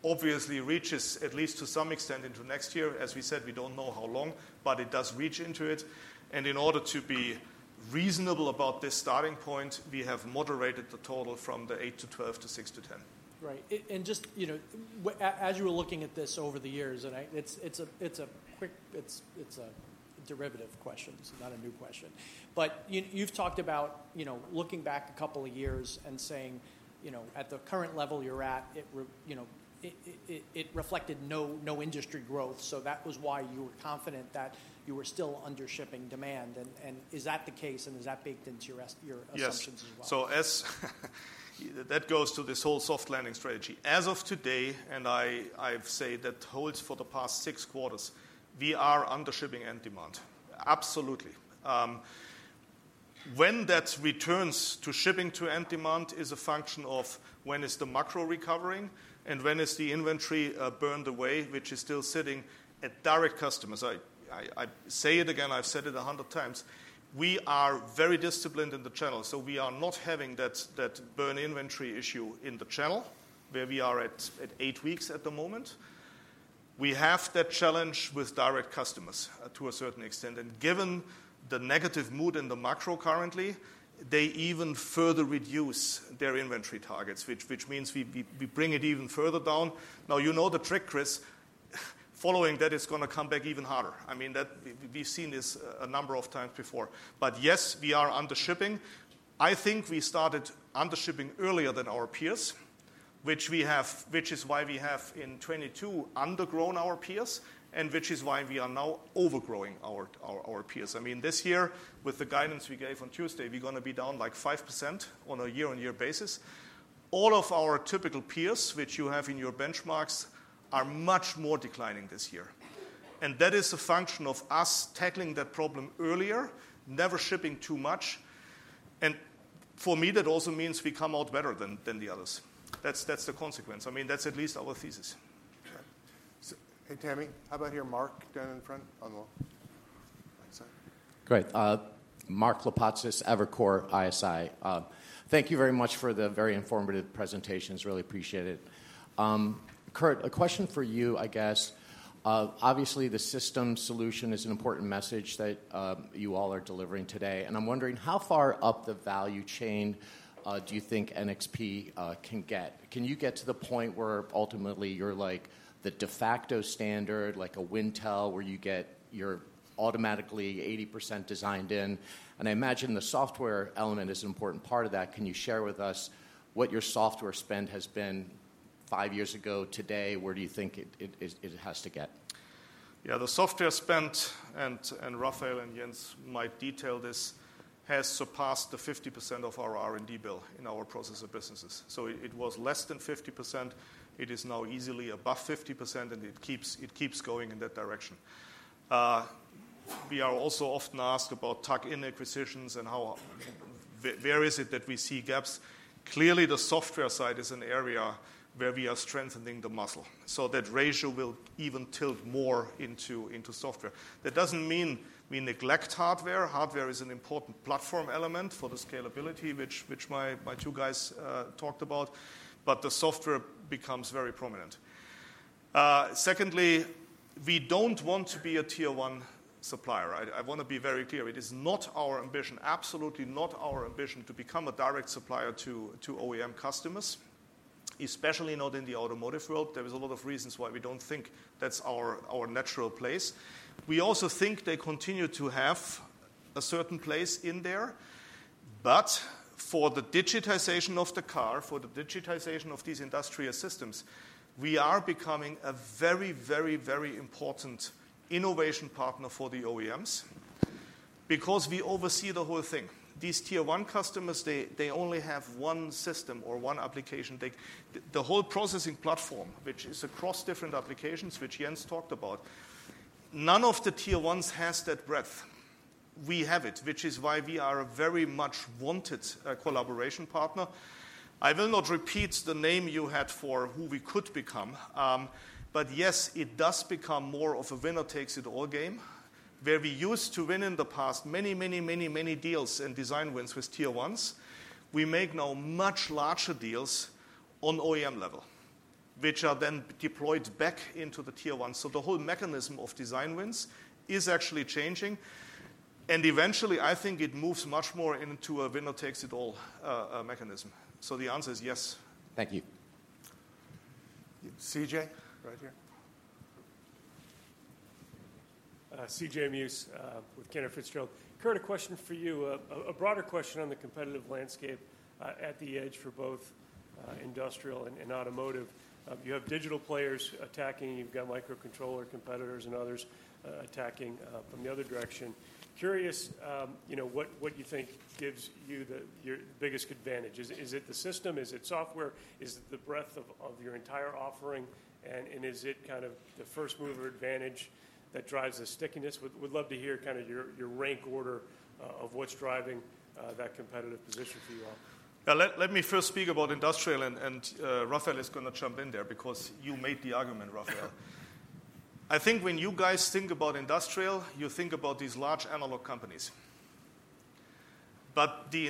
obviously reaches at least to some extent into next year. As we said, we don't know how long, but it does reach into it. In order to be reasonable about this starting point, we have moderated the total from the 8-12 to 6-10. Right. Just as you were looking at this over the years, it's a derivative question, so not a new question. You've talked about looking back a couple of years and saying at the current level you're at, it reflected no industry growth. That was why you were confident that you were still undershipping demand. Is that the case, and is that baked into your assumptions as well? Yes. That goes to this whole soft landing strategy. As of today, and I've said that holds for the past six quarters, we are undershipping end demand. Absolutely. When that returns to shipping to end demand is a function of when is the macro recovering and when is the inventory burned away, which is still sitting at direct customers. I say it again, I've said it a hundred times. We are very disciplined in the channel. So we are not having that burn inventory issue in the channel where we are at eight weeks at the moment. We have that challenge with direct customers to a certain extent. And given the negative mood in the macro currently, they even further reduce their inventory targets, which means we bring it even further down. Now, you know the trick, Chris. Following that, it's going to come back even harder. I mean, we've seen this a number of times before. But yes, we are undershipping. I think we started undershipping earlier than our peers, which is why we have in 2022 undergrown our peers and which is why we are now overgrowing our peers. I mean, this year with the guidance we gave on Tuesday, we're going to be down like 5% on a year-on-year basis. All of our typical peers, which you have in your benchmarks, are much more declining this year. And that is a function of us tackling that problem earlier, never shipping too much. And for me, that also means we come out better than the others. That's the consequence. I mean, that's at least our thesis. Hey, Tammy, how about here, Mark down in front on the right side? Great. Mark Klopotzis, Evercore ISI. Thank you very much for the very informative presentations. Really appreciate it. Kurt, a question for you, I guess. Obviously, the system solution is an important message that you all are delivering today. I'm wondering how far up the value chain do you think NXP can get? Can you get to the point where ultimately you're like the de facto standard, like a Wintel where you get your automatically 80% designed in? I imagine the software element is an important part of that. Can you share with us what your software spend has been five years ago today? Where do you think it has to get? Yeah, the software spent, and Rafael and Jens might detail this, has surpassed the 50% of our R&D bill in our processor businesses. It was less than 50%. It is now easily above 50%, and it keeps going in that direction. We are also often asked about tuck-in acquisitions and where is it that we see gaps. Clearly, the software side is an area where we are strengthening the muscle. So that ratio will even tilt more into software. That doesn't mean we neglect hardware. Hardware is an important platform element for the scalability which my two guys talked about, but the software becomes very prominent. Secondly, we don't want to be a tier-one supplier. I want to be very clear. It is not our ambition, absolutely not our ambition, to become a direct supplier to OEM customers, especially not in the automotive world. There are a lot of reasons why we don't think that's our natural place. We also think they continue to have a certain place in there. But for the digitization of the car, for the digitization of these industrial systems, we are becoming a very, very, very important innovation partner for the OEMs because we oversee the whole thing. These tier-one customers, they only have one system or one application. The whole processing platform, which is across different applications, which Jens talked about, none of the tier-ones has that breadth. We have it, which is why we are a very much wanted collaboration partner. I will not repeat the name you had for who we could become, but yes, it does become more of a winner-takes-it-all game where we used to win in the past many, many, many, many deals and design wins with tier-ones. We make now much larger deals on OEM level, which are then deployed back into the tier-ones. So the whole mechanism of design wins is actually changing. And eventually, I think it moves much more into a winner-takes-it-all mechanism. So the answer is yes. Thank you. C.J. Muse, right here. C.J. Muse with Cantor Fitzgerald. Kurt, a question for you, a broader question on the competitive landscape at the edge for both industrial and automotive. You have digital players attacking. You've got microcontroller competitors and others attacking from the other direction. Curious what you think gives you the biggest advantage. Is it the system? Is it software? Is it the breadth of your entire offering? And is it kind of the first-mover advantage that drives the stickiness? Would love to hear kind of your rank order of what's driving that competitive position for you all. Now, let me first speak about industrial, and Rafael is going to jump in there because you made the argument, Rafael. I think when you guys think about industrial, you think about these large analog companies. But the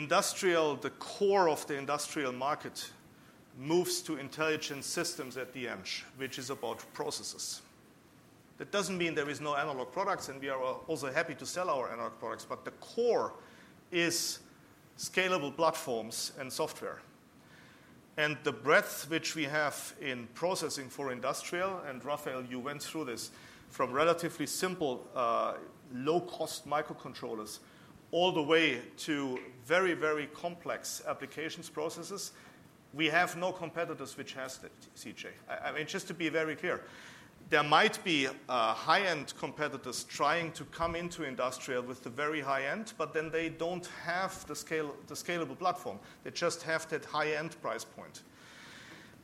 core of the industrial market moves to intelligent systems at the end, which is about processes. That doesn't mean there are no analog products, and we are also happy to sell our analog products, but the core is scalable platforms and software. The breadth which we have in processing for industrial, and Rafael, you went through this, from relatively simple low-cost microcontrollers all the way to very, very complex application processors, we have no competitors which has that, CJ. I mean, just to be very clear, there might be high-end competitors trying to come into industrial with the very high end, but then they don't have the scalable platform. They just have that high-end price point.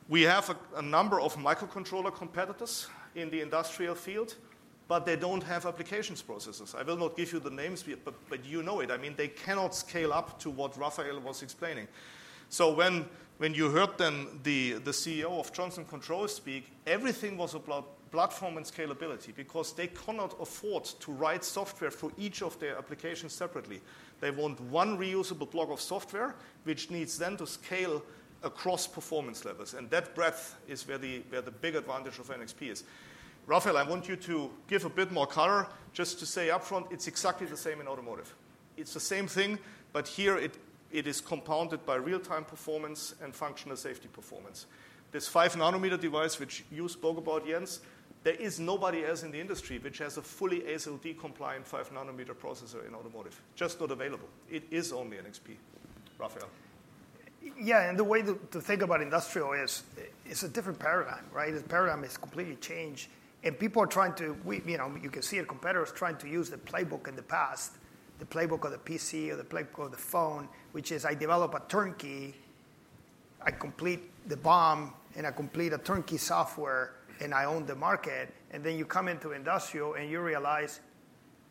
We have a number of microcontroller competitors in the industrial field, but they don't have application processors. I will not give you the names, but you know it. I mean, they cannot scale up to what Rafael was explaining. When you heard the CEO of Johnson Controls speak, everything was about platform and scalability because they cannot afford to write software for each of their applications separately. They want one reusable block of software which needs them to scale across performance levels. That breadth is where the big advantage of NXP is. Rafael, I want you to give a bit more color just to say upfront. It's exactly the same in automotive. It's the same thing, but here it is compounded by real-time performance and functional safety performance. This 5-nanometer device which you spoke about, Jens, there is nobody else in the industry which has a fully ASIL-D-compliant 5-nanometer processor in automotive. Just not available. It is only NXP, Rafael. Yeah, and the way to think about industrial is a different paradigm, right? The paradigm has completely changed. And people are trying to, you can see your competitors trying to use the playbook in the past, the playbook of the PC or the playbook of the phone, which is I develop a turnkey, I complete the BOM, and I complete a turnkey software, and I own the market. And then you come into industrial and you realize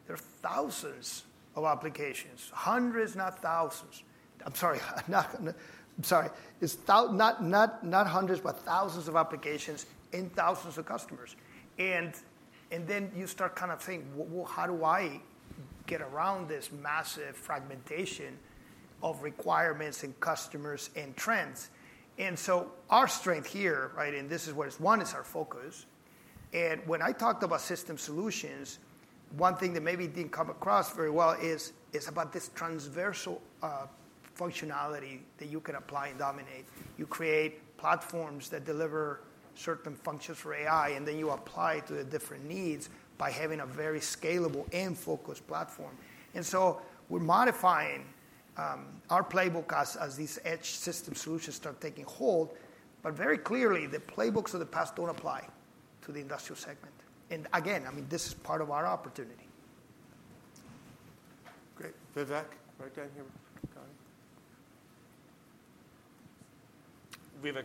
there are thousands of applications, hundreds, not thousands. I'm sorry. I'm sorry. It's not hundreds, but thousands of applications and thousands of customers. And then you start kind of saying, "Well, how do I get around this massive fragmentation of requirements and customers and trends?" And so our strength here, right, and this is where one is our focus. And when I talked about system solutions, one thing that maybe didn't come across very well is about this transversal functionality that you can apply and dominate. You create platforms that deliver certain functions for AI, and then you apply it to the different needs by having a very scalable and focused platform. And so we're modifying our playbook as these edge system solutions start taking hold. But very clearly, the playbooks of the past don't apply to the industrial segment. And again, I mean, this is part of our opportunity. Great. Vivek, right down here. We have a.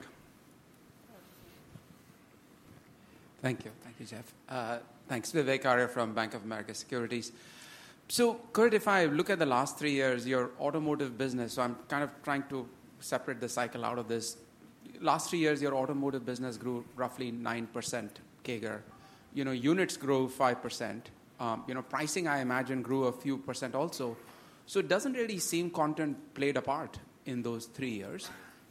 Thank you. Thank you, Jeff. Thanks. Vivek Arya from Bank of America Securities. So Kurt, if I look at the last three years, your automotive business, so I'm kind of trying to separate the cycle out of this, last three years, your automotive business grew roughly 9% CAGR. Units grew 5%. Pricing, I imagine, grew a few percent also. So it doesn't really seem content played a part in those three years.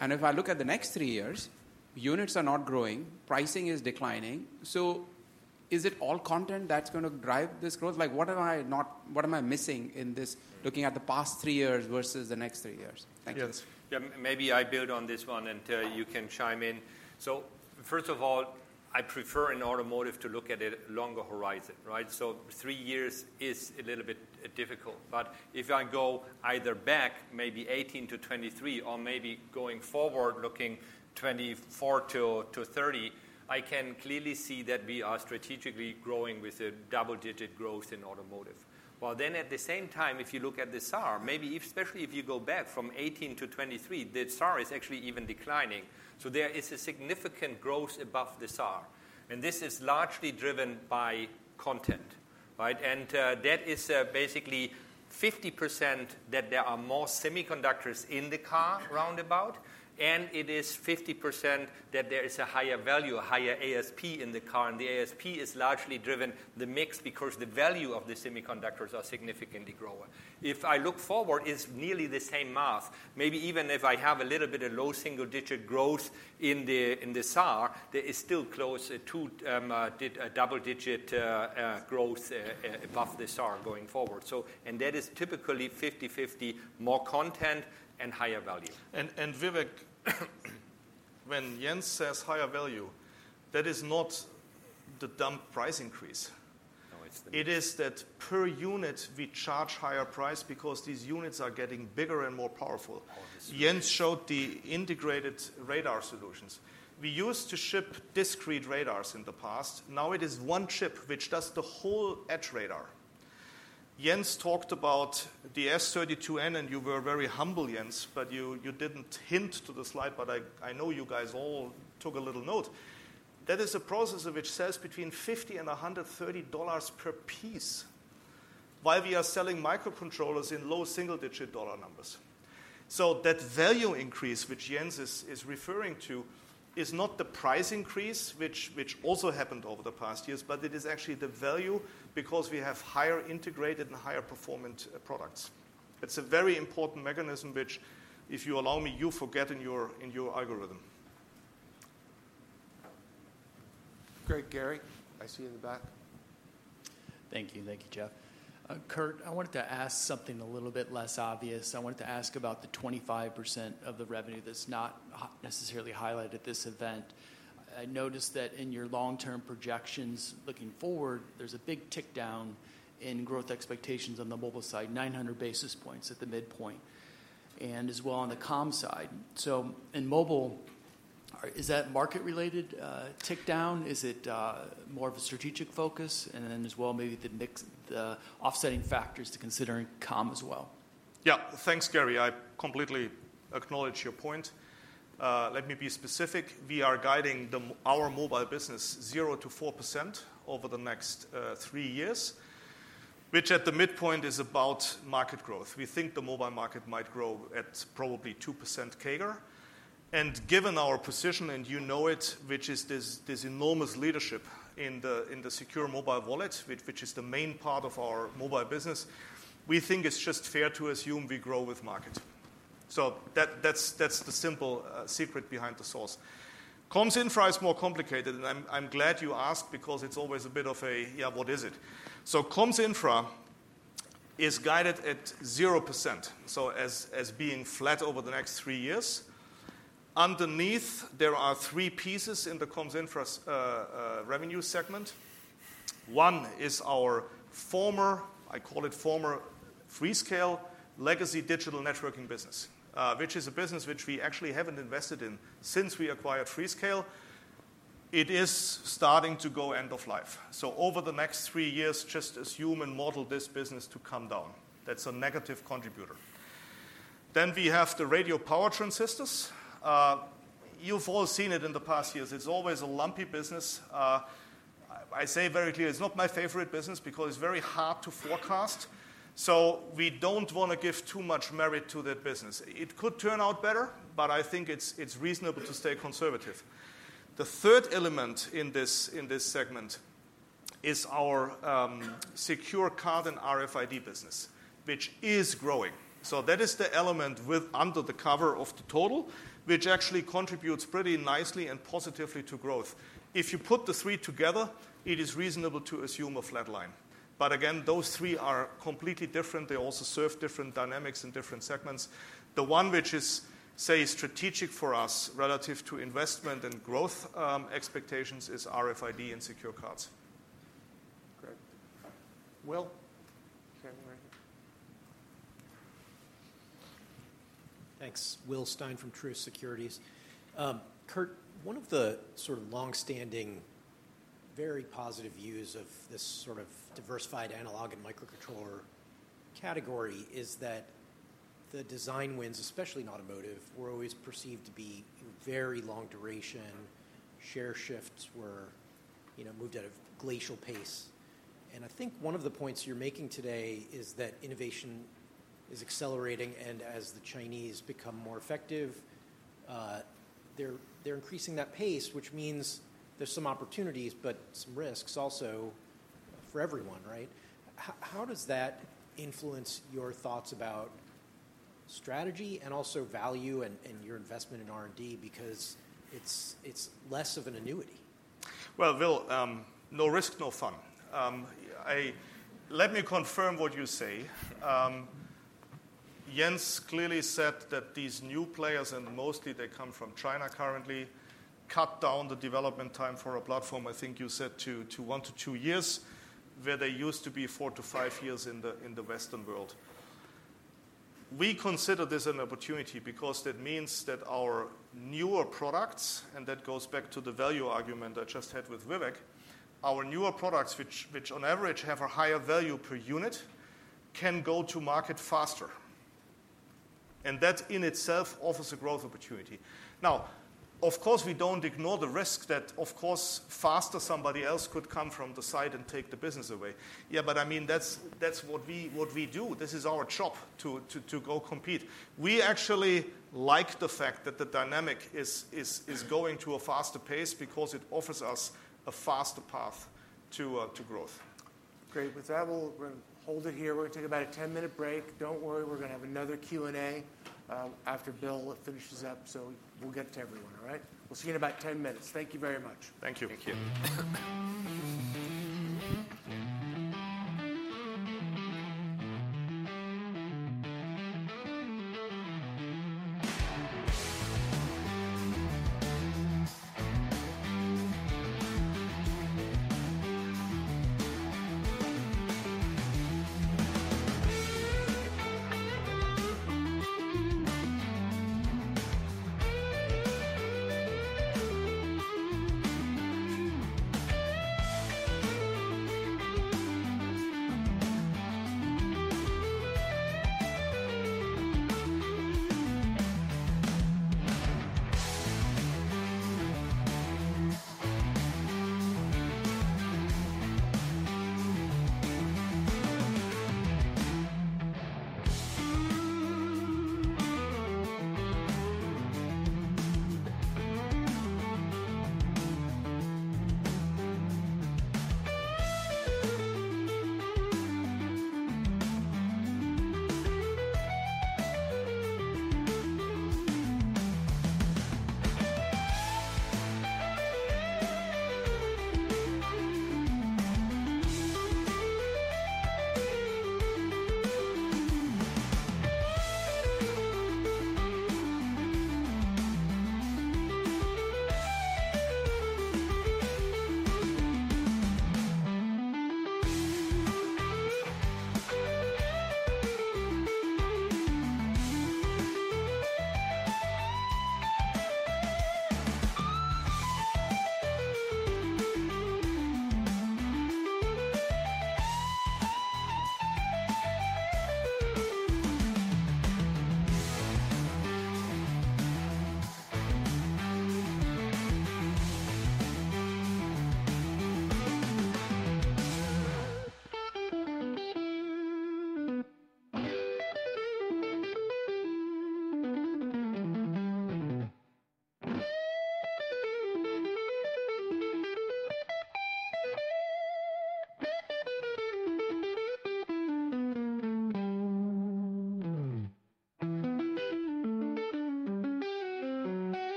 If I look at the next three years, units are not growing. Pricing is declining. So is it all content that's going to drive this growth? What am I missing in this looking at the past three years versus the next three years? Thank you. Yes. Yeah, maybe I build on this one until you can chime in. First of all, I prefer in automotive to look at a longer horizon, right? Three years is a little bit difficult. If I go either back, maybe 2018 to 2023, or maybe going forward looking 2024 to 2030, I can clearly see that we are strategically growing with a double-digit growth in automotive. At the same time, if you look at the SAAR, maybe especially if you go back from 2018 to 2023, the SAAR is actually even declining. So there is a significant growth above the SAR. And this is largely driven by content, right? And that is basically 50% that there are more semiconductors in the car roundabout, and it is 50% that there is a higher value, a higher ASP in the car. And the ASP is largely driven the mix because the value of the semiconductors is significantly greater. If I look forward, it's nearly the same math. Maybe even if I have a little bit of low single-digit growth in the SAR, there is still close to double-digit growth above the SAR going forward. And that is typically 50/50 more content and higher value. And Vivek, when Jens says higher value, that is not the dump price increase. It is that per unit we charge higher price because these units are getting bigger and more powerful. Jens showed the integrated radar solutions. We used to ship discrete radars in the past. Now it is one chip which does the whole edge radar. Jens talked about the S32N, and you were very humble, Jens, but you didn't hint to the slide, but I know you guys all took a little note. That is a processor which sells between $50 and $130 per piece while we are selling microcontrollers in low single-digit dollar numbers. So that value increase which Jens is referring to is not the price increase, which also happened over the past years, but it is actually the value because we have higher integrated and higher performant products. It's a very important mechanism which, if you allow me, you forget in your algorithm. Great. Gary, I see you in the back. Thank you. Thank you, Jeff. Kurt, I wanted to ask something a little bit less obvious. I wanted to ask about the 25% of the revenue that's not necessarily highlighted at this event. I noticed that in your long-term projections looking forward, there's a big tick down in growth expectations on the mobile side, 900 basis points at the midpoint, and as well on the comm side. So in mobile, is that market-related tick down? Is it more of a strategic focus? And then as well, maybe the offsetting factors to consider in comm as well. Yeah. Thanks, Gary. I completely acknowledge your point. Let me be specific. We are guiding our mobile business 0%-4% over the next three years, which at the midpoint is about market growth. We think the mobile market might grow at probably 2% CAGR. Given our position, and you know it, which is this enormous leadership in the secure mobile wallet, which is the main part of our mobile business, we think it's just fair to assume we grow with market. So that's the simple secret behind the source. Comms Infra is more complicated, and I'm glad you asked because it's always a bit of a, "Yeah, what is it?" So Comms Infra is guided at 0%, so as being flat over the next three years. Underneath, there are three pieces in the Comms Infra revenue segment. One is our former, I call it former Freescale legacy digital networking business, which is a business which we actually haven't invested in since we acquired Freescale. It is starting to go end of life. So over the next three years, just assume and model this business to come down. That's a negative contributor. Then we have the radio power transistors. You've all seen it in the past years. It's always a lumpy business. I say very clearly, it's not my favorite business because it's very hard to forecast. So we don't want to give too much merit to that business. It could turn out better, but I think it's reasonable to stay conservative. The third element in this segment is our secure card and RFID business, which is growing. So that is the element under the cover of the total, which actually contributes pretty nicely and positively to growth. If you put the three together, it is reasonable to assume a flat line. But again, those three are completely different. They also serve different dynamics in different segments. The one which is, say, strategic for us relative to investment and growth expectations is RFID and secure cards. Great. Will, you're right here. Thanks. Will Stein from Truist Securities. Kurt, one of the sort of long-standing, very positive views of this sort of diversified analog and microcontroller category is that the design wins, especially in automotive, were always perceived to be very long duration. Share shifts were moved at a glacial pace. And I think one of the points you're making today is that innovation is accelerating, and as the Chinese become more effective, they're increasing that pace, which means there's some opportunities, but some risks also for everyone, right? How does that influence your thoughts about strategy and also value and your investment in R&D? Because it's less of an annuity. Well, Will, no risk, no fun. Let me confirm what you say. Jens clearly said that these new players, and mostly they come from China currently, cut down the development time for a platform, I think you said, to one to two years, where they used to be four to five years in the Western world. We consider this an opportunity because that means that our newer products, and that goes back to the value argument I just had with Vivek, our newer products, which on average have a higher value per unit, can go to market faster. And that in itself offers a growth opportunity. Now, of course, we don't ignore the risk that, of course, faster somebody else could come from the side and take the business away. Yeah, but I mean, that's what we do. This is our job to go compete. We actually like the fact that the dynamic is going to a faster pace because it offers us a faster path to growth. Great. With that, we're going to hold it here. We're going to take about a 10-minute break. Don't worry. We're going to have another Q&A after Bill finishes up. So we'll get to everyone, all right? We'll see you in about 10 minutes. Thank you very much. Thank you. Thank you.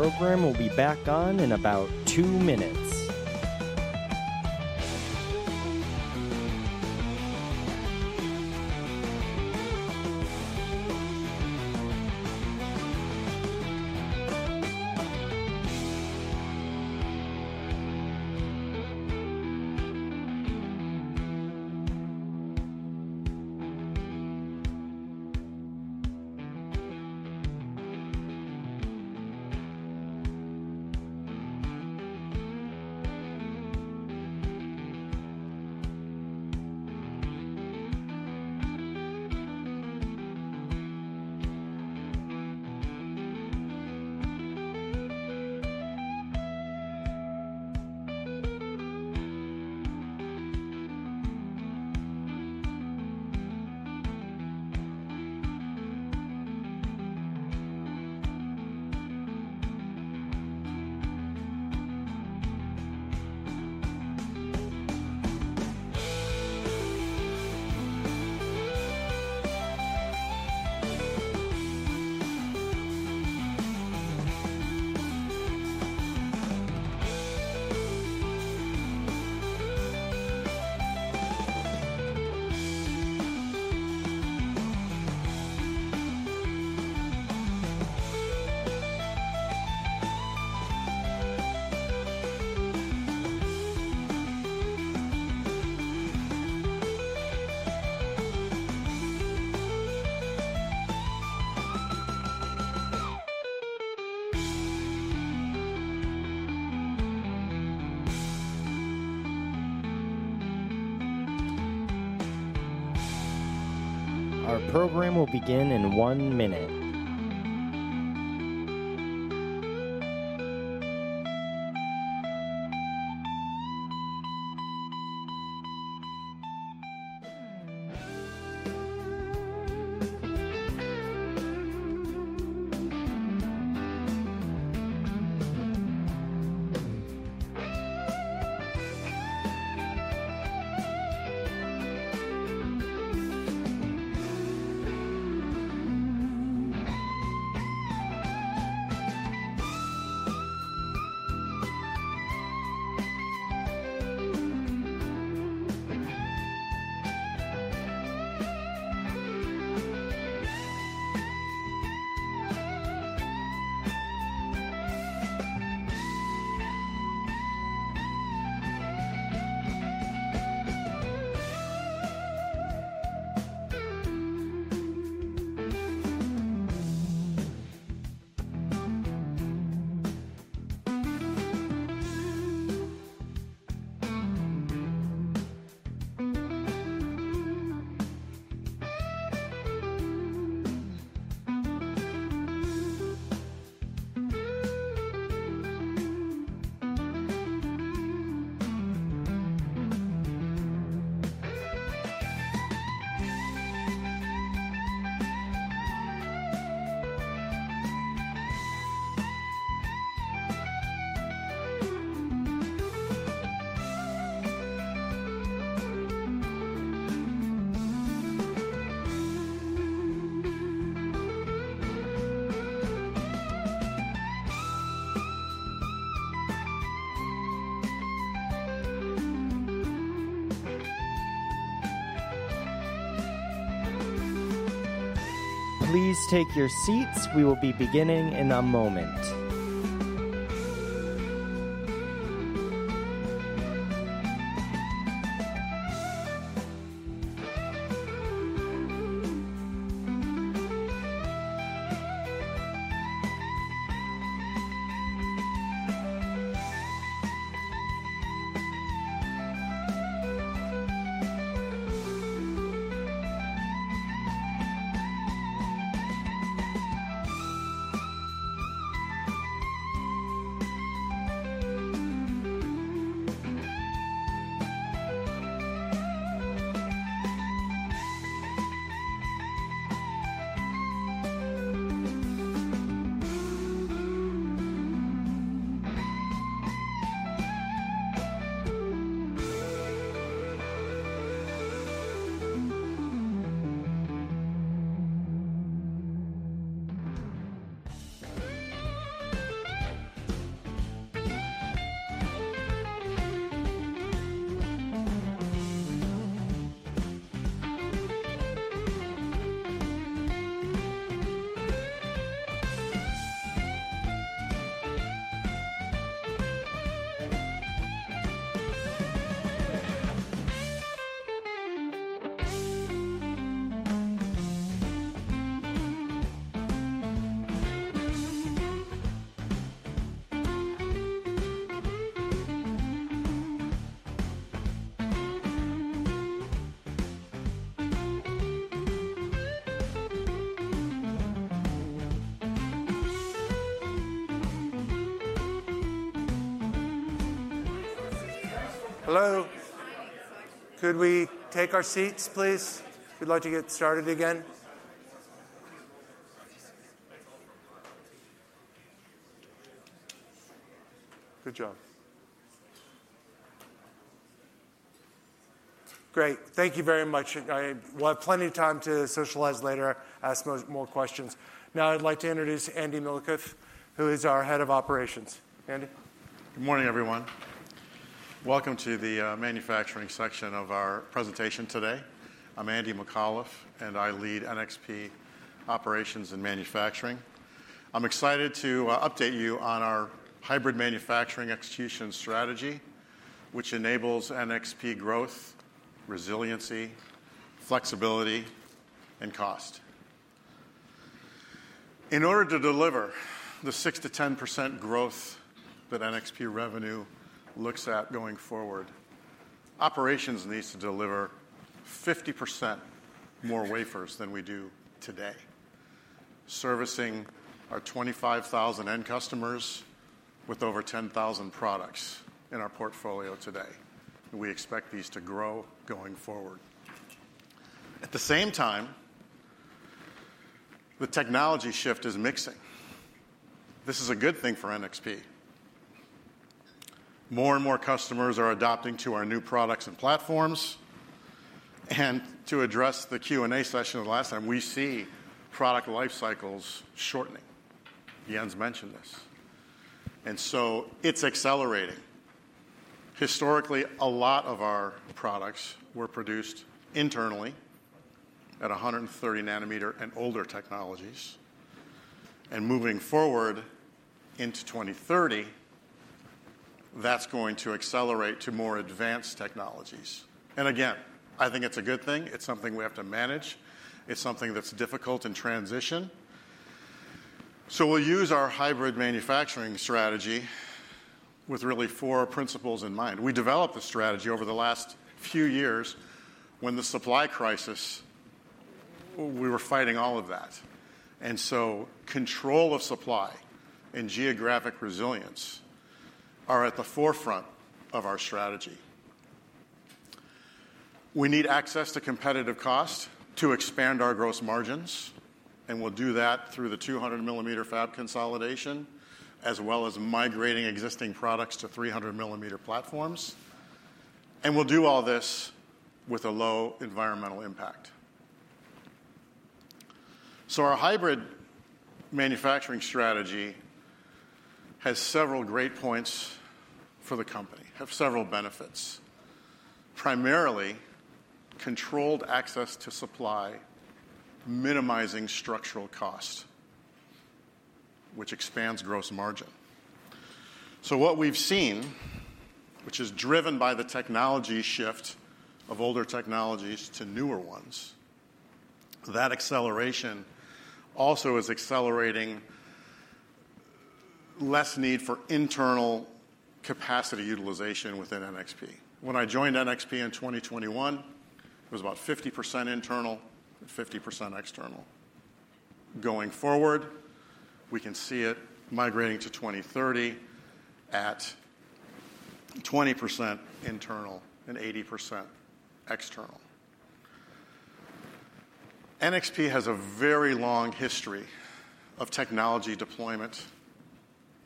Our program will be back on in about two minutes. Our program will begin in one minute. Please take your seats. We will be beginning in a moment. Hello. Could we take our seats, please? We'd like to get started again. Good job. Great. Thank you very much. We'll have plenty of time to socialize later and ask more questions. Now, I'd like to introduce Andy Micallef, who is our Head of Operations. Andy? Good morning, everyone. Welcome to the manufacturing section of our presentation today. I'm Andy Micallef, and I lead NXP Operations and Manufacturing. I'm excited to update you on our hybrid manufacturing execution strategy, which enables NXP growth, resiliency, flexibility, and cost. In order to deliver the 6%-10% growth that NXP revenue looks at going forward, operations needs to deliver 50% more wafers than we do today, servicing our 25,000 end customers with over 10,000 products in our portfolio today. We expect these to grow going forward. At the same time, the technology shift is mixing. This is a good thing for NXP. More and more customers are adopting our new products and platforms. And to address the Q&A session last time, we see product life cycles shortening. Jens mentioned this. And so it's accelerating. Historically, a lot of our products were produced internally at 130-nanometer and older technologies, and moving forward into 2030, that's going to accelerate to more advanced technologies, and again, I think it's a good thing. It's something we have to manage. It's something that's difficult in transition, so we'll use our hybrid manufacturing strategy with really four principles in mind. We developed the strategy over the last few years when the supply crisis, we were fighting all of that, and so control of supply and geographic resilience are at the forefront of our strategy. We need access to competitive cost to expand our gross margins, and we'll do that through the 200-millimeter fab consolidation, as well as migrating existing products to 300-millimeter platforms, and we'll do all this with a low environmental impact. Our hybrid manufacturing strategy has several great points for the company, has several benefits, primarily controlled access to supply, minimizing structural cost, which expands gross margin. What we've seen, which is driven by the technology shift of older technologies to newer ones, that acceleration also is accelerating less need for internal capacity utilization within NXP. When I joined NXP in 2021, it was about 50% internal and 50% external. Going forward, we can see it migrating to 2030 at 20% internal and 80% external. NXP has a very long history of technology deployment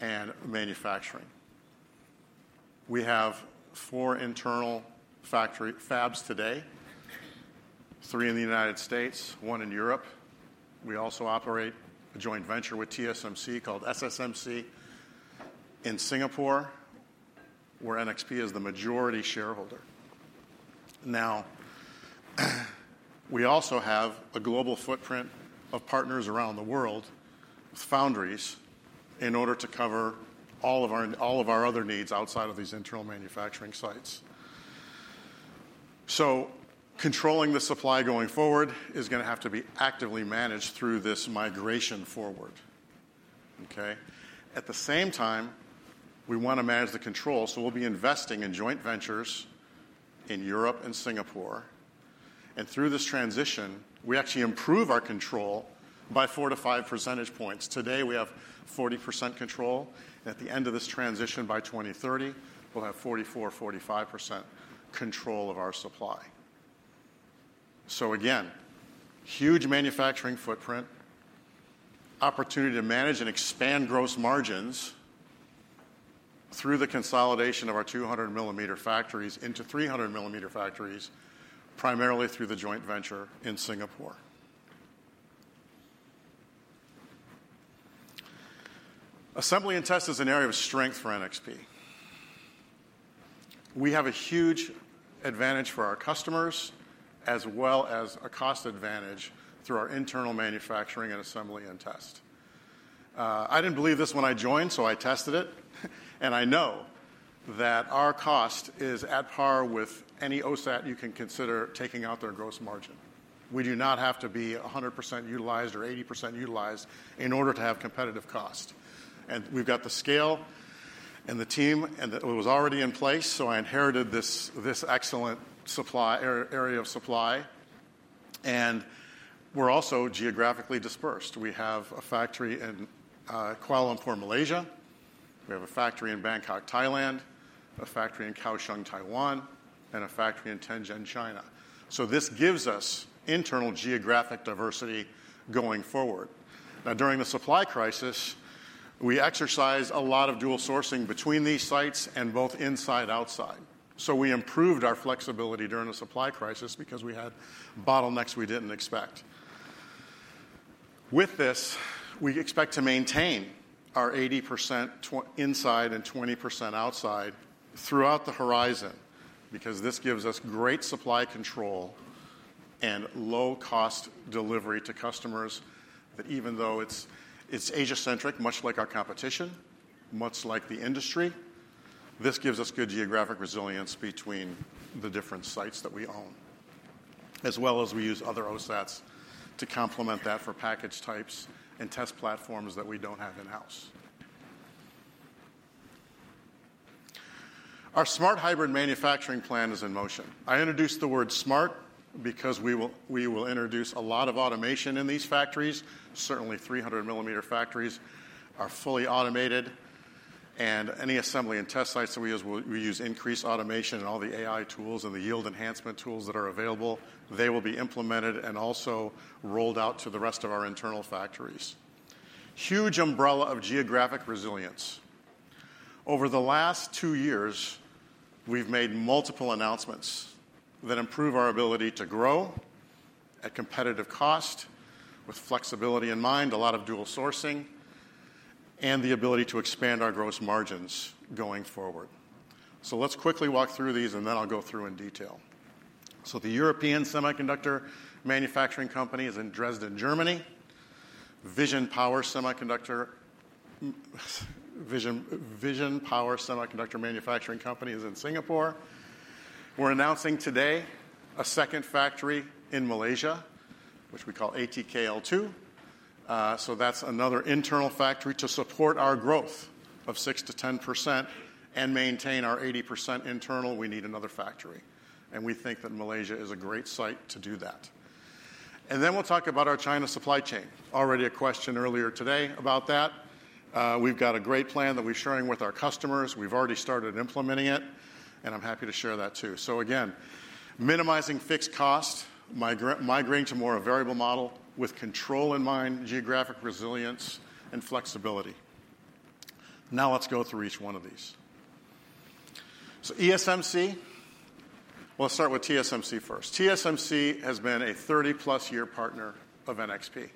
and manufacturing. We have four internal fabs today, three in the United States, one in Europe. We also operate a joint venture with TSMC called SSMC in Singapore, where NXP is the majority shareholder. Now, we also have a global footprint of partners around the world, foundries, in order to cover all of our other needs outside of these internal manufacturing sites. So controlling the supply going forward is going to have to be actively managed through this migration forward. Okay? At the same time, we want to manage the control. So we'll be investing in joint ventures in Europe and Singapore. And through this transition, we actually improve our control by four to five percentage points. Today, we have 40% control. At the end of this transition, by 2030, we'll have 44%-45% control of our supply. So again, huge manufacturing footprint, opportunity to manage and expand gross margins through the consolidation of our 200-millimeter factories into 300-millimeter factories, primarily through the joint venture in Singapore. Assembly and test is an area of strength for NXP. We have a huge advantage for our customers, as well as a cost advantage through our internal manufacturing and assembly and test. I didn't believe this when I joined, so I tested it, and I know that our cost is at par with any OSAT you can consider taking out their gross margin. We do not have to be 100% utilized or 80% utilized in order to have competitive cost, and we've got the scale and the team, and it was already in place, so I inherited this excellent area of supply, and we're also geographically dispersed. We have a factory in Kuala Lumpur, Malaysia. We have a factory in Bangkok, Thailand, a factory in Kaohsiung, Taiwan, and a factory in Tianjin, China, so this gives us internal geographic diversity going forward. Now, during the supply crisis, we exercised a lot of dual sourcing between these sites and both inside and outside. So we improved our flexibility during the supply crisis because we had bottlenecks we didn't expect. With this, we expect to maintain our 80% inside and 20% outside throughout the horizon because this gives us great supply control and low-cost delivery to customers that, even though it's Asia-centric, much like our competition, much like the industry, this gives us good geographic resilience between the different sites that we own, as well as we use other OSATs to complement that for package types and test platforms that we don't have in-house. Our smart hybrid manufacturing plan is in motion. I introduced the word smart because we will introduce a lot of automation in these factories. Certainly, 300 mm factories are fully automated. And any assembly and test sites that we use, we use increased automation and all the AI tools and the yield enhancement tools that are available. They will be implemented and also rolled out to the rest of our internal factories. Huge umbrella of geographic resilience. Over the last two years, we've made multiple announcements that improve our ability to grow at competitive cost with flexibility in mind, a lot of dual sourcing, and the ability to expand our gross margins going forward. So let's quickly walk through these, and then I'll go through in detail. So the European Semiconductor Manufacturing Company is in Dresden, Germany. Vision Power Semiconductor Manufacturing Company is in Singapore. We're announcing today a second factory in Malaysia, which we call ATKL2. So that's another internal factory to support our growth of 6%-10% and maintain our 80% internal. We need another factory. We think that Malaysia is a great site to do that. Then we'll talk about our China supply chain. Already a question earlier today about that. We've got a great plan that we're sharing with our customers. We've already started implementing it, and I'm happy to share that too. Again, minimizing fixed cost, migrating to more of a variable model with control in mind, geographic resilience, and flexibility. Now let's go through each one of these. ESMC, we'll start with TSMC first. TSMC has been a 30-plus-year partner of NXP,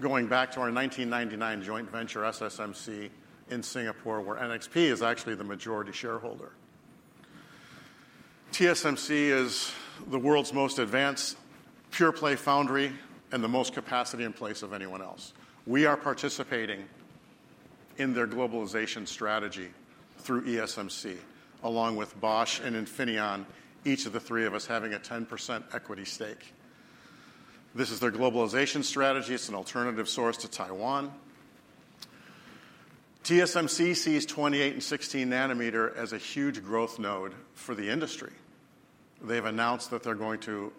going back to our 1999 joint venture SSMC in Singapore, where NXP is actually the majority shareholder. TSMC is the world's most advanced pure-play foundry and the most capacity in place of anyone else. We are participating in their globalization strategy through ESMC, along with Bosch and Infineon, each of the three of us having a 10% equity stake. This is their globalization strategy. It's an alternative source to Taiwan. TSMC sees 28 and 16 nanometer as a huge growth node for the industry. They've announced that they're going to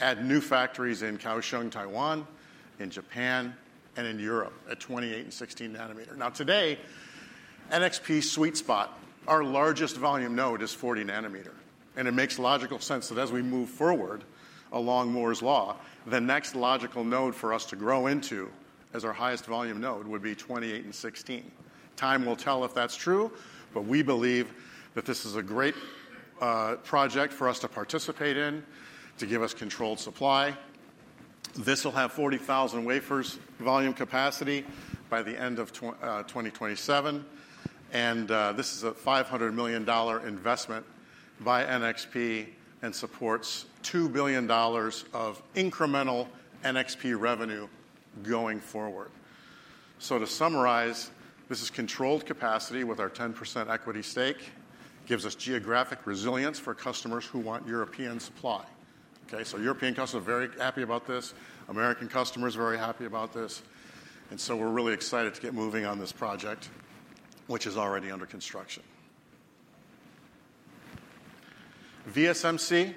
add new factories in Kaohsiung, Taiwan, in Japan, and in Europe at 28 and 16 nanometer. Now, today, NXP's sweet spot, our largest volume node, is 40 nanometer, and it makes logical sense that as we move forward along Moore's Law, the next logical node for us to grow into as our highest volume node would be 28 and 16. Time will tell if that's true, but we believe that this is a great project for us to participate in, to give us controlled supply. This will have 40,000 wafers volume capacity by the end of 2027. And this is a $500 million investment by NXP and supports $2 billion of incremental NXP revenue going forward. So to summarize, this is controlled capacity with our 10% equity stake, gives us geographic resilience for customers who want European supply. Okay? So European customers are very happy about this. American customers are very happy about this. And so we're really excited to get moving on this project, which is already under construction. VSMC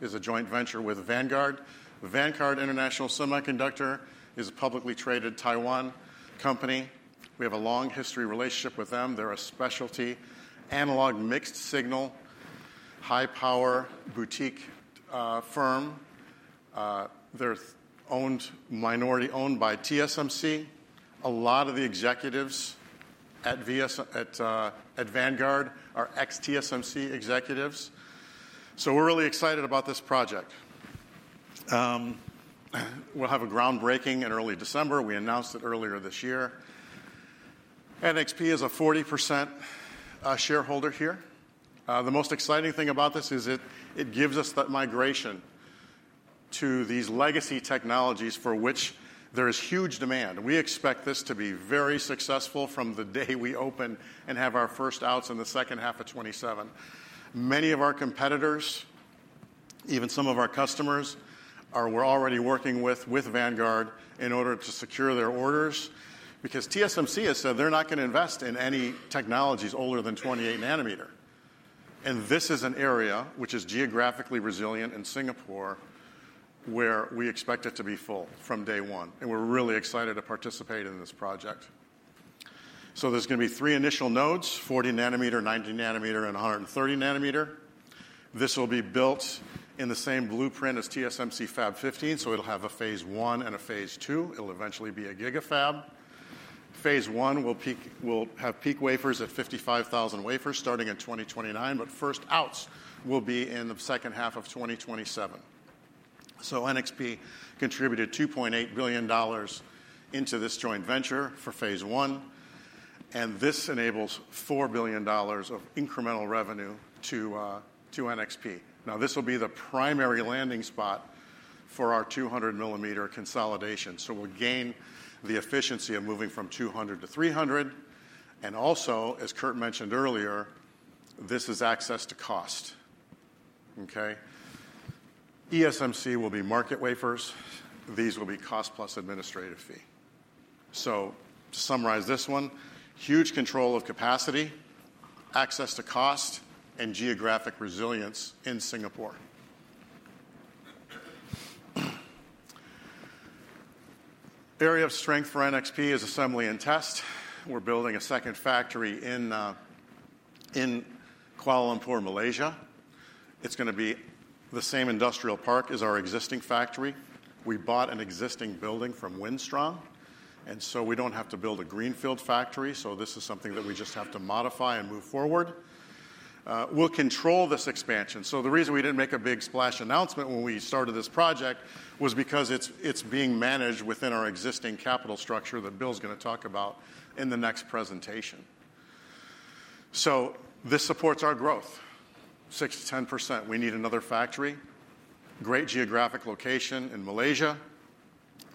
is a joint venture with Vanguard. Vanguard International Semiconductor is a publicly traded Taiwan company. We have a long history relationship with them. They're a specialty analog mixed signal, high-power boutique firm. They're owned by TSMC. A lot of the executives at Vanguard are ex-TSMC executives. So we're really excited about this project. We'll have a groundbreaking in early December. We announced it earlier this year. NXP is a 40% shareholder here. The most exciting thing about this is it gives us that migration to these legacy technologies for which there is huge demand. We expect this to be very successful from the day we open and have our first outs in the second half of 2027. Many of our competitors, even some of our customers, we're already working with Vanguard in order to secure their orders because TSMC has said they're not going to invest in any technologies older than 28-nanometer, and this is an area which is geographically resilient in Singapore where we expect it to be full from day one, and we're really excited to participate in this project, so there's going to be three initial nodes: 40-nanometer, 90-nanometer, and 130-nanometer. This will be built in the same blueprint as TSMC Fab 15. It'll have a phase one and a phase two. It'll eventually be a gigafab. Phase one will have peak wafers at 55,000 wafers starting in 2029, but first outs will be in the second half of 2027. So NXP contributed $2.8 billion into this joint venture for phase one. And this enables $4 billion of incremental revenue to NXP. Now, this will be the primary landing spot for our 200-millimeter consolidation. So we'll gain the efficiency of moving from 200 to 300. And also, as Kurt mentioned earlier, this is access to cost. Okay? ESMC will be market wafers. These will be cost plus administrative fee. So to summarize this one, huge control of capacity, access to cost, and geographic resilience in Singapore. Area of strength for NXP is assembly and test. We're building a second factory in Kuala Lumpur, Malaysia. It's going to be the same industrial park as our existing factory. We bought an existing building from Wistron. And so we don't have to build a greenfield factory. So this is something that we just have to modify and move forward. We'll control this expansion. So the reason we didn't make a big splash announcement when we started this project was because it's being managed within our existing capital structure that Bill's going to talk about in the next presentation. So this supports our growth, six%-10%. We need another factory, great geographic location in Malaysia.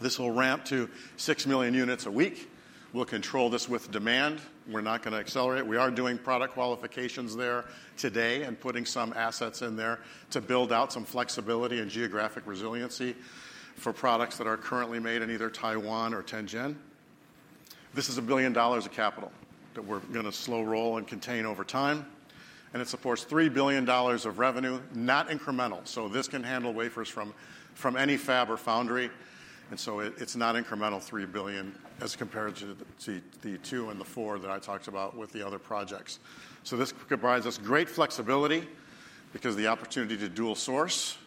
This will ramp to six million units a week. We'll control this with demand. We're not going to accelerate. We are doing product qualifications there today and putting some assets in there to build out some flexibility and geographic resiliency for products that are currently made in either Taiwan or Tianjin. This is $1 billion of capital that we're going to slow roll and contain over time. And it supports $3 billion of revenue, not incremental. So this can handle wafers from any fab or foundry. And so it's not incremental, $3 billion, as compared to the two and the four that I talked about with the other projects. So this provides us great flexibility because of the opportunity to dual source,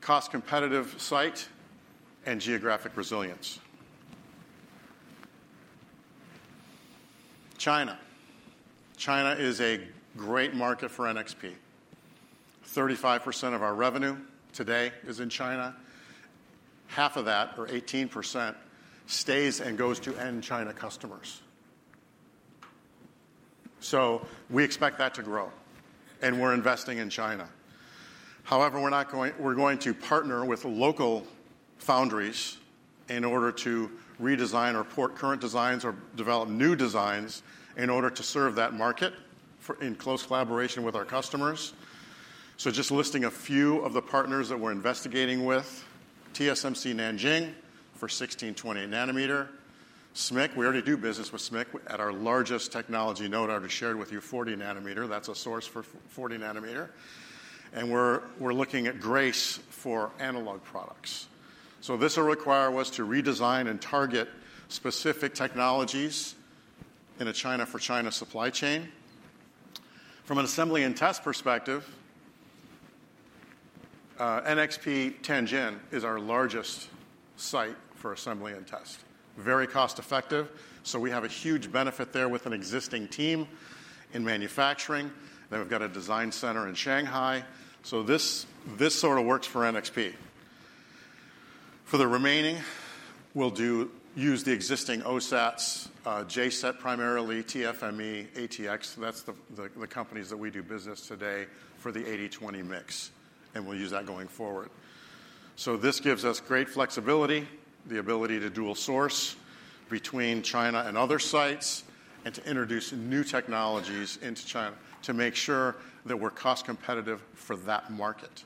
cost-competitive site, and geographic resilience. China. China is a great market for NXP. 35% of our revenue today is in China. Half of that, or 18%, stays and goes to end-China customers. So we expect that to grow. And we're investing in China. However, we're going to partner with local foundries in order to redesign or port current designs or develop new designs in order to serve that market in close collaboration with our customers. So just listing a few of the partners that we're investigating with: TSMC Nanjing for 16, 20 nanometer, SMIC. We already do business with SMIC at our largest technology node. I already shared with you 40 nanometer. That's a source for 40 nanometer. And we're looking at Grace for analog products. So this will require us to redesign and target specific technologies in a China-for-China supply chain. From an assembly and test perspective, NXP Tianjin is our largest site for assembly and test. Very cost-effective. So we have a huge benefit there with an existing team in manufacturing. Then we've got a design center in Shanghai. So this sort of works for NXP. For the remaining, we'll use the existing OSATs, JCET primarily, TFME, ATX. That's the companies that we do business today for the 80/20 mix. And we'll use that going forward. So this gives us great flexibility, the ability to dual source between China and other sites, and to introduce new technologies into China to make sure that we're cost competitive for that market.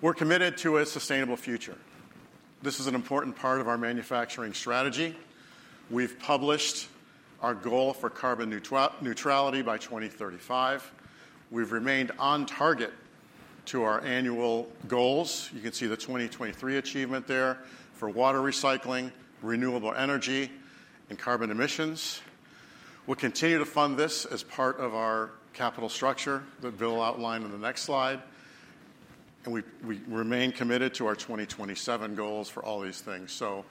We're committed to a sustainable future. This is an important part of our manufacturing strategy. We've published our goal for carbon neutrality by 2035. We've remained on target to our annual goals. You can see the 2023 achievement there for water recycling, renewable energy, and carbon emissions. We'll continue to fund this as part of our capital structure that Bill outlined in the next slide. And we remain committed to our 2027 goals for all these things. So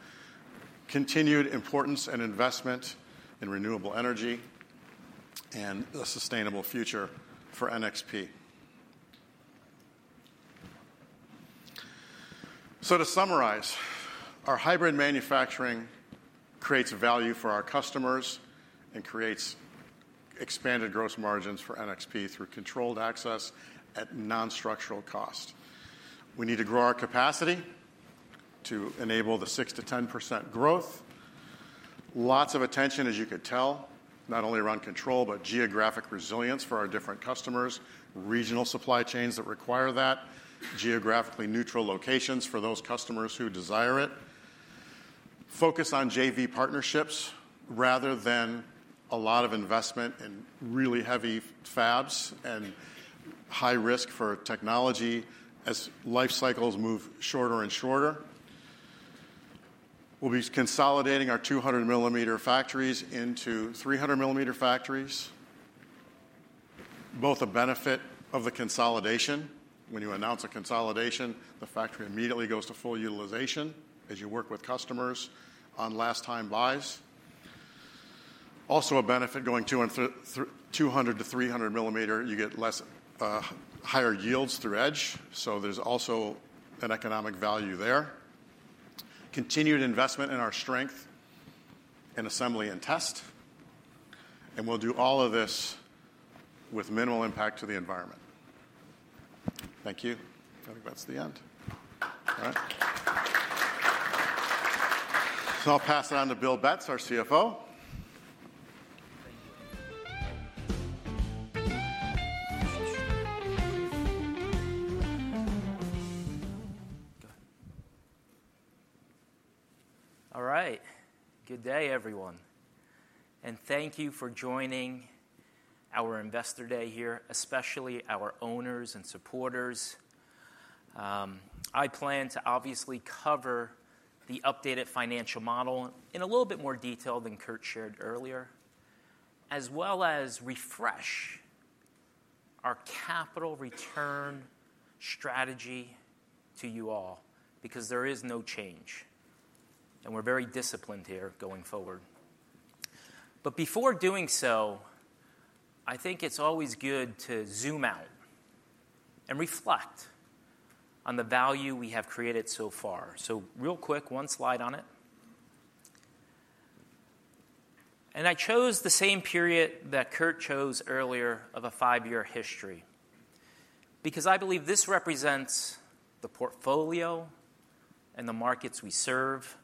continued importance and investment in renewable energy and a sustainable future for NXP. So to summarize, our hybrid manufacturing creates value for our customers and creates expanded gross margins for NXP through controlled access at non-structural cost. We need to grow our capacity to enable the 6%-10% growth. Lots of attention, as you could tell, not only around control, but geographic resilience for our different customers, regional supply chains that require that, geographically neutral locations for those customers who desire it. Focus on JV partnerships rather than a lot of investment in really heavy fabs and high risk for technology as life cycles move shorter and shorter. We'll be consolidating our 200-millimeter factories into 300-millimeter factories. Both a benefit of the consolidation. When you announce a consolidation, the factory immediately goes to full utilization as you work with customers on last-time buys. Also a benefit going to 200- to 300-millimeter, you get higher yields through edge. So there's also an economic value there. Continued investment in our strength in assembly and test. We'll do all of this with minimal impact to the environment. Thank you. I think that's the end. All right. So I'll pass it on to Bill Betz, our CFO. All right. Good day, everyone, and thank you for joining our investor day here, especially our owners and supporters. I plan to obviously cover the updated financial model in a little bit more detail than Kurt shared earlier, as well as refresh our capital return strategy to you all because there is no change, and we're very disciplined here going forward, but before doing so, I think it's always good to zoom out and reflect on the value we have created so far. So real quick, one slide on it, and I chose the same period that Kurt chose earlier of a five-year history because I believe this represents the portfolio and the markets we serve,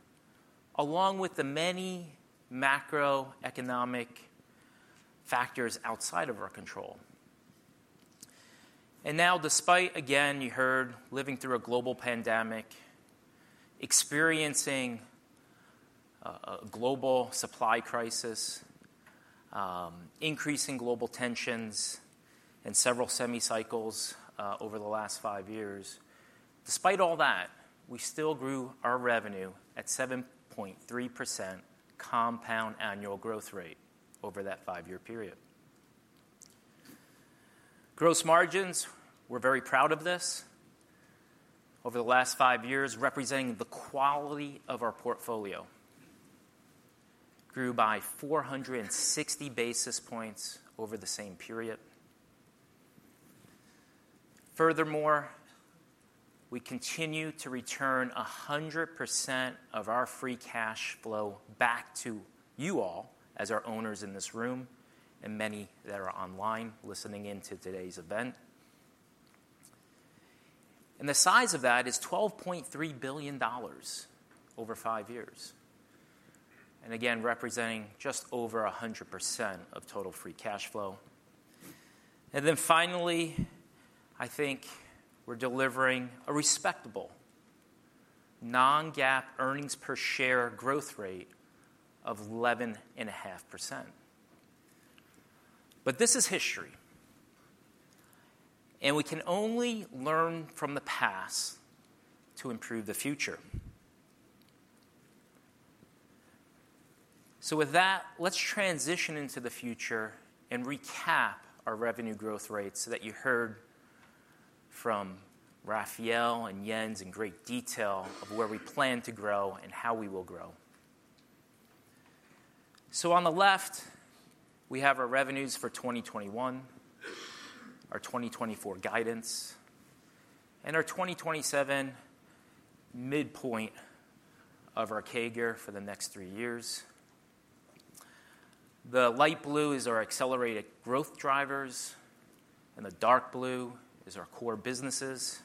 along with the many macroeconomic factors outside of our control. And now, despite again you heard living through a global pandemic, experiencing a global supply crisis, increasing global tensions, and several semi-cycles over the last five years, despite all that, we still grew our revenue at 7.3% compound annual growth rate over that five-year period. Gross margins, we're very proud of this. Over the last five years, representing the quality of our portfolio, grew by 460 basis points over the same period. Furthermore, we continue to return 100% of our free cash flow back to you all as our owners in this room and many that are online listening into today's event. And the size of that is $12.3 billion over five years. And again, representing just over 100% of total free cash flow. And then finally, I think we're delivering a respectable non-GAAP earnings per share growth rate of 11.5%. But this is history. We can only learn from the past to improve the future. With that, let's transition into the future and recap our revenue growth rates that you heard from Rafael and Jens in great detail of where we plan to grow and how we will grow. On the left, we have our revenues for 2021, our 2024 guidance, and our 2027 midpoint of our CAGR for the next three years. The light blue is our accelerated growth drivers, and the dark blue is our core businesses.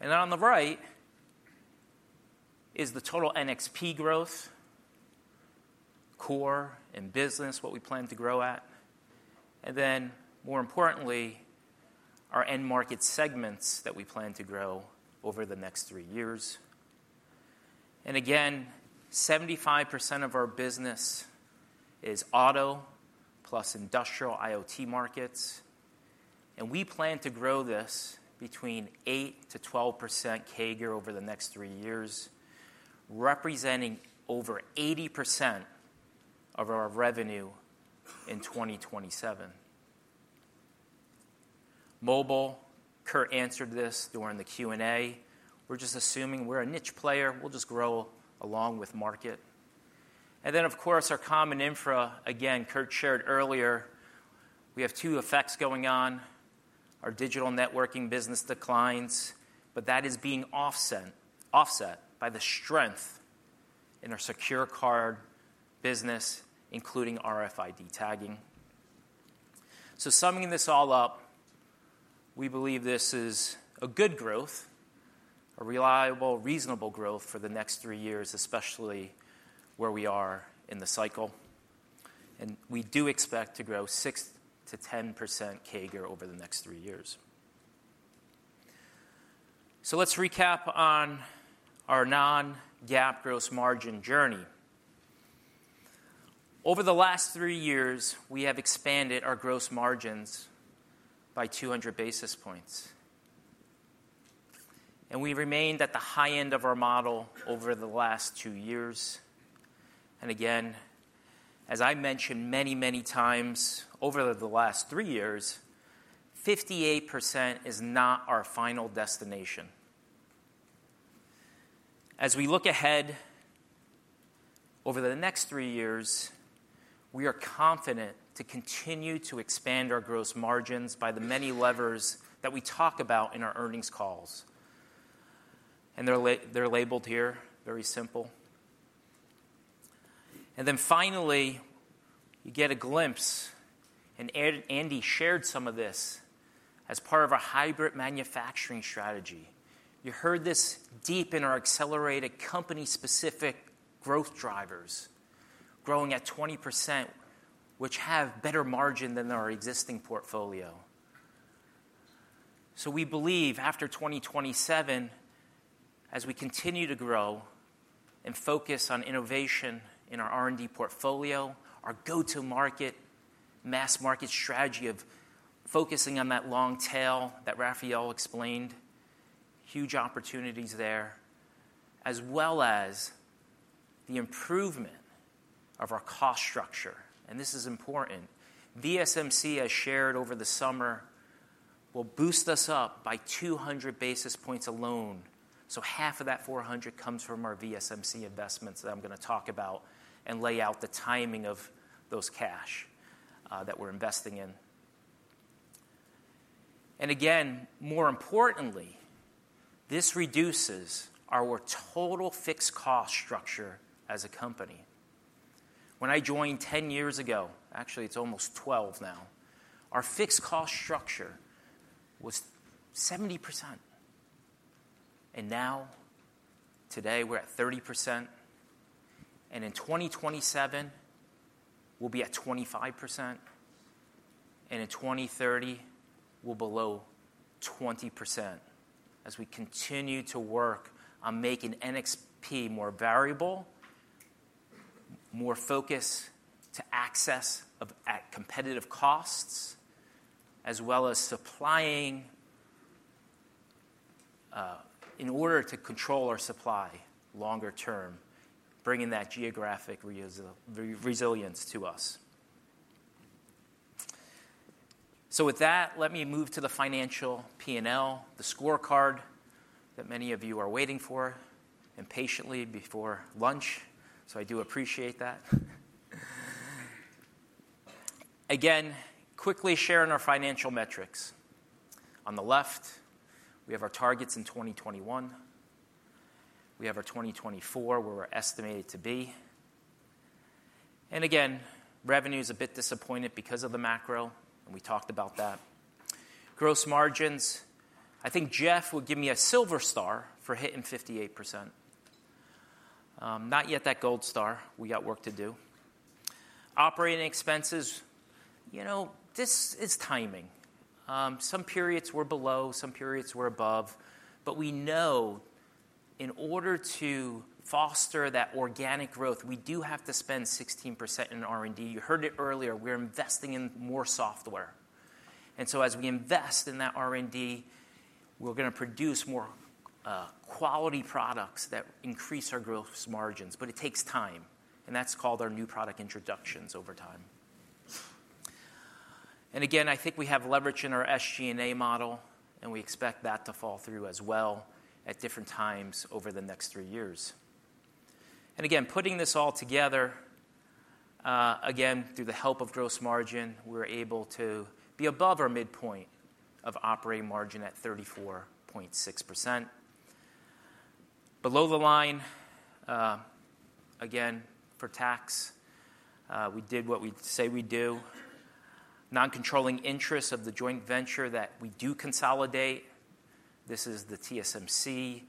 Then on the right is the total NXP growth, core and business, what we plan to grow at. Then, more importantly, our end market segments that we plan to grow over the next three years. Again, 75% of our business is auto plus industrial IoT markets. We plan to grow this between 8%-12% CAGR over the next three years, representing over 80% of our revenue in 2027. Mobile, Curt answered this during the Q&A. We're just assuming we're a niche player. We'll just grow along with market. And then, of course, our common infra, again, Curt shared earlier, we have two effects going on. Our digital networking business declines, but that is being offset by the strength in our secure card business, including RFID tagging. So summing this all up, we believe this is a good growth, a reliable, reasonable growth for the next three years, especially where we are in the cycle. And we do expect to grow 6%-10% CAGR over the next three years. So let's recap on our non-GAAP gross margin journey. Over the last three years, we have expanded our gross margins by 200 basis points, and we remained at the high end of our model over the last two years. And again, as I mentioned many, many times over the last three years, 58% is not our final destination. As we look ahead over the next three years, we are confident to continue to expand our gross margins by the many levers that we talk about in our earnings calls, and they're labeled here, very simple. And then finally, you get a glimpse, and Andy shared some of this as part of our hybrid manufacturing strategy. You heard this deep in our accelerated company-specific growth drivers, growing at 20%, which have better margin than our existing portfolio. So we believe after 2027, as we continue to grow and focus on innovation in our R&D portfolio, our go-to-market mass market strategy of focusing on that long tail that Rafael explained, huge opportunities there, as well as the improvement of our cost structure. And this is important. VSMC, as shared over the summer, will boost us up by 200 basis points alone. So half of that 400 comes from our VSMC investments that I'm going to talk about and lay out the timing of those cash that we're investing in. And again, more importantly, this reduces our total fixed cost structure as a company. When I joined 10 years ago, actually, it's almost 12 now, our fixed cost structure was 70%. And now, today, we're at 30%. And in 2027, we'll be at 25%. And in 2030, we'll be below 20% as we continue to work on making NXP more variable, more focus to access at competitive costs, as well as supplying in order to control our supply longer term, bringing that geographic resilience to us. So with that, let me move to the financial P&L, the scorecard that many of you are waiting for impatiently before lunch. So I do appreciate that. Again, quickly sharing our financial metrics. On the left, we have our targets in 2021. We have our 2024, where we're estimated to be. And again, revenue is a bit disappointed because of the macro, and we talked about that. Gross margins, I think Jeff will give me a silver star for hitting 58%. Not yet that gold star. We got work to do. Operating expenses, you know, this is timing. Some periods we're below, some periods we're above. But we know in order to foster that organic growth, we do have to spend 16% in R&D. You heard it earlier. We're investing in more software. And so as we invest in that R&D, we're going to produce more quality products that increase our gross margins. But it takes time. And that's called our new product introductions over time. And again, I think we have leverage in our SG&A model, and we expect that to fall through as well at different times over the next three years. And again, putting this all together, again, through the help of gross margin, we're able to be above our midpoint of operating margin at 34.6%. Below the line, again, for tax, we did what we say we do. Non-controlling interest of the joint venture that we do consolidate. This is the TSMC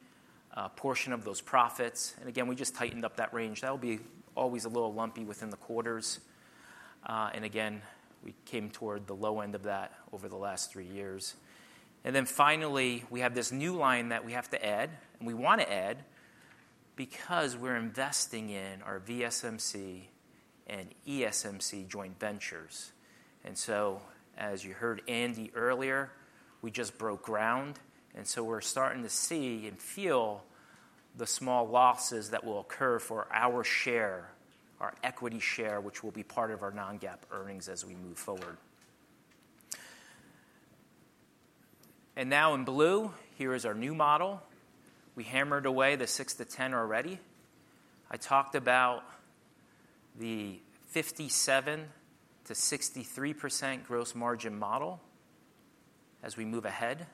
portion of those profits. And again, we just tightened up that range. That will be always a little lumpy within the quarters. And again, we came toward the low end of that over the last three years. And then finally, we have this new line that we have to add, and we want to add because we're investing in our VSMC and ESMC joint ventures. And so, as you heard Andy earlier, we just broke ground. And so we're starting to see and feel the small losses that will occur for our share, our equity share, which will be part of our non-GAAP earnings as we move forward. And now in blue, here is our new model. We hammered away the 6-10 already. I talked about the 57%-63% gross margin model as we move ahead.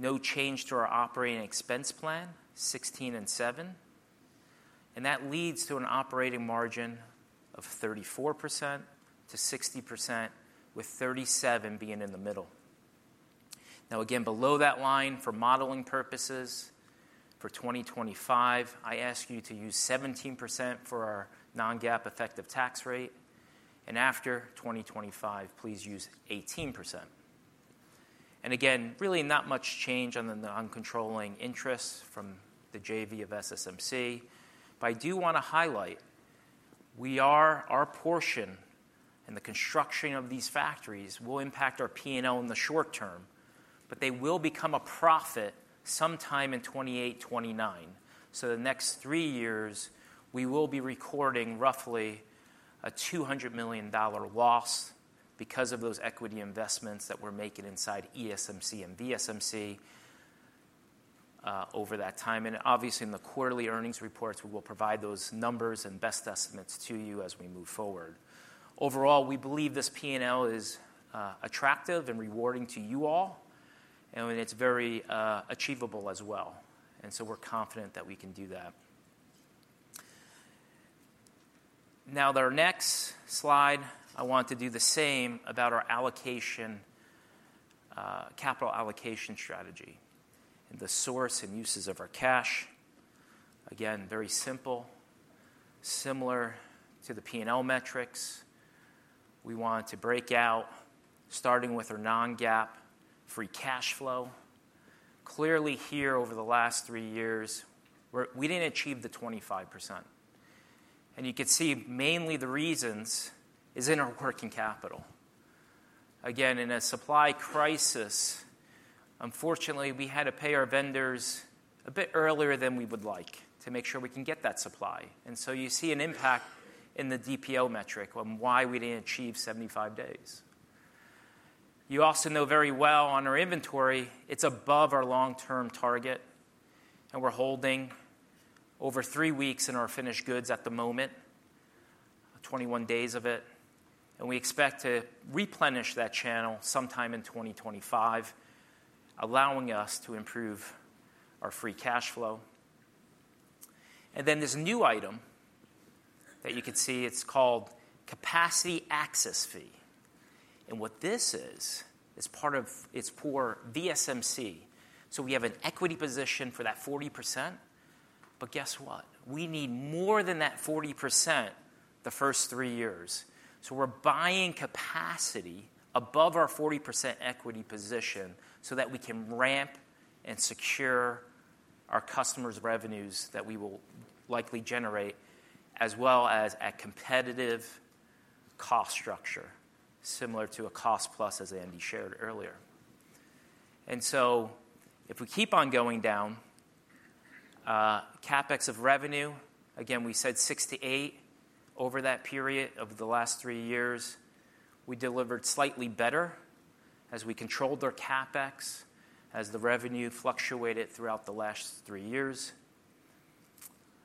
No change to our operating expense plan, 16% and 7%. And that leads to an operating margin of 34%-60%, with 37% being in the middle. Now, again, below that line for modeling purposes, for 2025, I ask you to use 17% for our non-GAAP effective tax rate. And after 2025, please use 18%. And again, really not much change on the non-controlling interest from the JV of SSMC. But I do want to highlight, our portion in the construction of these factories will impact our P&L in the short term, but they will become a profit sometime in 2028, 2029. So the next three years, we will be recording roughly a $200 million loss because of those equity investments that we're making inside ESMC and VSMC over that time. And obviously, in the quarterly earnings reports, we will provide those numbers and best estimates to you as we move forward. Overall, we believe this P&L is attractive and rewarding to you all, and it's very achievable as well, and so we're confident that we can do that. Now, the next slide, I want to do the same about our allocation, capital allocation strategy, and the source and uses of our cash. Again, very simple, similar to the P&L metrics. We want to break out, starting with our non-GAAP free cash flow. Clearly, here over the last three years, we didn't achieve the 25%. And you can see mainly the reasons is in our working capital. Again, in a supply crisis, unfortunately, we had to pay our vendors a bit earlier than we would like to make sure we can get that supply. And so you see an impact in the DPO metric on why we didn't achieve 75 days. You also know very well on our inventory, it's above our long-term target, and we're holding over three weeks in our finished goods at the moment, 21 days of it, and we expect to replenish that channel sometime in 2025, allowing us to improve our free cash flow, and then this new item that you can see, it's called capacity access fee, and what this is, it's part of its core VSMC. So we have an equity position for that 40%. But guess what? We need more than that 40% the first three years. So we're buying capacity above our 40% equity position so that we can ramp and secure our customers' revenues that we will likely generate, as well as a competitive cost structure similar to a cost plus as Andy shared earlier. If we keep on going down, CapEx of revenue, again, we said 6%-8% over that period of the last three years. We delivered slightly better as we controlled our CapEx as the revenue fluctuated throughout the last three years.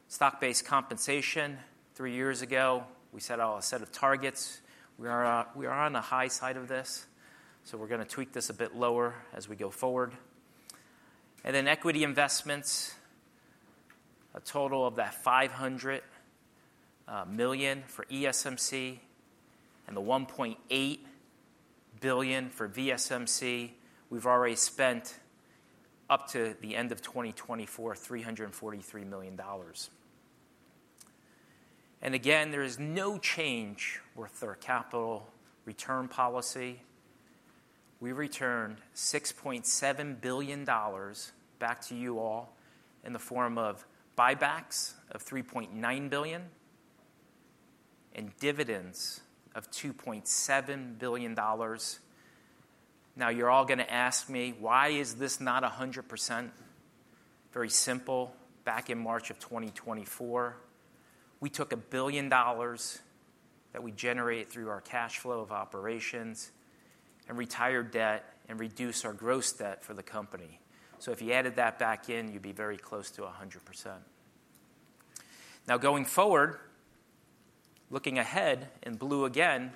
Stock-based compensation, three years ago, we set out a set of targets. We are on the high side of this. We're going to tweak this a bit lower as we go forward. Equity investments, a total of $500 million for ESMC and $1.8 billion for VSMC. We've already spent up to the end of 2024, $343 million. There is no change with our capital return policy. We returned $6.7 billion back to you all in the form of buybacks of $3.9 billion and dividends of $2.7 billion. Now, you're all going to ask me, why is this not 100%? Very simple. Back in March of 2024, we took $1 billion that we generated through our cash flow of operations and retired debt and reduced our gross debt for the company. So if you added that back in, you'd be very close to 100%. Now, going forward, looking ahead in blue again,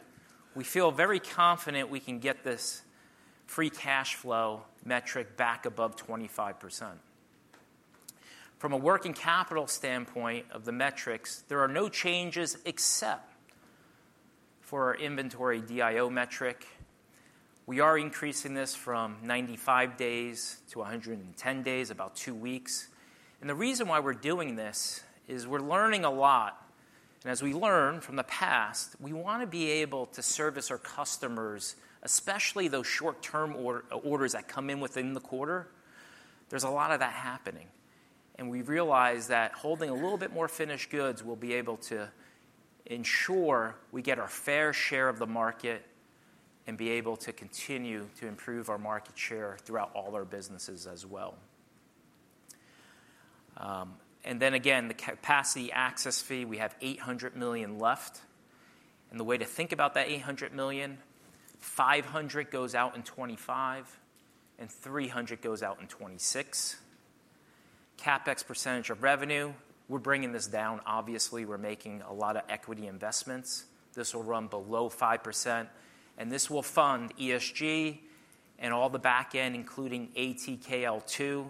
we feel very confident we can get this free cash flow metric back above 25%. From a working capital standpoint of the metrics, there are no changes except for our inventory DIO metric. We are increasing this from 95 days to 110 days, about two weeks. And the reason why we're doing this is we're learning a lot. And as we learn from the past, we want to be able to service our customers, especially those short-term orders that come in within the quarter. There's a lot of that happening. We realize that holding a little bit more finished goods, we'll be able to ensure we get our fair share of the market and be able to continue to improve our market share throughout all our businesses as well. And then again, the capacity access fee, we have $800 million left. And the way to think about that $800 million, $500 million goes out in 2025 and $300 million goes out in 2026. CapEx percentage of revenue, we're bringing this down. Obviously, we're making a lot of equity investments. This will run below 5%. And this will fund ESG and all the backend, including ATKL2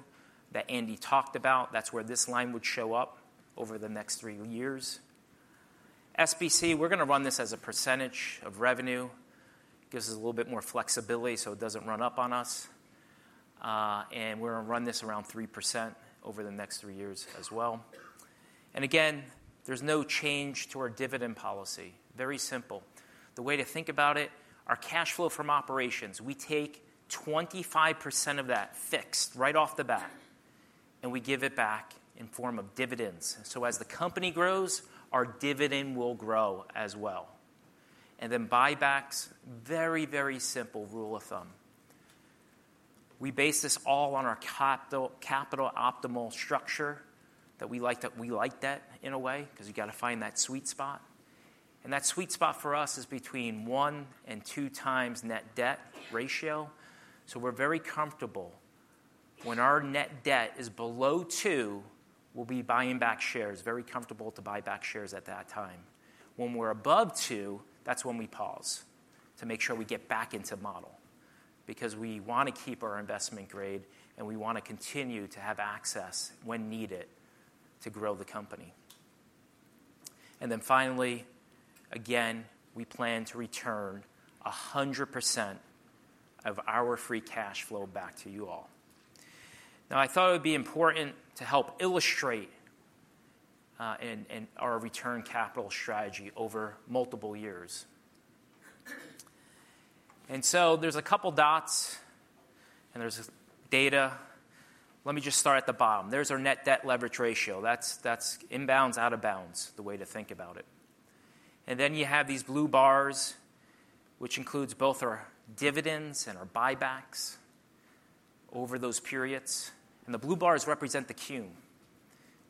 that Andy talked about. That's where this line would show up over the next three years. SBC, we're going to run this as a percentage of revenue. It gives us a little bit more flexibility so it doesn't run up on us. We're going to run this around 3% over the next three years as well. Again, there's no change to our dividend policy. Very simple. The way to think about it, our cash flow from operations, we take 25% of that fixed right off the bat and we give it back in form of dividends. As the company grows, our dividend will grow as well. Buybacks, very, very simple rule of thumb. We base this all on our capital allocation structure that we like that in a way because you got to find that sweet spot. That sweet spot for us is between one and two times net debt ratio. We're very comfortable when our net debt is below two. We'll be buying back shares, very comfortable to buy back shares at that time. When we're above two, that's when we pause to make sure we get back into model because we want to keep our investment grade and we want to continue to have access when needed to grow the company. And then finally, again, we plan to return 100% of our free cash flow back to you all. Now, I thought it would be important to help illustrate our return capital strategy over multiple years. And so there's a couple of dots and there's data. Let me just start at the bottom. There's our net debt leverage ratio. That's inbounds, out of bounds, the way to think about it. And then you have these blue bars, which includes both our dividends and our buybacks over those periods. And the blue bars represent the Q.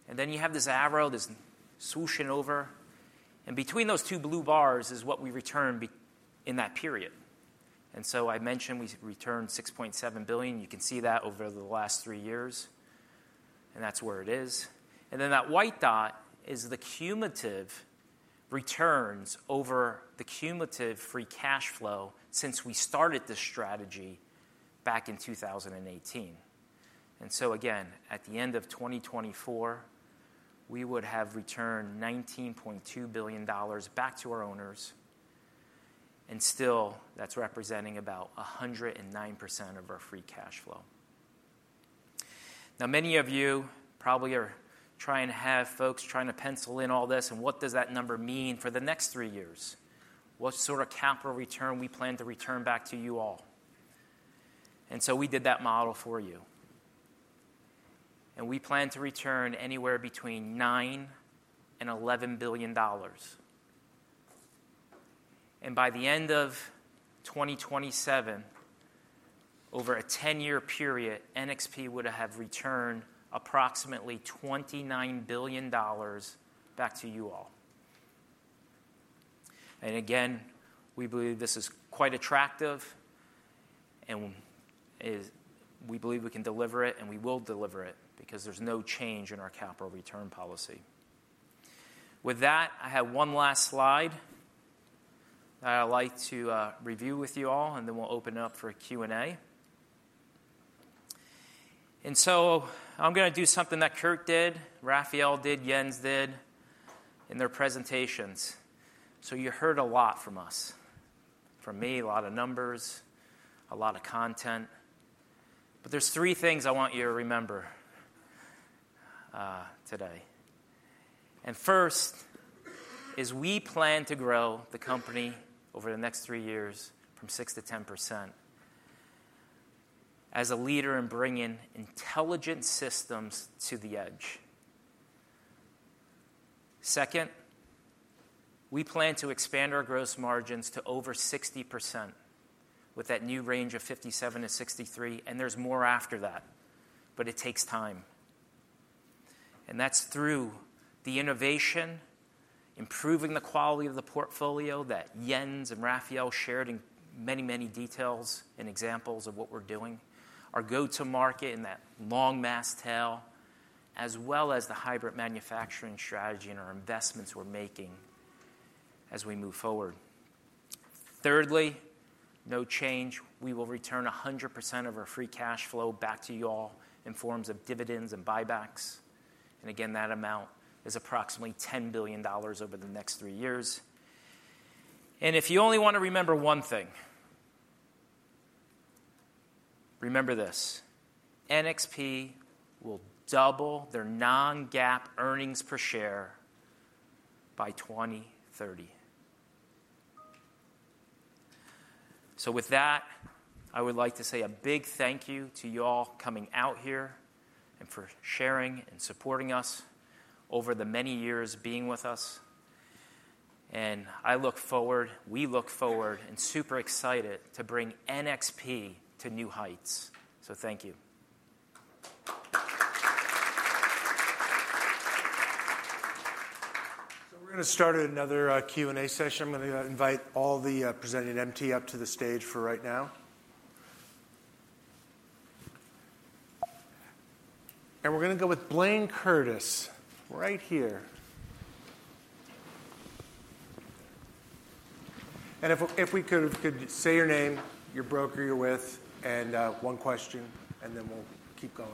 And then you have this arrow, this swooshing over. And between those two blue bars is what we return in that period. And so I mentioned we returned $6.7 billion. You can see that over the last three years. And that's where it is. And then that white dot is the cumulative returns over the cumulative free cash flow since we started this strategy back in 2018. And so again, at the end of 2024, we would have returned $19.2 billion back to our owners. And still, that's representing about 109% of our free cash flow. Now, many of you probably are trying to have folks trying to pencil in all this and what does that number mean for the next three years? What sort of capital return we plan to return back to you all? And so we did that model for you. And we plan to return anywhere between $9 and $11 billion. By the end of 2027, over a 10-year period, NXP would have returned approximately $29 billion back to you all. Again, we believe this is quite attractive and we believe we can deliver it and we will deliver it because there's no change in our capital return policy. With that, I have one last slide that I'd like to review with you all, and then we'll open it up for Q&A. I'm going to do something that Kurt did, Rafael did, Jens did in their presentations. You heard a lot from us, from me, a lot of numbers, a lot of content. There are three things I want you to remember today. First, we plan to grow the company over the next three years from 6%-10% as a leader in bringing intelligent systems to the edge. Second, we plan to expand our gross margins to over 60% with that new range of 57%-63%. And there's more after that, but it takes time. And that's through the innovation, improving the quality of the portfolio that Jens and Rafael shared in many, many details and examples of what we're doing, our go-to-market in that long mass tail, as well as the hybrid manufacturing strategy and our investments we're making as we move forward. Thirdly, no change. We will return 100% of our free cash flow back to you all in forms of dividends and buybacks. And again, that amount is approximately $10 billion over the next three years. And if you only want to remember one thing, remember this: NXP will double their non-GAAP earnings per share by 2030. So with that, I would like to say a big thank you to you all coming out here and for sharing and supporting us over the many years being with us. And I look forward, we look forward, and super excited to bring NXP to new heights. So thank you. So we're going to start another Q&A session. I'm going to invite all the presenting MT up to the stage for right now. And we're going to go with Blaine Curtis right here. And if we could say your name, your broker you're with, and one question, and then we'll keep going.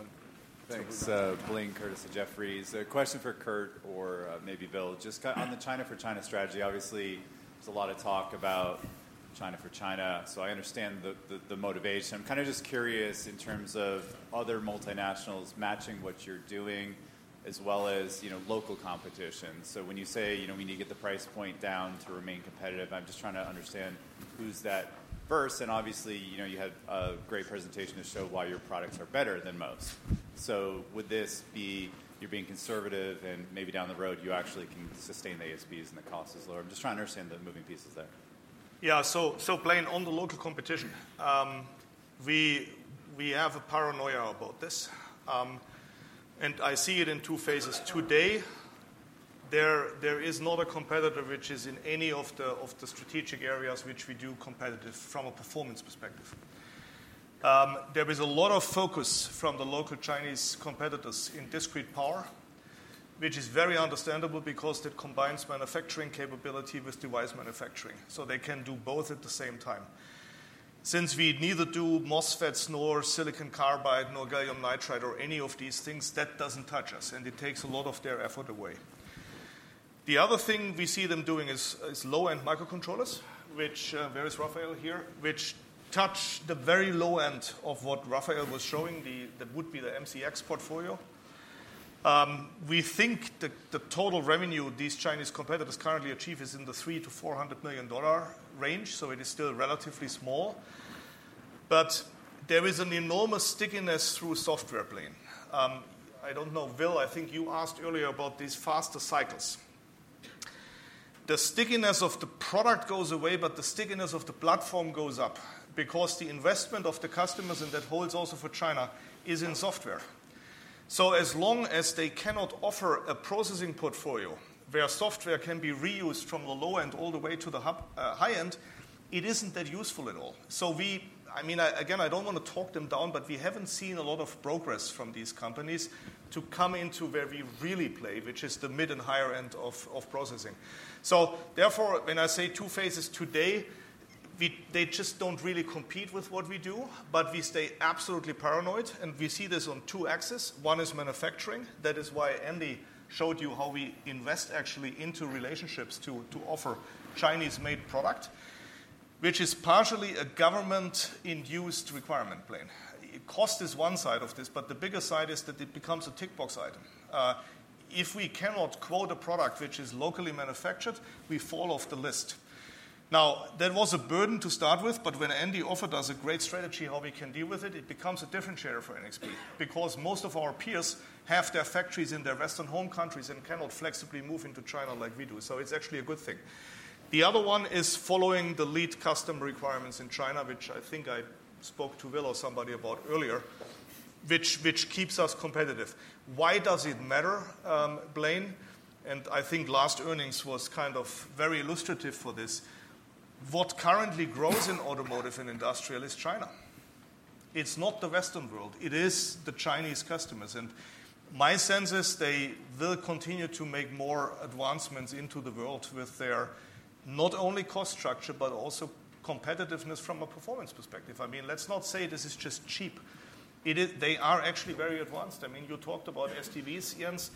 Thanks. This is Blaine Curtis at Jefferies. A question for Kurt or maybe Bill. Just on the China for China strategy, obviously, there's a lot of talk about China for China. So I understand the motivation. I'm kind of just curious in terms of other multinationals matching what you're doing as well as local competition. So when you say we need to get the price point down to remain competitive, I'm just trying to understand who's that for first. And obviously, you had a great presentation to show why your products are better than most. So would this be you being conservative and maybe down the road you actually can sustain the ASPs and the cost is lower? I'm just trying to understand the moving pieces there. Yeah. So Blaine, on the local competition, we have a paranoia about this. And I see it in two phases. Today, there is not a competitor which is in any of the strategic areas which we do competitively from a performance perspective. There is a lot of focus from the local Chinese competitors in discrete power, which is very understandable because it combines manufacturing capability with device manufacturing. So they can do both at the same time. Since we neither do MOSFETs nor silicon carbide nor gallium nitride or any of these things, that doesn't touch us. And it takes a lot of their effort away. The other thing we see them doing is low-end microcontrollers, which there is Rafael here, which touch the very low end of what Rafael was showing that would be the MCX portfolio. We think the total revenue these Chinese competitors currently achieve is in the $3 million-$400 million range. So it is still relatively small. But there is an enormous stickiness through software play. I don't know, Bill, I think you asked earlier about these faster cycles. The stickiness of the product goes away, but the stickiness of the platform goes up because the investment of the customers, and that holds also for China, is in software. So as long as they cannot offer a processing portfolio where software can be reused from the low end all the way to the high end, it isn't that useful at all. So I mean, again, I don't want to talk them down, but we haven't seen a lot of progress from these companies to come into where we really play, which is the mid and higher end of processing. So therefore, when I say two phases today, they just don't really compete with what we do, but we stay absolutely paranoid, and we see this on two axes. One is manufacturing. That is why Andy showed you how we invest actually into relationships to offer Chinese-made product, which is partially a government-induced requirement plan. Cost is one side of this, but the bigger side is that it becomes a tick-box item. If we cannot quote a product which is locally manufactured, we fall off the list. Now, that was a burden to start with, but when Andy offered us a great strategy how we can deal with it, it becomes a different story for NXP because most of our peers have their factories in their Western home countries and cannot flexibly move into China like we do. So it's actually a good thing. The other one is following the lead customer requirements in China, which I think I spoke to Bill or somebody about earlier, which keeps us competitive. Why does it matter, Blaine? I think last earnings was kind of very illustrative for this. What currently grows in automotive and industrial is China. It's not the Western world. It is the Chinese customers. And my sense is they will continue to make more advancements into the world with their not only cost structure, but also competitiveness from a performance perspective. I mean, let's not say this is just cheap. They are actually very advanced. I mean, you talked about SDVs, Jens.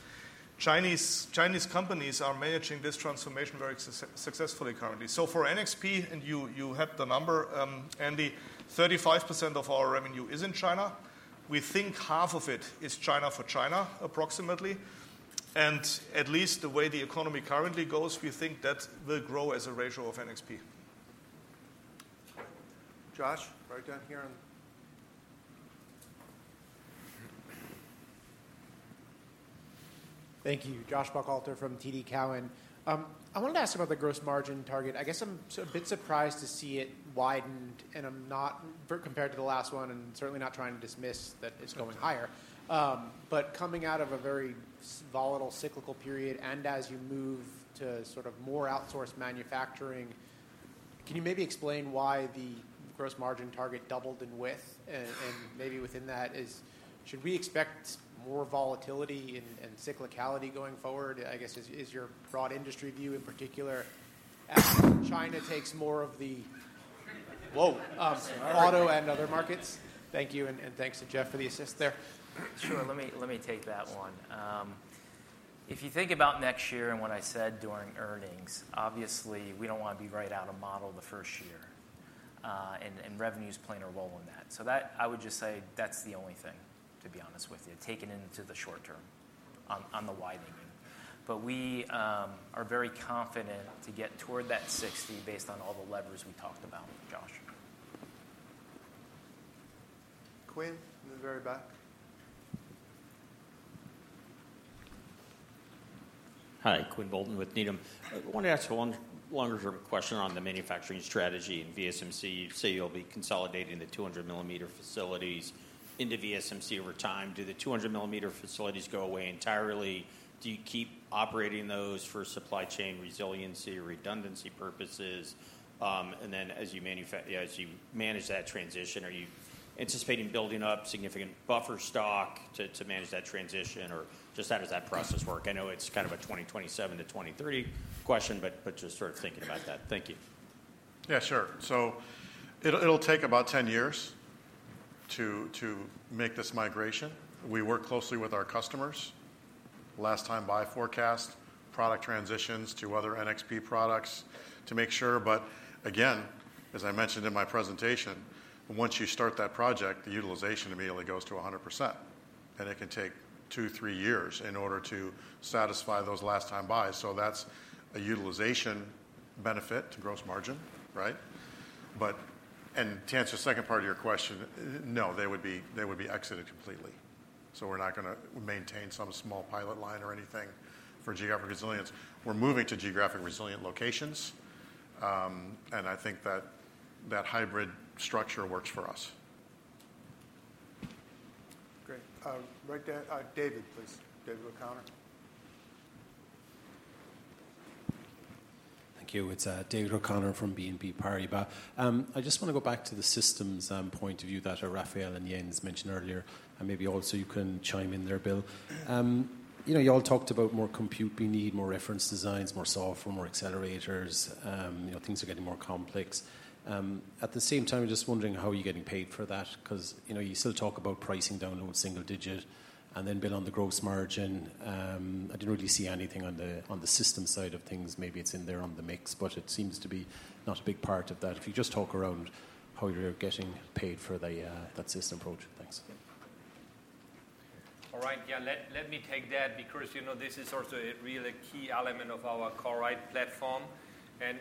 Chinese companies are managing this transformation very successfully currently. So for NXP, and you had the number, Andy, 35% of our revenue is in China. We think half of it is China for China approximately. And at least the way the economy currently goes, we think that will grow as a ratio of NXP. Josh, right down here. Thank you. Josh Buchalter from TD Cowen. I wanted to ask about the gross margin target. I guess I'm a bit surprised to see it widened and compared to the last one, and certainly not trying to dismiss that it's going higher. But coming out of a very volatile cyclical period and as you move to sort of more outsourced manufacturing, can you maybe explain why the gross margin target doubled in width? And maybe within that, should we expect more volatility and cyclicality going forward? I guess is your broad industry view in particular as China takes more of the auto and other markets? Thank you. And thanks to Jeff for the assist there. Sure. Let me take that one. If you think about next year and what I said during earnings, obviously, we don't want to be right out of model the first year. And revenues playing a role in that. So I would just say that's the only thing, to be honest with you, taken into the short term on the widening. But we are very confident to get toward that 60 based on all the levers we talked about, Josh. Quinn in the very back. Hi, Quinn Bolton with Needham. I want to ask a longer sort of question on the manufacturing strategy in VSMC. You say you'll be consolidating the 200-millimeter facilities into VSMC over time. Do the 200-millimeter facilities go away entirely? Do you keep operating those for supply chain resiliency or redundancy purposes? And then as you manage that transition, are you anticipating building up significant buffer stock to manage that transition, or just how does that process work? I know it's kind of a 2027 to 2030 question, but just sort of thinking about that. Thank you. Yeah, sure. So it'll take about 10 years to make this migration. We work closely with our customers, last-time buy forecast, product transitions to other NXP products to make sure. But again, as I mentioned in my presentation, once you start that project, the utilization immediately goes to 100%. And it can take two, three years in order to satisfy those last-time buys. So that's a utilization benefit to gross margin, right? And to answer the second part of your question, no, they would be exited completely. So we're not going to maintain some small pilot line or anything for geographic resilience. We're moving to geographic resilient locations. And I think that hybrid structure works f or us. Great. Right there. David, please. David O'Connor. Thank you. It's David O'Connor from BNP Paribas. I just want to go back to the systems point of view that Rafael and Jens mentioned earlier. And maybe also you can chime in there, Bill. You all talked about more compute we need, more reference designs, more software, more accelerators. Things are getting more complex. At the same time, I'm just wondering how you're getting paid for that because you still talk about pricing down to a single digit. And then, Bill, on the gross margin, I didn't really see anything on the system side of things. Maybe it's in there on the mix, but it seems to be not a big part of that. If you just talk around how you're getting paid for that system approach. Thanks. All right. Yeah, let me take that because this is also a real key element of our CoreRIDE platform. And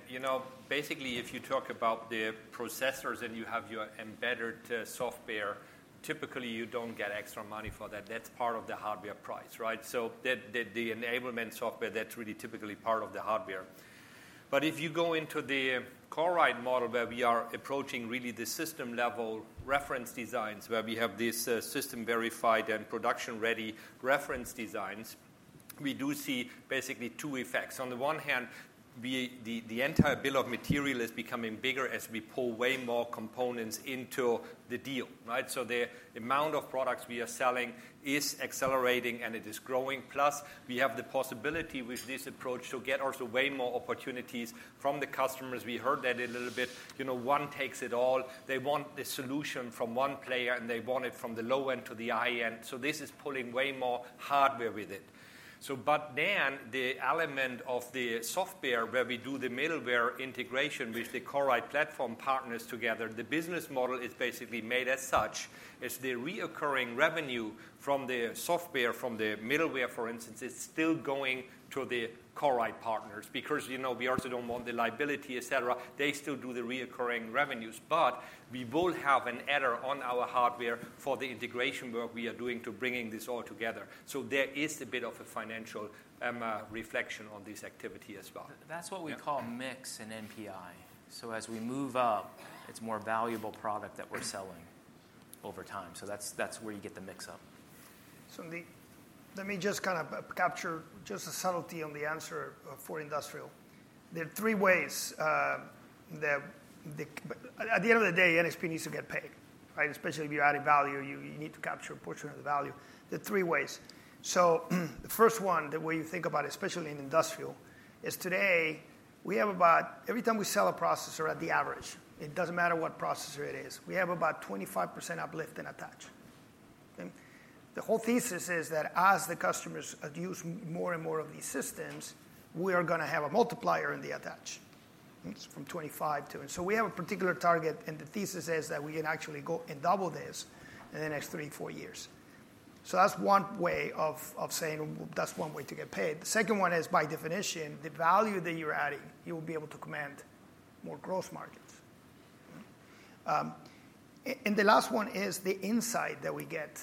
basically, if you talk about the processors and you have your embedded software, typically, you don't get extra money for that. That's part of the hardware price, right? So the enablement software, that's really typically part of the hardware. But if you go into the CoreRIDE model where we are approaching really the system-level reference designs where we have these system-verified and production-ready reference designs, we do see basically two effects. On the one hand, the entire bill of material is becoming bigger as we pull way more components into the deal, right? So the amount of products we are selling is accelerating and it is growing. Plus, we have the possibility with this approach to get also way more opportunities from the customers. We heard that a little bit. One takes it all. They want the solution from one player and they want it from the low end to the high end. So this is pulling way more hardware with it. But then, the element of the software where we do the middleware integration with the CoreRIDE platform partners together, the business model is basically made as such as the recurring revenue from the software from the middleware, for instance, is still going to the CoreRIDE partners because we also don't want the liability, etc. They still do the recurring revenues. But we will have a margin on our hardware for the integration work we are doing in bringing this all together. So there is a bit of a financial reflection on this activity as well. That's what we call mix in NPI. So as we move up, it's more valuable product that we're selling over time. So that's where you get the mix up. So let me just kind of capture just a subtlety on the answer for industrial. There are three ways. At the end of the day, NXP needs to get paid, right? Especially if you're adding value, you need to capture a portion of the value. There are three ways. So the first one, the way you think about it, especially in industrial, is today we have about every time we sell a processor, at the average, it doesn't matter what processor it is, we have about 25% uplift in attach. The whole thesis is that as the customers use more and more of these systems, we are going to have a multiplier in the attach from 25 to. And so we have a particular target, and the thesis is that we can actually go and double this in the next three, four years. So that's one way of saying that's one way to get paid. The second one is, by definition, the value that you're adding. You will be able to command more gross margins, and the last one is the insight that we get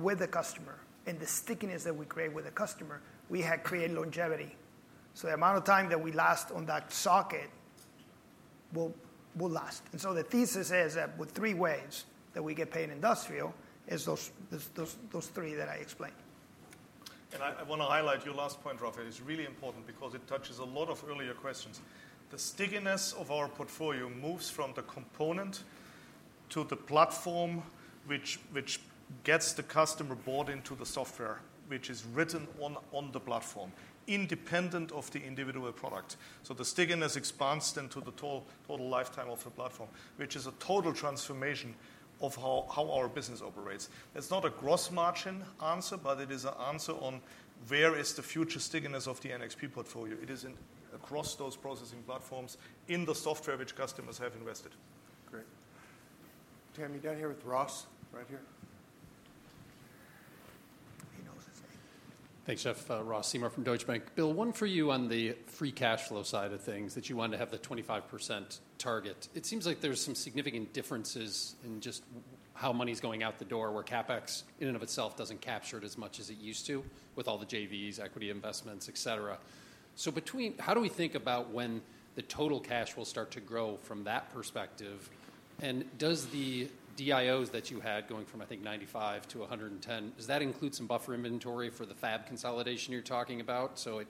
with the customer and the stickiness that we create with the customer. We have created longevity, so the amount of time that we last on that socket will last, and so the thesis is that with three ways that we get paid in industrial is those three that I explained, and I want to highlight your last point, Rafael. It's really important because it touches a lot of earlier questions. The stickiness of our portfolio moves from the component to the platform, which gets the customer bought into the software, which is written on the platform, independent of the individual product. So the stickiness expands into the total lifetime of the platform, which is a total transformation of how our business operates. It's not a gross margin answer, but it is an answer on where is the future stickiness of the NXP portfolio. It is across those processing platforms in the software which customers have invested. Great. Tammy, down here with Ross right here. He knows his name. Thanks, Jeff. Ross Seymore from Deutsche Bank. Bill, one for you on the free cash flow side of things that you wanted to have the 25% target. It seems like there's some significant differences in just how money is going out the door where CapEx in and of itself doesn't capture it as much as it used to with all the JVs, equity investments, etc. So how do we think about when the total cash will start to grow from that perspective? Does the DIOs that you had going from, I think, 95-110, does that include some buffer inventory for the fab consolidation you're talking about? So it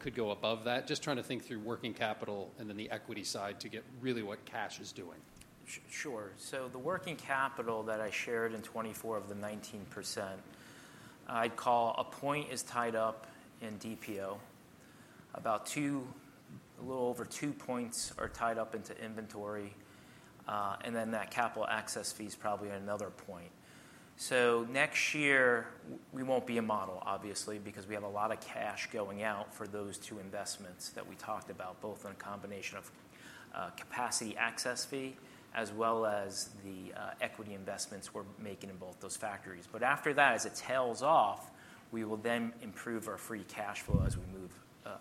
could go above that. Just trying to think through working capital and then the equity side to get really what cash is doing. Sure. So the working capital that I shared in 2024 of the 19%, I'd call a point is tied up in DPO. About a little over two points are tied up into inventory. And then that capacity access fee is probably another point. So next year, we won't be modeling, obviously, because we have a lot of cash going out for those two investments that we talked about, both in a combination of capacity access fee as well as the equity investments we're making in both those factories. But after that, as it tails off, we will then improve our free cash flow as we move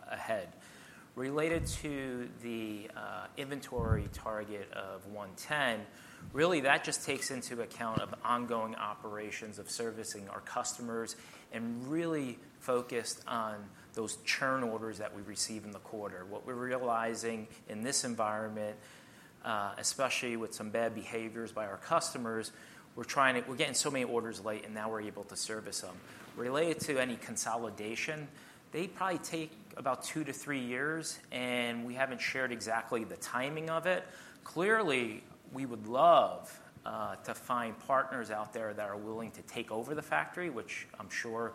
ahead. Related to the inventory target of 110, really, that just takes into account of ongoing operations of servicing our customers and really focused on those churn orders that we receive in the quarter. What we're realizing in this environment, especially with some bad behaviors by our customers, we're getting so many orders late, and now we're able to service them. Related to any consolidation, they probably take about two to three years, and we haven't shared exactly the timing of it. Clearly, we would love to find partners out there that are willing to take over the factory, which I'm sure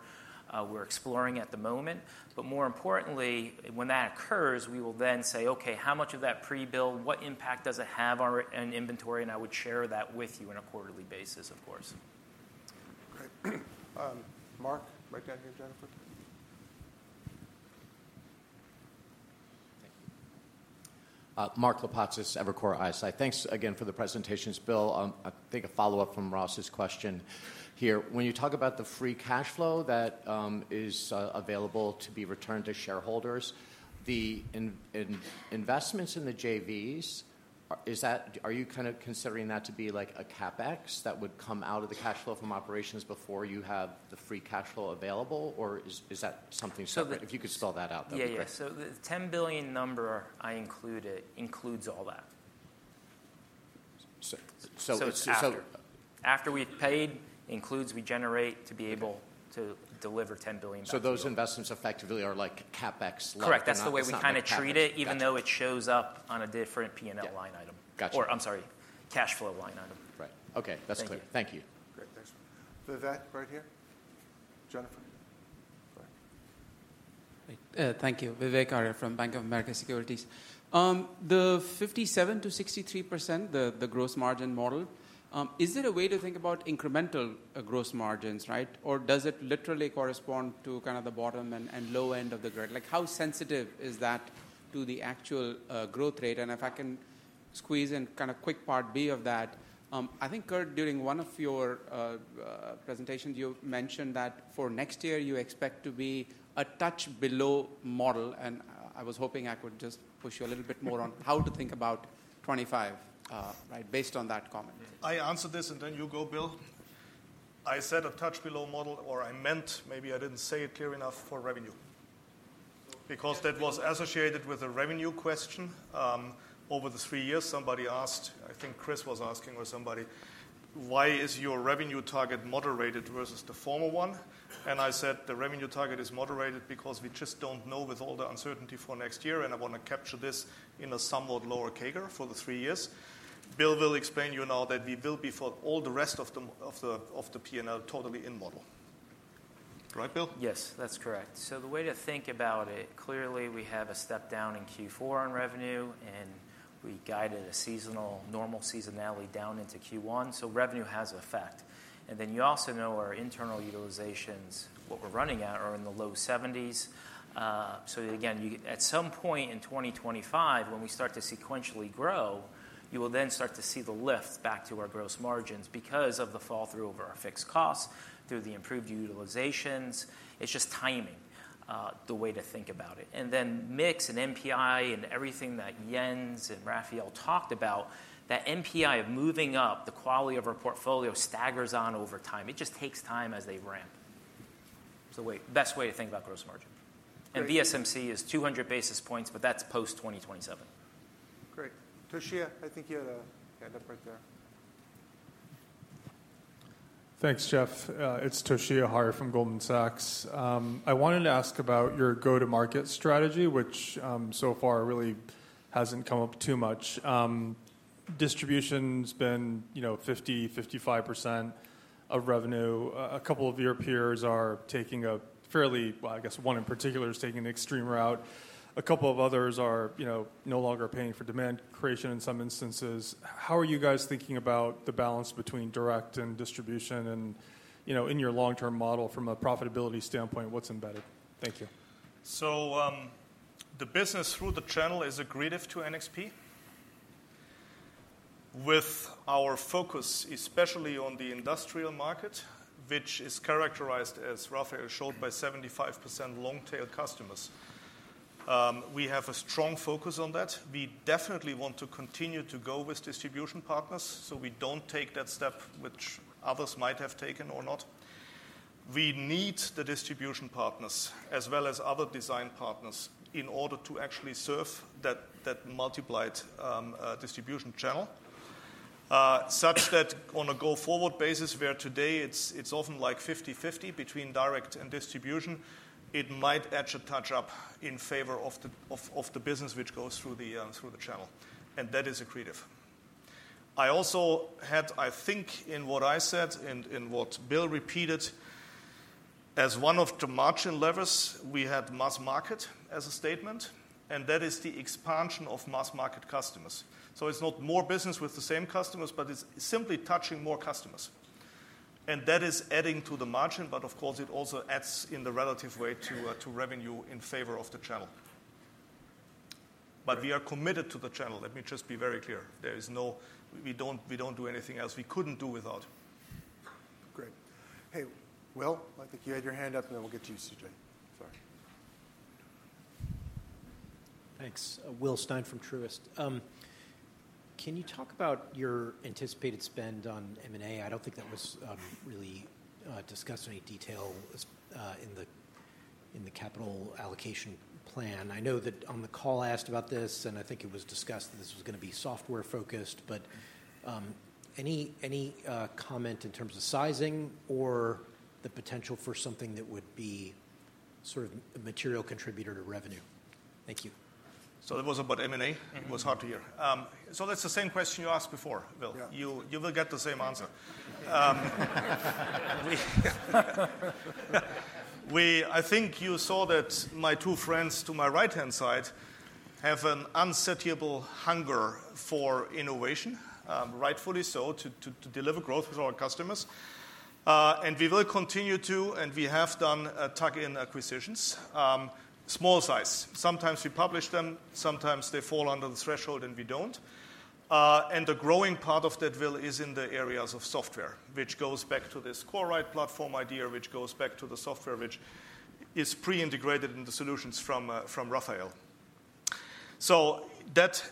we're exploring at the moment. But more importantly, when that occurs, we will then say, "Okay, how much of that pre-build, what impact does it have on inventory?" And I would share that with you on a quarterly basis, of course. Great. Mark, right down here, Jennifer. Thank you. Mark Lipacis, Evercore ISI. Thanks again for the presentations, Bill. I think a follow-up from Ross's question here. When you talk about the free cash flow that is available to be returned to shareholders, the investments in the JVs, are you kind of considering that to be like a CapEx that would come out of the cash flow from operations before you have the free cash flow available, or is that something separate? If you could spell that out, that would be great. Yeah. So the $10 billion number I included includes all that. So after we've paid, includes we generate to be able to deliver $10 billion by the end of the year. So those investments effectively are like CapEx leveraged? Correct. That's the way we kind of treat it, even though it shows up on a different P&L line item. Or I'm sorry, cash flow line item. Right. Okay. That's clear. Thank you. Great. Thanks. Vivek right here. Jennifer. Thank you. Vivek from Bank of America Securities. The 57%-63%, the gross margin model, is it a way to think about incremental gross margins, right? Or does it literally correspond to kind of the bottom and low end of the grid? How sensitive is that to the actual growth rate? And if I can squeeze in kind of quick part B of that, I think, Kurt, during one of your presentations, you mentioned that for next year, you expect to be a touch below model. And I was hoping I could just push you a little bit more on how to think about 2025, right, based on that comment. I answered this, and then you go, Bill. I said a touch below model, or I meant maybe I didn't say it clear enough for revenue. Because that was associated with a revenue question over the three years. Somebody asked, I think Chris was asking or somebody, "Why is your revenue target moderated versus the former one?" And I said, "The revenue target is moderated because we just don't know with all the uncertainty for next year, and I want to capture this in a somewhat lower CAGR for the three years." Bill will explain to you now that we will be for all the rest of the P&L totally in model. Right, Bill? Yes, that's correct. So the way to think about it, clearly, we have a step down in Q4 on revenue, and we guided a normal seasonality down into Q1. So revenue has effect. And then you also know our internal utilizations, what we're running at are in the low 70s. So again, at some point in 2025, when we start to sequentially grow, you will then start to see the lift back to our gross margins because of the fall through of our fixed costs through the improved utilizations. It's just timing the way to think about it. And then mix and NPI and everything that Jens and Rafael talked about, that NPI of moving up, the quality of our portfolio staggers on over time. It just takes time as they ramp. It's the best way to think about gross margin. And SSMC is 200 basis points, but that's post-2027. Great. Toshiya, I think you had a hand up right there. Thanks, Jeff. It's Toshiya Hari from Goldman Sachs. I wanted to ask about your go-to-market strategy, which so far really hasn't come up too much. Distribution has been 50%-55% of revenue. A couple of your peers are taking a fairly, well, I guess one in particular is taking an extreme route. A couple of others are no longer paying for demand creation in some instances. How are you guys thinking about the balance between direct and distribution? And in your long-term model, from a profitability standpoint, what's embedded? Thank you. So the business through the channel is key to NXP with our focus especially on the industrial market, which is characterized, as Rafael showed, by 75% long-tail customers. We have a strong focus on that. We definitely want to continue to go with distribution partners. So we don't take that step which others might have taken or not. We need the distribution partners as well as other design partners in order to actually serve that multiplied distribution channel such that on a go-forward basis where today it's often like 50-50 between direct and distribution, it might actually touch up in favor of the business which goes through the channel, and that is a creative. I also had, I think, in what I said and in what Bill repeated, as one of the margin levers, we had mass market as a statement, and that is the expansion of mass market customers, so it's not more business with the same customers, but it's simply touching more customers, and that is adding to the margin, but of course, it also adds in the relative way to revenue in favor of the channel, but we are committed to the channel. Let me just be very clear. We don't do anything else we couldn't do without. Great. Hey, Will, I think you had your hand up, and then we'll get to you, CJ. Sorry. Thanks. Will Stein from Truist. Can you talk about your anticipated spend on M&A? I don't think that was really discussed in any detail in the capital allocation plan. I know that on the call asked about this, and I think it was discussed that this was going to be software-focused. But any comment in terms of sizing or the potential for something that would be sort of a material contributor to revenue? Thank you. So that was about M&A. It was hard to hear. So that's the same question you asked before, Will. You will get the same answer. I think you saw that my two friends to my right-hand side have an insatiable hunger for innovation, rightfully so, to deliver growth with our customers. And we will continue to, and we have done tuck-in acquisitions, small size. Sometimes we publish them, sometimes they fall under the threshold, and we don't. And the growing part of that, Will, is in the areas of software, which goes back to this CoreRIDE platform idea, which goes back to the software, which is pre-integrated in the solutions from Rafael. So that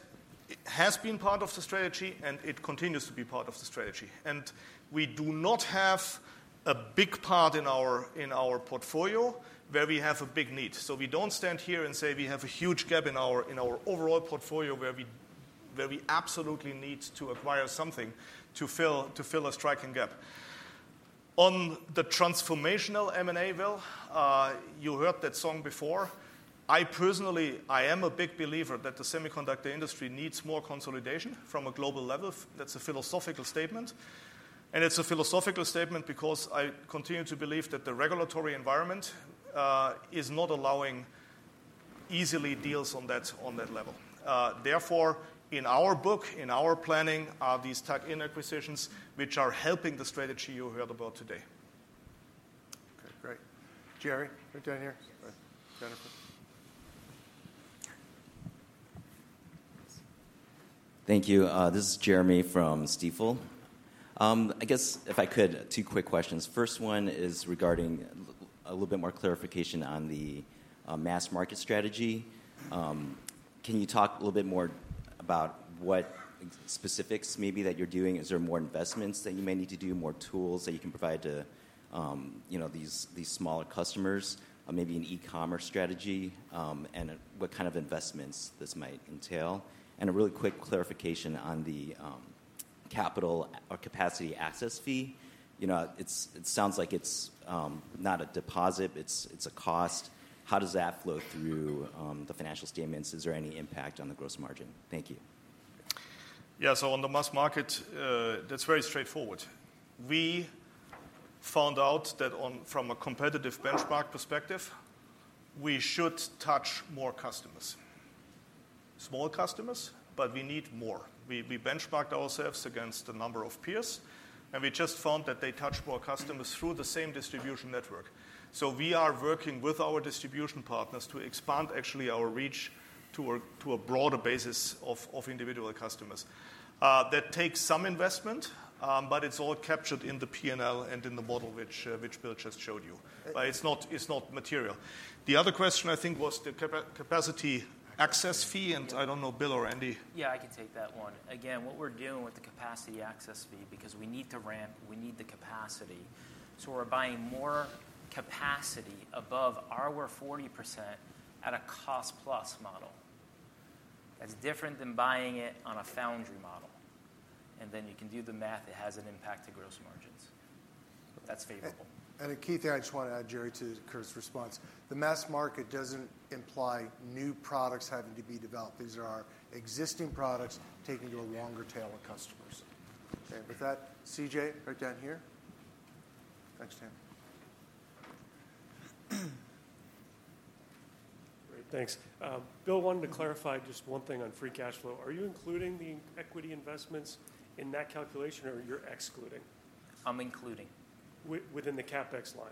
has been part of the strategy, and it continues to be part of the strategy. And we do not have a big part in our portfolio where we have a big need. So we don't stand here and say we have a huge gap in our overall portfolio where we absolutely need to acquire something to fill a striking gap. On the transformational M&A, Will, you heard that song before. I personally, I am a big believer that the semiconductor industry needs more consolidation from a global level. That's a philosophical statement, and it's a philosophical statement because I continue to believe that the regulatory environment is not allowing easily deals on that level. Therefore, in our book, in our planning, are these tuck-in acquisitions which are helping the strategy you heard about today. Okay. Great. Jerry, right down here. Jennifer. Thank you. This is Jeremy from Stifel. I guess if I could, two quick questions. First one is regarding a little bit more clarification on the mass market strategy. Can you talk a little bit more about what specifics maybe that you're doing? Is there more investments that you may need to do, more tools that you can provide to these smaller customers, maybe an e-commerce strategy, and what kind of investments this might entail? And a really quick clarification on the capital or capacity access fee. It sounds like it's not a deposit. It's a cost. How does that flow through the financial statements? Is there any impact on the gross margin? Thank you. Yeah. So on the mass market, that's very straightforward. We found out that from a competitive benchmark perspective, we should touch more customers, small customers, but we need more. We benchmarked ourselves against the number of peers, and we just found that they touch more customers through the same distribution network. So we are working with our distribution partners to expand actually our reach to a broader basis of individual customers. That takes some investment, but it's all captured in the P&L and in the model which Bill just showed you. But it's not material. The other question I think was the capacity access fee, and I don't know, Bill or Andy. Yeah, I can take that one. Again, what we're doing with the capacity access fee because we need to ramp, we need the capacity. So we're buying more capacity above our 40% at a cost-plus model. That's different than buying it on a foundry model. And then you can do the math. It has an impact to gross margins. That's favorable. And a key thing I just want to add, Jerry, to Kurt's response. The mass market doesn't imply new products having to be developed. These are existing products taken to a longer tail of customers. Okay. With that, CJ, right down here. Thanks, Tim. Great. Thanks. Bill wanted to clarify just one thing on free cash flow. Are you including the equity investments in that calculation, or you're excluding? I'm including. Within the CapEx line?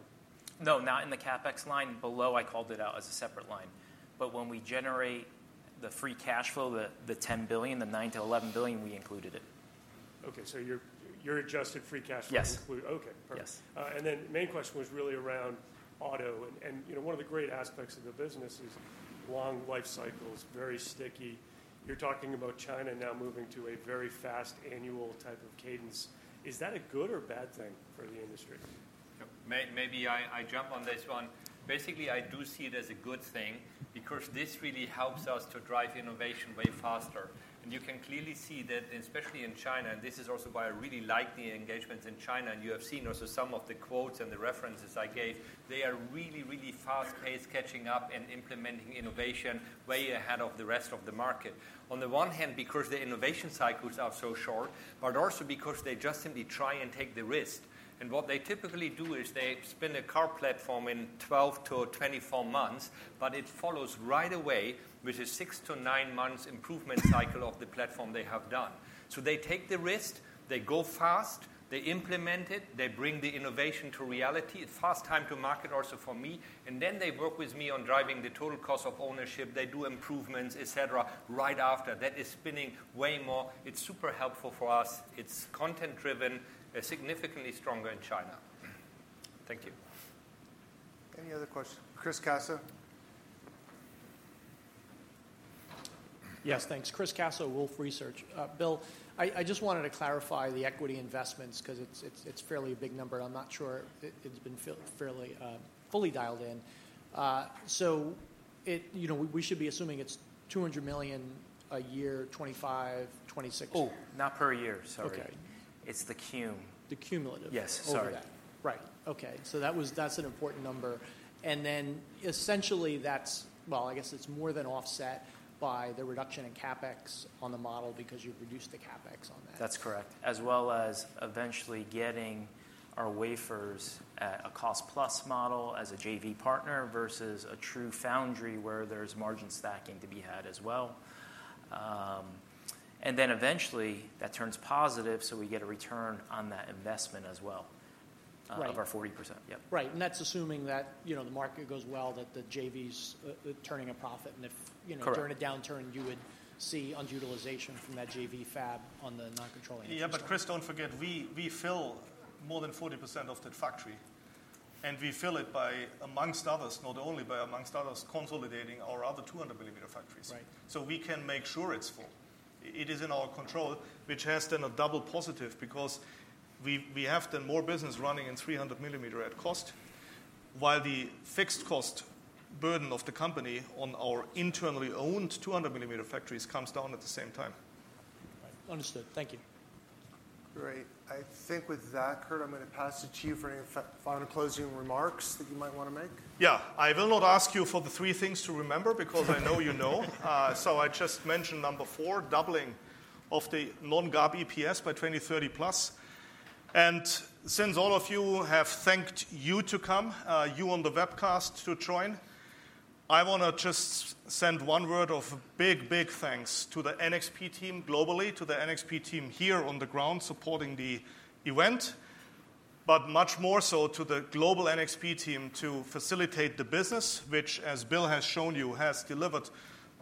No, not in the CapEx line. Below, I called it out as a separate line. But when we generate the free cash flow, the $10 billion, the $9-$11 billion, we included it. Okay. So your adjusted free cash flow is included? Yes. Okay. Perfect. And then the main question was really around auto. And one of the great aspects of the business is long life cycles, very sticky. You're talking about China now moving to a very fast annual type of cadence. Is that a good or bad thing for the industry? Maybe I jump on this one. Basically, I do see it as a good thing because this really helps us to drive innovation way faster. You can clearly see that, especially in China, and this is also why I really like the engagements in China. You have seen also some of the quotes and the references I gave. They are really, really fast-paced catching up and implementing innovation way ahead of the rest of the market. On the one hand, because the innovation cycles are so short, but also because they just simply try and take the risk. What they typically do is they spin a car platform in 12-24 months, but it follows right away with a 6-9 months improvement cycle of the platform they have done. They take the risk, they go fast, they implement it, they bring the innovation to reality. It's fast time to market also for me. They work with me on driving the total cost of ownership. They do improvements, etc., right after. That is spinning way more. It's super helpful for us. It's content-driven, significantly stronger in China. Thank you. Any other questions? Chris Caso. Yes, thanks. Chris Caso, Wolfe Research. Bill, I just wanted to clarify the equity investments because it's a fairly big number. I'm not sure it's been fairly fully dialed in. So we should be assuming it's $200 million a year, 2025, 2026. Oh, not per year, sorry. It's the cum? The cumulative. Yes, sorry. Right. Okay. So that's an important number. And then essentially that's, well, I guess it's more than offset by the reduction in CapEx on the model because you've reduced the CapEx on that. That's correct. As well as eventually getting our wafers at a cost-plus model as a JV partner versus a true foundry where there's margin stacking to be had as well. And then eventually that turns positive, so we get a return on that investment as well of our 40%. Yep. Right. And that's assuming that the market goes well, that the JV's turning a profit. And if during a downturn, you would see underutilization from that JV fab on the non-controlling interest. Yeah, but Chris, don't forget, we fill more than 40% of that factory. And we fill it by, amongst others, not only by consolidating our other 200 millimeter factories. So we can make sure it's full. It is in our control, which has then a double positive because we have then more business running in 300 millimeter at cost while the fixed cost burden of the company on our internally owned 200 millimeter factories comes down at the same time. Understood. Thank you. Great. I think with that, Kurt, I'm going to pass it to you for any final closing remarks that you might want to make. Yeah. I will not ask you for the three things to remember because I know you know. So I just mentioned number four, doubling of the non-GAAP EPS by 2030 plus. And since all of you have taken the time to come, you on the webcast to join, I want to just send one word of big, big thanks to the NXP team globally, to the NXP team here on the ground supporting the event, but much more so to the global NXP team to facilitate the business, which, as Bill has shown you, has delivered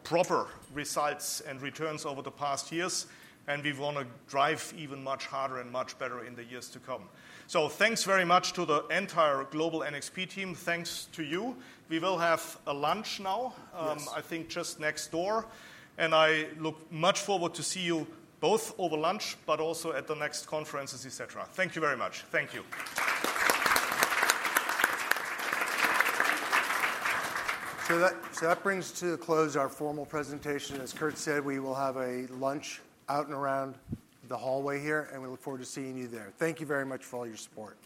proper results and returns over the past years. And we want to drive even much harder and much better in the years to come. So thanks very much to the entire global NXP team. Thanks to you. We will have a lunch now, I think just next door. And I look much forward to see you both over lunch, but also at the next conferences, etc. Thank you very much. Thank you. So that brings to a close our formal presentation. As Kurt said, we will have a lunch out and around the hallway here, and we look forward to seeing you there. Thank you very much for all your support.